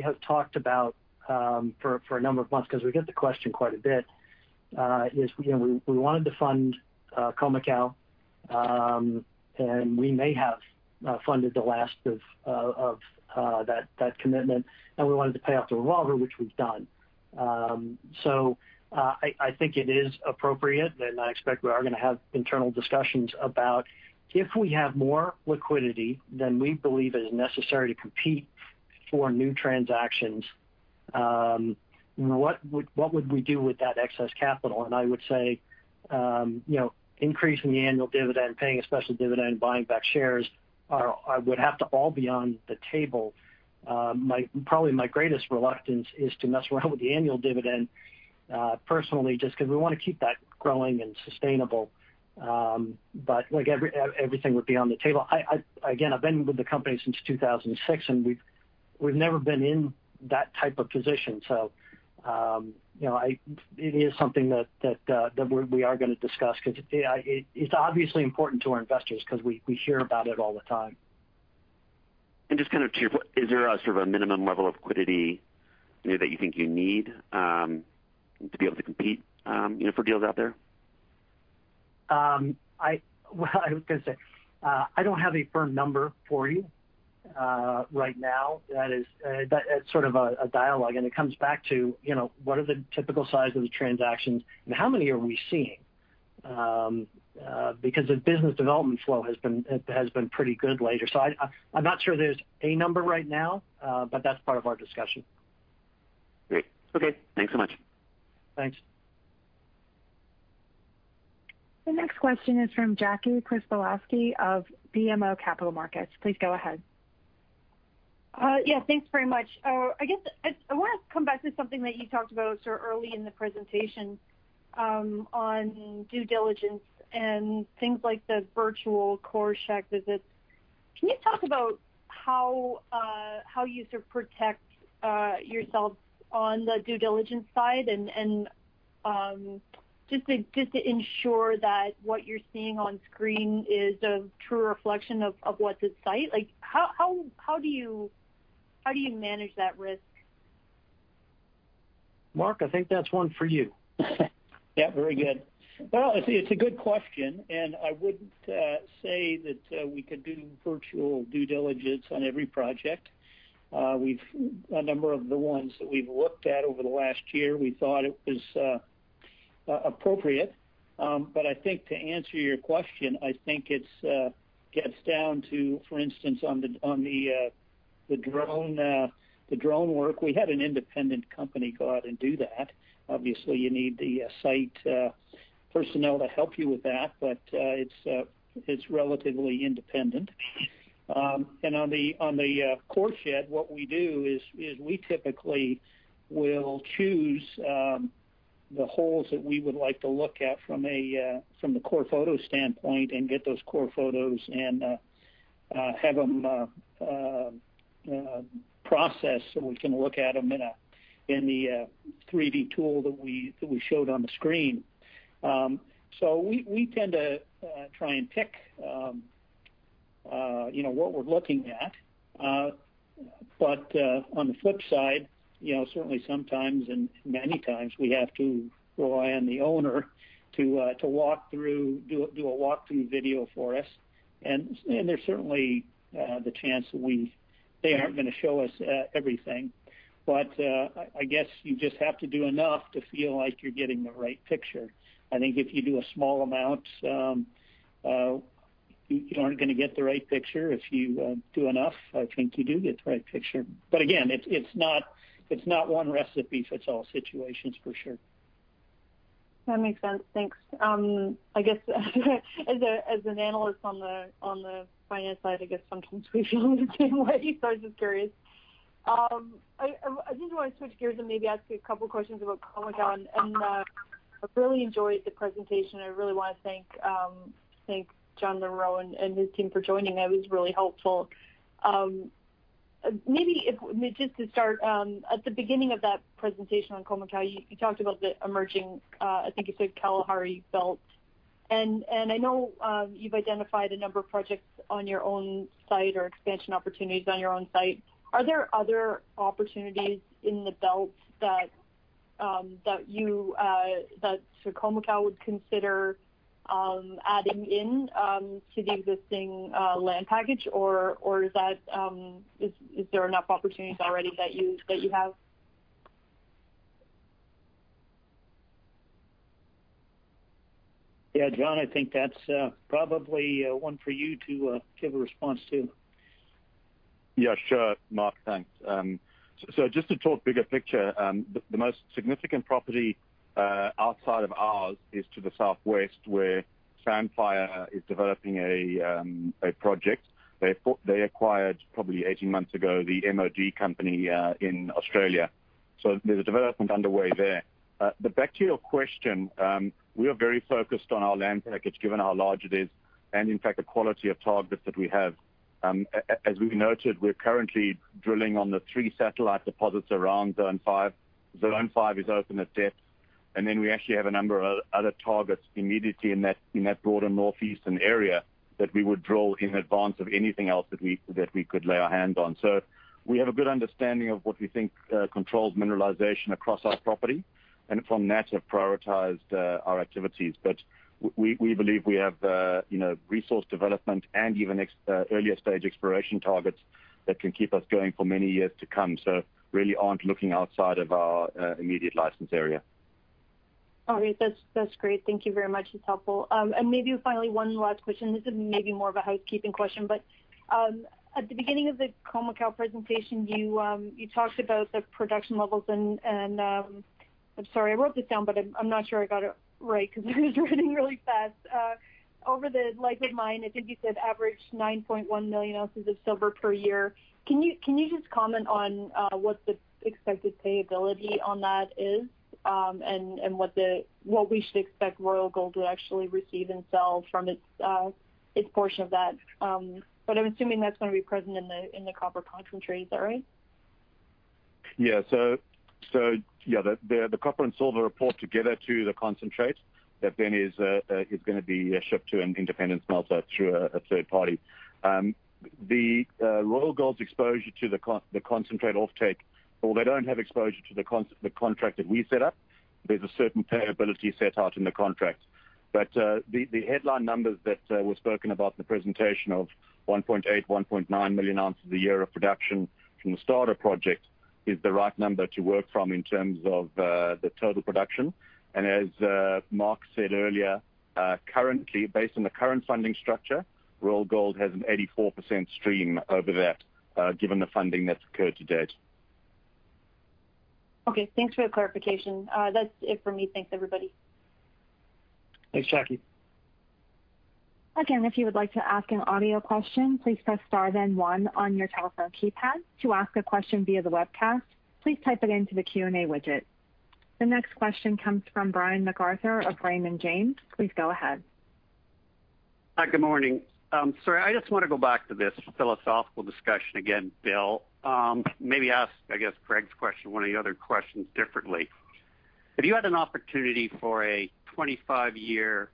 have talked about for a number of months, because we get the question quite a bit, is we wanted to fund Khoemacau, and we may have funded the last of that commitment, and we wanted to pay off the revolver, which we've done. I think it is appropriate, and I expect we are going to have internal discussions about if we have more liquidity than we believe is necessary to compete for new transactions, what would we do with that excess capital? I would say, increasing the annual dividend, paying a special dividend, buying back shares, would have to all be on the table. Probably my greatest reluctance is to mess around with the annual dividend, personally, just because we want to keep that growing and sustainable. Everything would be on the table. I've been with the company since 2006, and we've never been in that type of position. It is something that we are going to discuss because it's obviously important to our investors because we hear about it all the time. Just kind of to your point, is there a minimum level of liquidity that you think you need to be able to compete for deals out there? I was going to say, I don't have a firm number for you right now. That's a dialogue, and it comes back to what are the typical size of the transactions and how many are we seeing? The business development flow has been pretty good lately. I'm not sure there's a number right now. That's part of our discussion. Great. Okay, thanks so much. Thanks. The next question is from Jackie Przybylowski of BMO Capital Markets. Please go ahead. Yeah, thanks very much. I guess I want to come back to something that you talked about early in the presentation, on due diligence and things like the virtual core shack visits. Can you talk about how you protect yourselves on the due diligence side and just to ensure that what you're seeing on screen is a true reflection of what's at site? How do you manage that risk? Mark, I think that's one for you. Yeah, very good. Well, it's a good question, and I wouldn't say that we could do virtual due diligence on every project. A number of the ones that we've looked at over the last year, we thought it was appropriate. I think to answer your question, I think it gets down to, for instance, on the drone work, we had an independent company go out and do that. Obviously, you need the site personnel to help you with that, but it's relatively independent. On the core shed, what we do is we typically will choose the holes that we would like to look at from the core photo standpoint and get those core photos and have them processed so we can look at them in the 3D tool that we showed on the screen. We tend to try and pick what we're looking at. On the flip side, certainly sometimes and many times, we have to rely on the owner to do a walk-through video for us. There's certainly the chance that they aren't going to show us everything. I guess you just have to do enough to feel like you're getting the right picture. I think if you do a small amount, you aren't going to get the right picture. If you do enough, I think you do get the right picture. Again, it's not one recipe fits all situations, for sure. That makes sense. Thanks. As an analyst on the finance side, I guess sometimes we feel entertained. I was just curious. I think I want to switch gears and maybe ask you a couple questions about Khoemacau. I really enjoyed the presentation. I really want to thank John Munro and his team for joining. That was really helpful. Maybe just to start, at the beginning of that presentation on Khoemacau, you talked about the emerging, I think you said Kalahari Belt. I know you've identified a number of projects on your own site or expansion opportunities on your own site. Are there other opportunities in the belt that Khoemacau would consider adding in to the existing land package, or is there enough opportunities already that you have? Yeah, John, I think that's probably one for you to give a response to. Yeah, sure, Mark. Thanks. Just to talk bigger picture, the most significant property outside of ours is to the southwest, where Sandfire is developing a project. They acquired, probably 18 months ago, the MOD Resources company in Australia. There's a development underway there. Back to your question, we are very focused on our land package, given how large it is, and in fact, the quality of targets that we have. As we've noted, we're currently drilling on the three satellite deposits around Zone 5. Zone 5 is open at depth, and then we actually have a number of other targets immediately in that broader northeastern area that we would draw in advance of anything else that we could lay our hand on. We have a good understanding of what we think controls mineralization across our property, and from that have prioritized our activities. We believe we have resource development and even earlier stage exploration targets that can keep us going for many years to come. Really aren't looking outside of our immediate license area. All right. That's great. Thank you very much. That's helpful. Maybe finally, one last question. This is maybe more of a housekeeping question, but at the beginning of the Khoemacau presentation, you talked about the production levels and, I'm sorry, I wrote this down, but I'm not sure I got it right because I was writing really fast. Over the life-of-mine, I think you said average 9.1 million ounces of silver per year. Can you just comment on what the expected payability on that is, and what we should expect Royal Gold to actually receive and sell from its portion of that? I'm assuming that's going to be present in the copper concentrate. Is that right? Yeah. The copper and silver report together to the concentrate that then is going to be shipped to an independent smelter through a third party. The Royal Gold's exposure to the concentrate offtake, or they don't have exposure to the contract that we set up. There's a certain payability set out in the contract. The headline numbers that were spoken about in the presentation of 1.8, 1.9 million ounces a year of production from the starter project is the right number to work from in terms of the total production. As Mark said earlier, currently, based on the current funding structure, Royal Gold has an 84% stream over that, given the funding that's occurred to date. Okay. Thanks for the clarification. That's it for me. Thanks, everybody. Thanks, Jackie. Again, if you would like to ask an audio question, please press star then one on your telephone keypad. To ask a question via the webcast, please type it into the Q&A widget. The next question comes from Brian MacArthur of Raymond James. Please go ahead. Hi, good morning. Sorry, I just want to go back to this philosophical discussion again, Bill. Maybe ask, I guess, Craig the question, one of the other questions differently. If you had an opportunity for a 25-year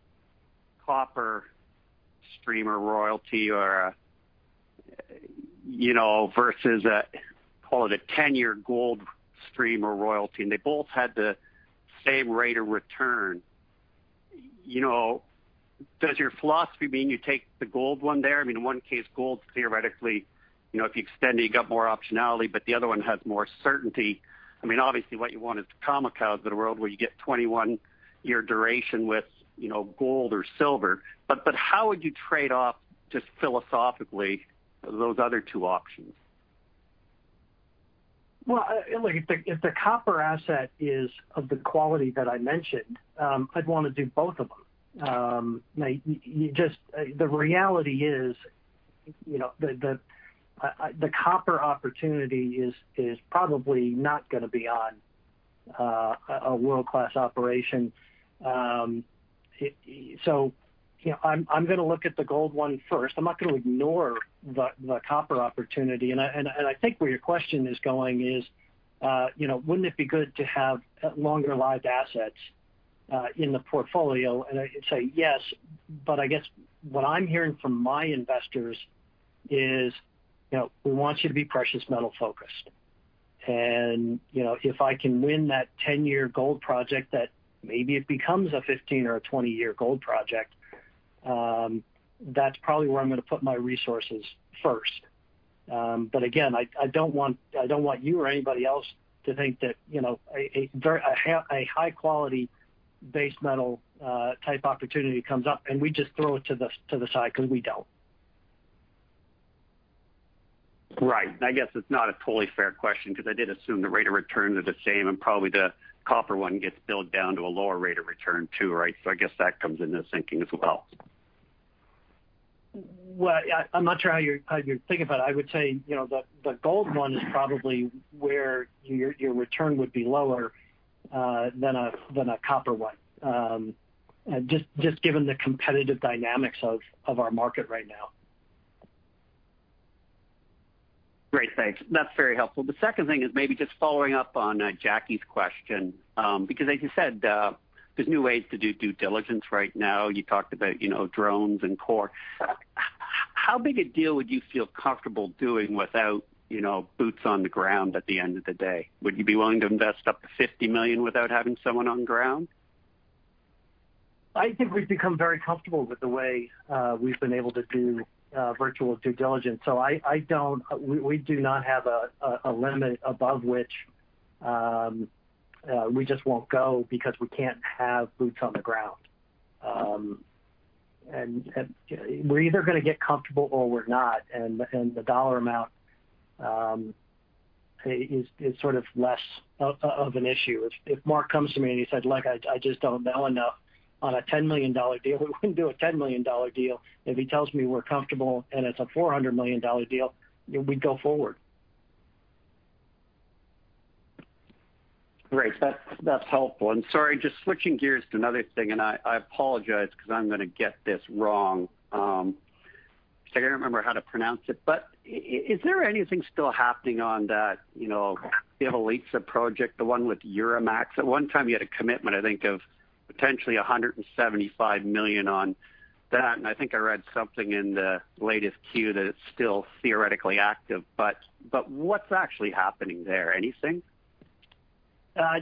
copper stream or royalty versus a, call it a 10-year gold stream or royalty, and they both had the same rate of return. Does your philosophy mean you take the gold one there? In one case, gold, theoretically, if you extend it, you got more optionality, but the other one has more certainty. Obviously, what you want is the Khoemacau of the world where you get 21-year duration with gold or silver. How would you trade off, just philosophically, those other two options? Well, if the copper asset is of the quality that I mentioned, I'd want to do both of them. The reality is, the copper opportunity is probably not going to be on a world-class operation. I'm going to look at the gold one first. I'm not going to ignore the copper opportunity. I think where your question is going is, wouldn't it be good to have longer lived assets in the portfolio? I'd say yes, but I guess what I'm hearing from my investors is, "We want you to be precious metal focused." If I can win that 10-year gold project that maybe it becomes a 15 or a 20-year gold project, that's probably where I'm going to put my resources first. Again, I don't want you or anybody else to think that a high quality base metal type opportunity comes up and we just throw it to the side, because we don't. Right. I guess it's not a totally fair question because I did assume the rate of returns are the same and probably the copper one gets built down to a lower rate of return too, right? I guess that comes into thinking as well. Well, I'm not sure how you're thinking about it. I would say, the gold one is probably where your return would be lower than a copper one, just given the competitive dynamics of our market right now. Thanks. That's very helpful. The second thing is maybe just following up on Jackie's question, because as you said, there's new ways to do due diligence right now. You talked about drones and core. How big a deal would you feel comfortable doing without boots on the ground at the end of the day? Would you be willing to invest up to $50 million without having someone on ground? I think we've become very comfortable with the way we've been able to do virtual due diligence. We do not have a limit above which we just won't go because we can't have boots on the ground. We're either going to get comfortable or we're not, and the dollar amount is less of an issue. If Mark comes to me and he said, "Look, I just don't know enough on a $10 million deal," we wouldn't do a $10 million deal. If he tells me we're comfortable and it's a $400 million deal, we'd go forward. Great. That's helpful. Sorry, just switching gears to another thing, I apologize because I'm going to get this wrong. I can't remember how to pronounce it, is there anything still happening on that, the Ilovica project, the one with Euromax? At one time, you had a commitment, I think, of potentially $175 million on that, I think I read something in the latest Q that it's still theoretically active. What's actually happening there? Anything?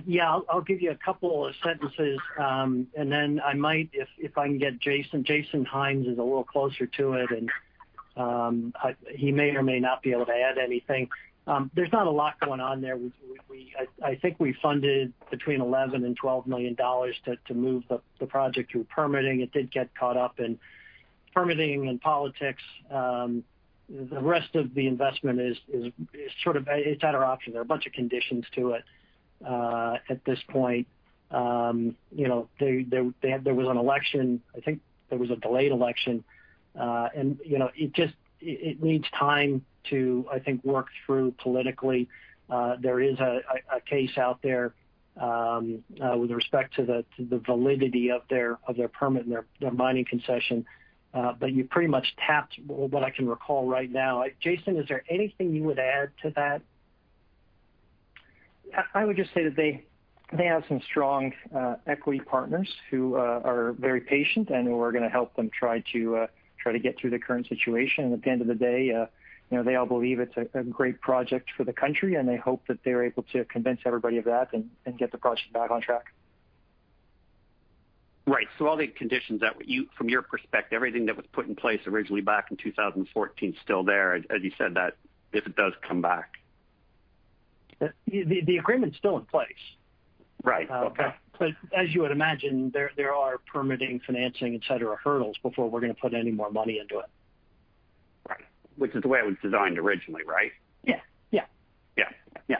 Yeah, I'll give you a couple of sentences, and then I might, if I can get Jason. Jason Hynes is a little closer to it, and he may or may not be able to add anything. There's not a lot going on there. I think we funded between $11 million-$12 million to move the project through permitting. It did get caught up in permitting and politics. The rest of the investment is at our option. There are a bunch of conditions to it at this point. There was an election, I think there was a delayed election. It needs time to, I think, work through politically. There is a case out there with respect to the validity of their permit and their mining concession. You pretty much tapped what I can recall right now. Jason, is there anything you would add to that? I would just say that they have some strong equity partners who are very patient and who are going to help them try to get through the current situation. At the end of the day, they all believe it's a great project for the country, and they hope that they're able to convince everybody of that and get the project back on track. Right. All the conditions from your perspective, everything that was put in place originally back in 2014 is still there, as you said, that if it does come back. The agreement's still in place. Right. Okay. As you would imagine, there are permitting, financing, et cetera, hurdles before we're going to put any more money into it. Right. Which is the way it was designed originally, right? Yeah. Yeah.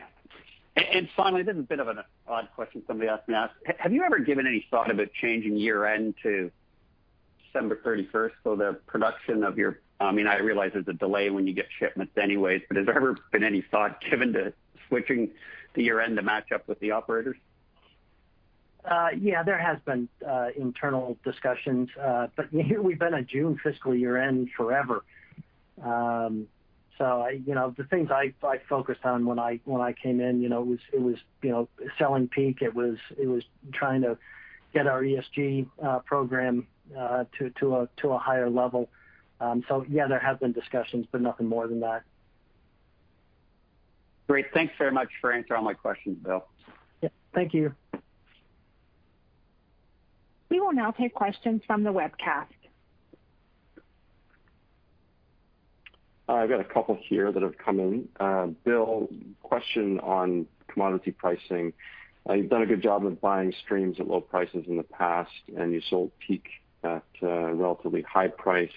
Finally, this is a bit of an odd question somebody asked me to ask. Have you ever given any thought about changing year-end to December 31st? The production of your, I mean, I realize there's a delay when you get shipments anyways, but has there ever been any thought given to switching the year-end to match up with the operators? Yeah, there has been internal discussions. Here, we've been a June fiscal year-end forever. The things I focused on when I came in, it was selling Peak. It was trying to get our ESG program to a higher level. Yeah, there have been discussions, but nothing more than that. Great. Thanks very much for answering all my questions, Bill. Yep. Thank you. We will now take questions from the webcast. I've got a couple here that have come in. Bill, question on commodity pricing. You've done a good job of buying streams at low prices in the past, and you sold Peak at a relatively high price.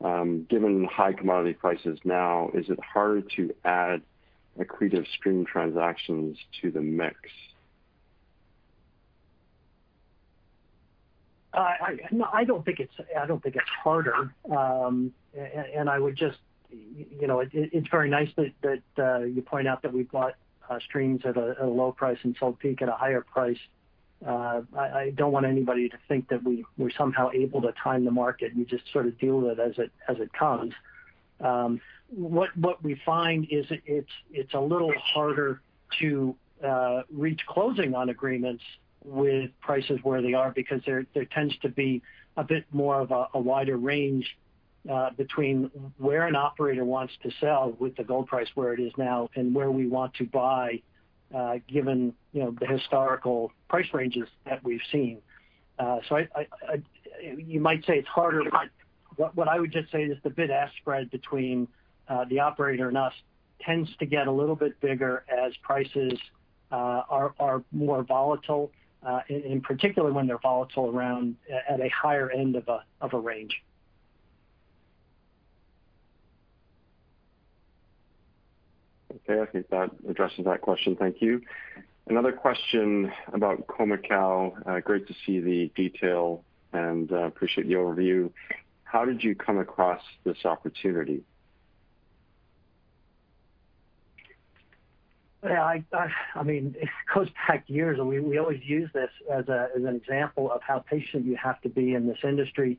Given the high commodity prices now, is it harder to add accretive stream transactions to the mix? I don't think it's harder. It's very nice that you point out that we bought streams at a low price and sold Peak at a higher price. I don't want anybody to think that we're somehow able to time the market. We just sort of deal with it as it comes. What we find is it's a little harder to reach closing on agreements with prices where they are because there tends to be a bit more of a wider range between where an operator wants to sell with the gold price where it is now and where we want to buy given the historical price ranges that we've seen. You might say it's harder, but what I would just say is the bid-ask spread between the operator and us tends to get a little bit bigger as prices are more volatile, and particularly when they're volatile at a higher end of a range. Okay. I think that addresses that question. Thank you. Another question about Khoemacau. Great to see the detail and appreciate the overview. How did you come across this opportunity? Yeah, it goes back years, and we always use this as an example of how patient you have to be in this industry.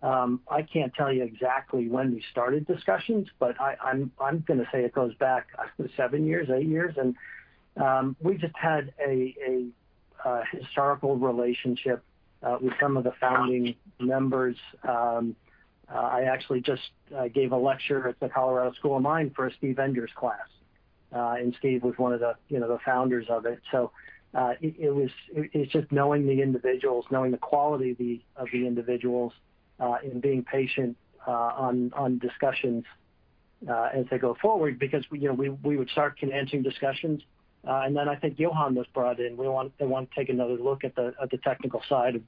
I can't tell you exactly when we started discussions, but I'm going to say it goes back seven years, eight years, and we just had a historical relationship with some of the founding members. I actually just gave a lecture at the Colorado School of Mines for Steve Enders's class, and Steve was one of the founders of it. It's just knowing the individuals, knowing the quality of the individuals, and being patient on discussions as they go forward. We would start commencing discussions, and then I think Johan was brought in. They wanted to take another look at the technical side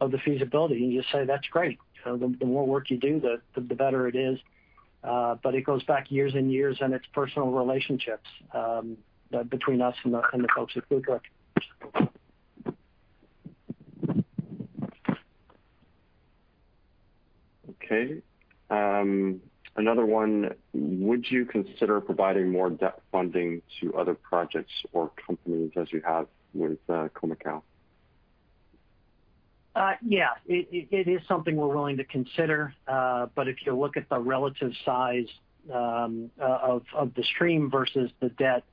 of the feasibility, and you say, "That's great." The more work you do, the better it is. It goes back years and years, and it's personal relationships between us and the folks at Hudbay. Okay. Another one, would you consider providing more debt funding to other projects or companies as you have with Khoemacau? Yeah. It is something we're willing to consider. If you look at the relative size of the stream versus the debt,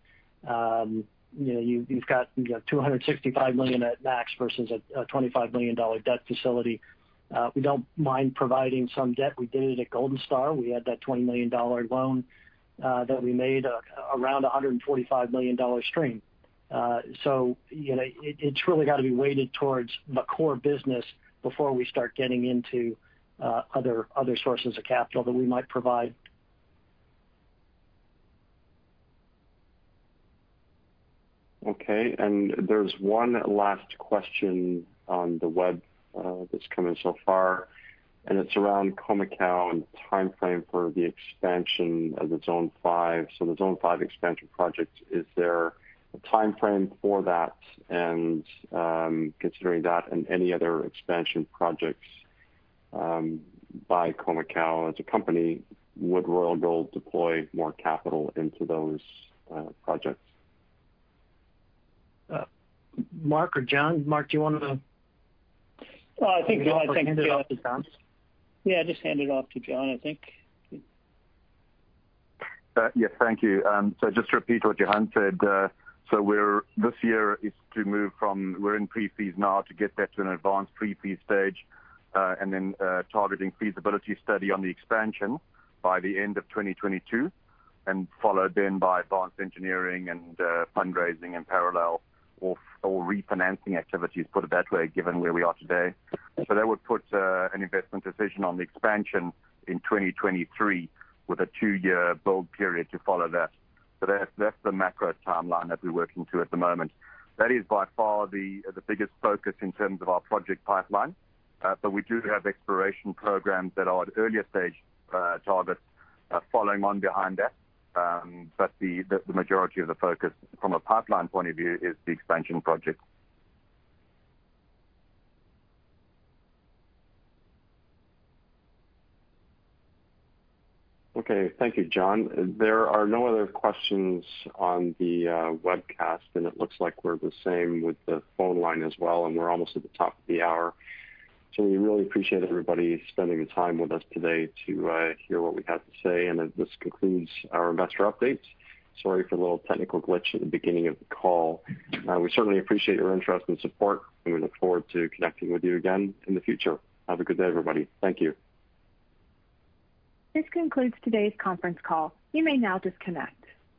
you've got $265 million at max versus a $25 million debt facility. We don't mind providing some debt. We did it at Golden Star. We had that $20 million loan that we made around $145 million stream. It's really got to be weighted towards the core business before we start getting into other sources of capital that we might provide. Okay. There's one last question on the web that's come in so far, and it's around Khoemacau and the timeframe for the expansion of the Zone 5. The Zone 5 expansion project, is there a timeframe for that? Considering that and any other expansion projects by Khoemacau as a company, would Royal Gold deploy more capital into those projects? Mark or John? Mark. I think Johan Do you want to hand it off to John? Yeah, just hand it off to John, I think. Yes. Thank you. Just to repeat what Johan said, this year is to move from we're in PFS now to get that to an advanced PFS stage, targeting feasibility study on the expansion by the end of 2022, followed by advanced engineering and fundraising in parallel or refinancing activities, put it that way, given where we are today. That would put an investment decision on the expansion in 2023 with a two-year build period to follow that. That's the macro timeline that we're working to at the moment. That is by far the biggest focus in terms of our project pipeline. We do have exploration programs that are at earlier stage targets following on behind that. The majority of the focus from a pipeline point of view is the expansion project. Okay. Thank you, John. There are no other questions on the webcast. It looks like we're the same with the phone line as well. We're almost at the top of the hour. We really appreciate everybody spending the time with us today to hear what we have to say. This concludes our investor update. Sorry for the little technical glitch at the beginning of the call. We certainly appreciate your interest and support. We look forward to connecting with you again in the future. Have a good day, everybody. Thank you. This concludes today's conference call. You may now disconnect.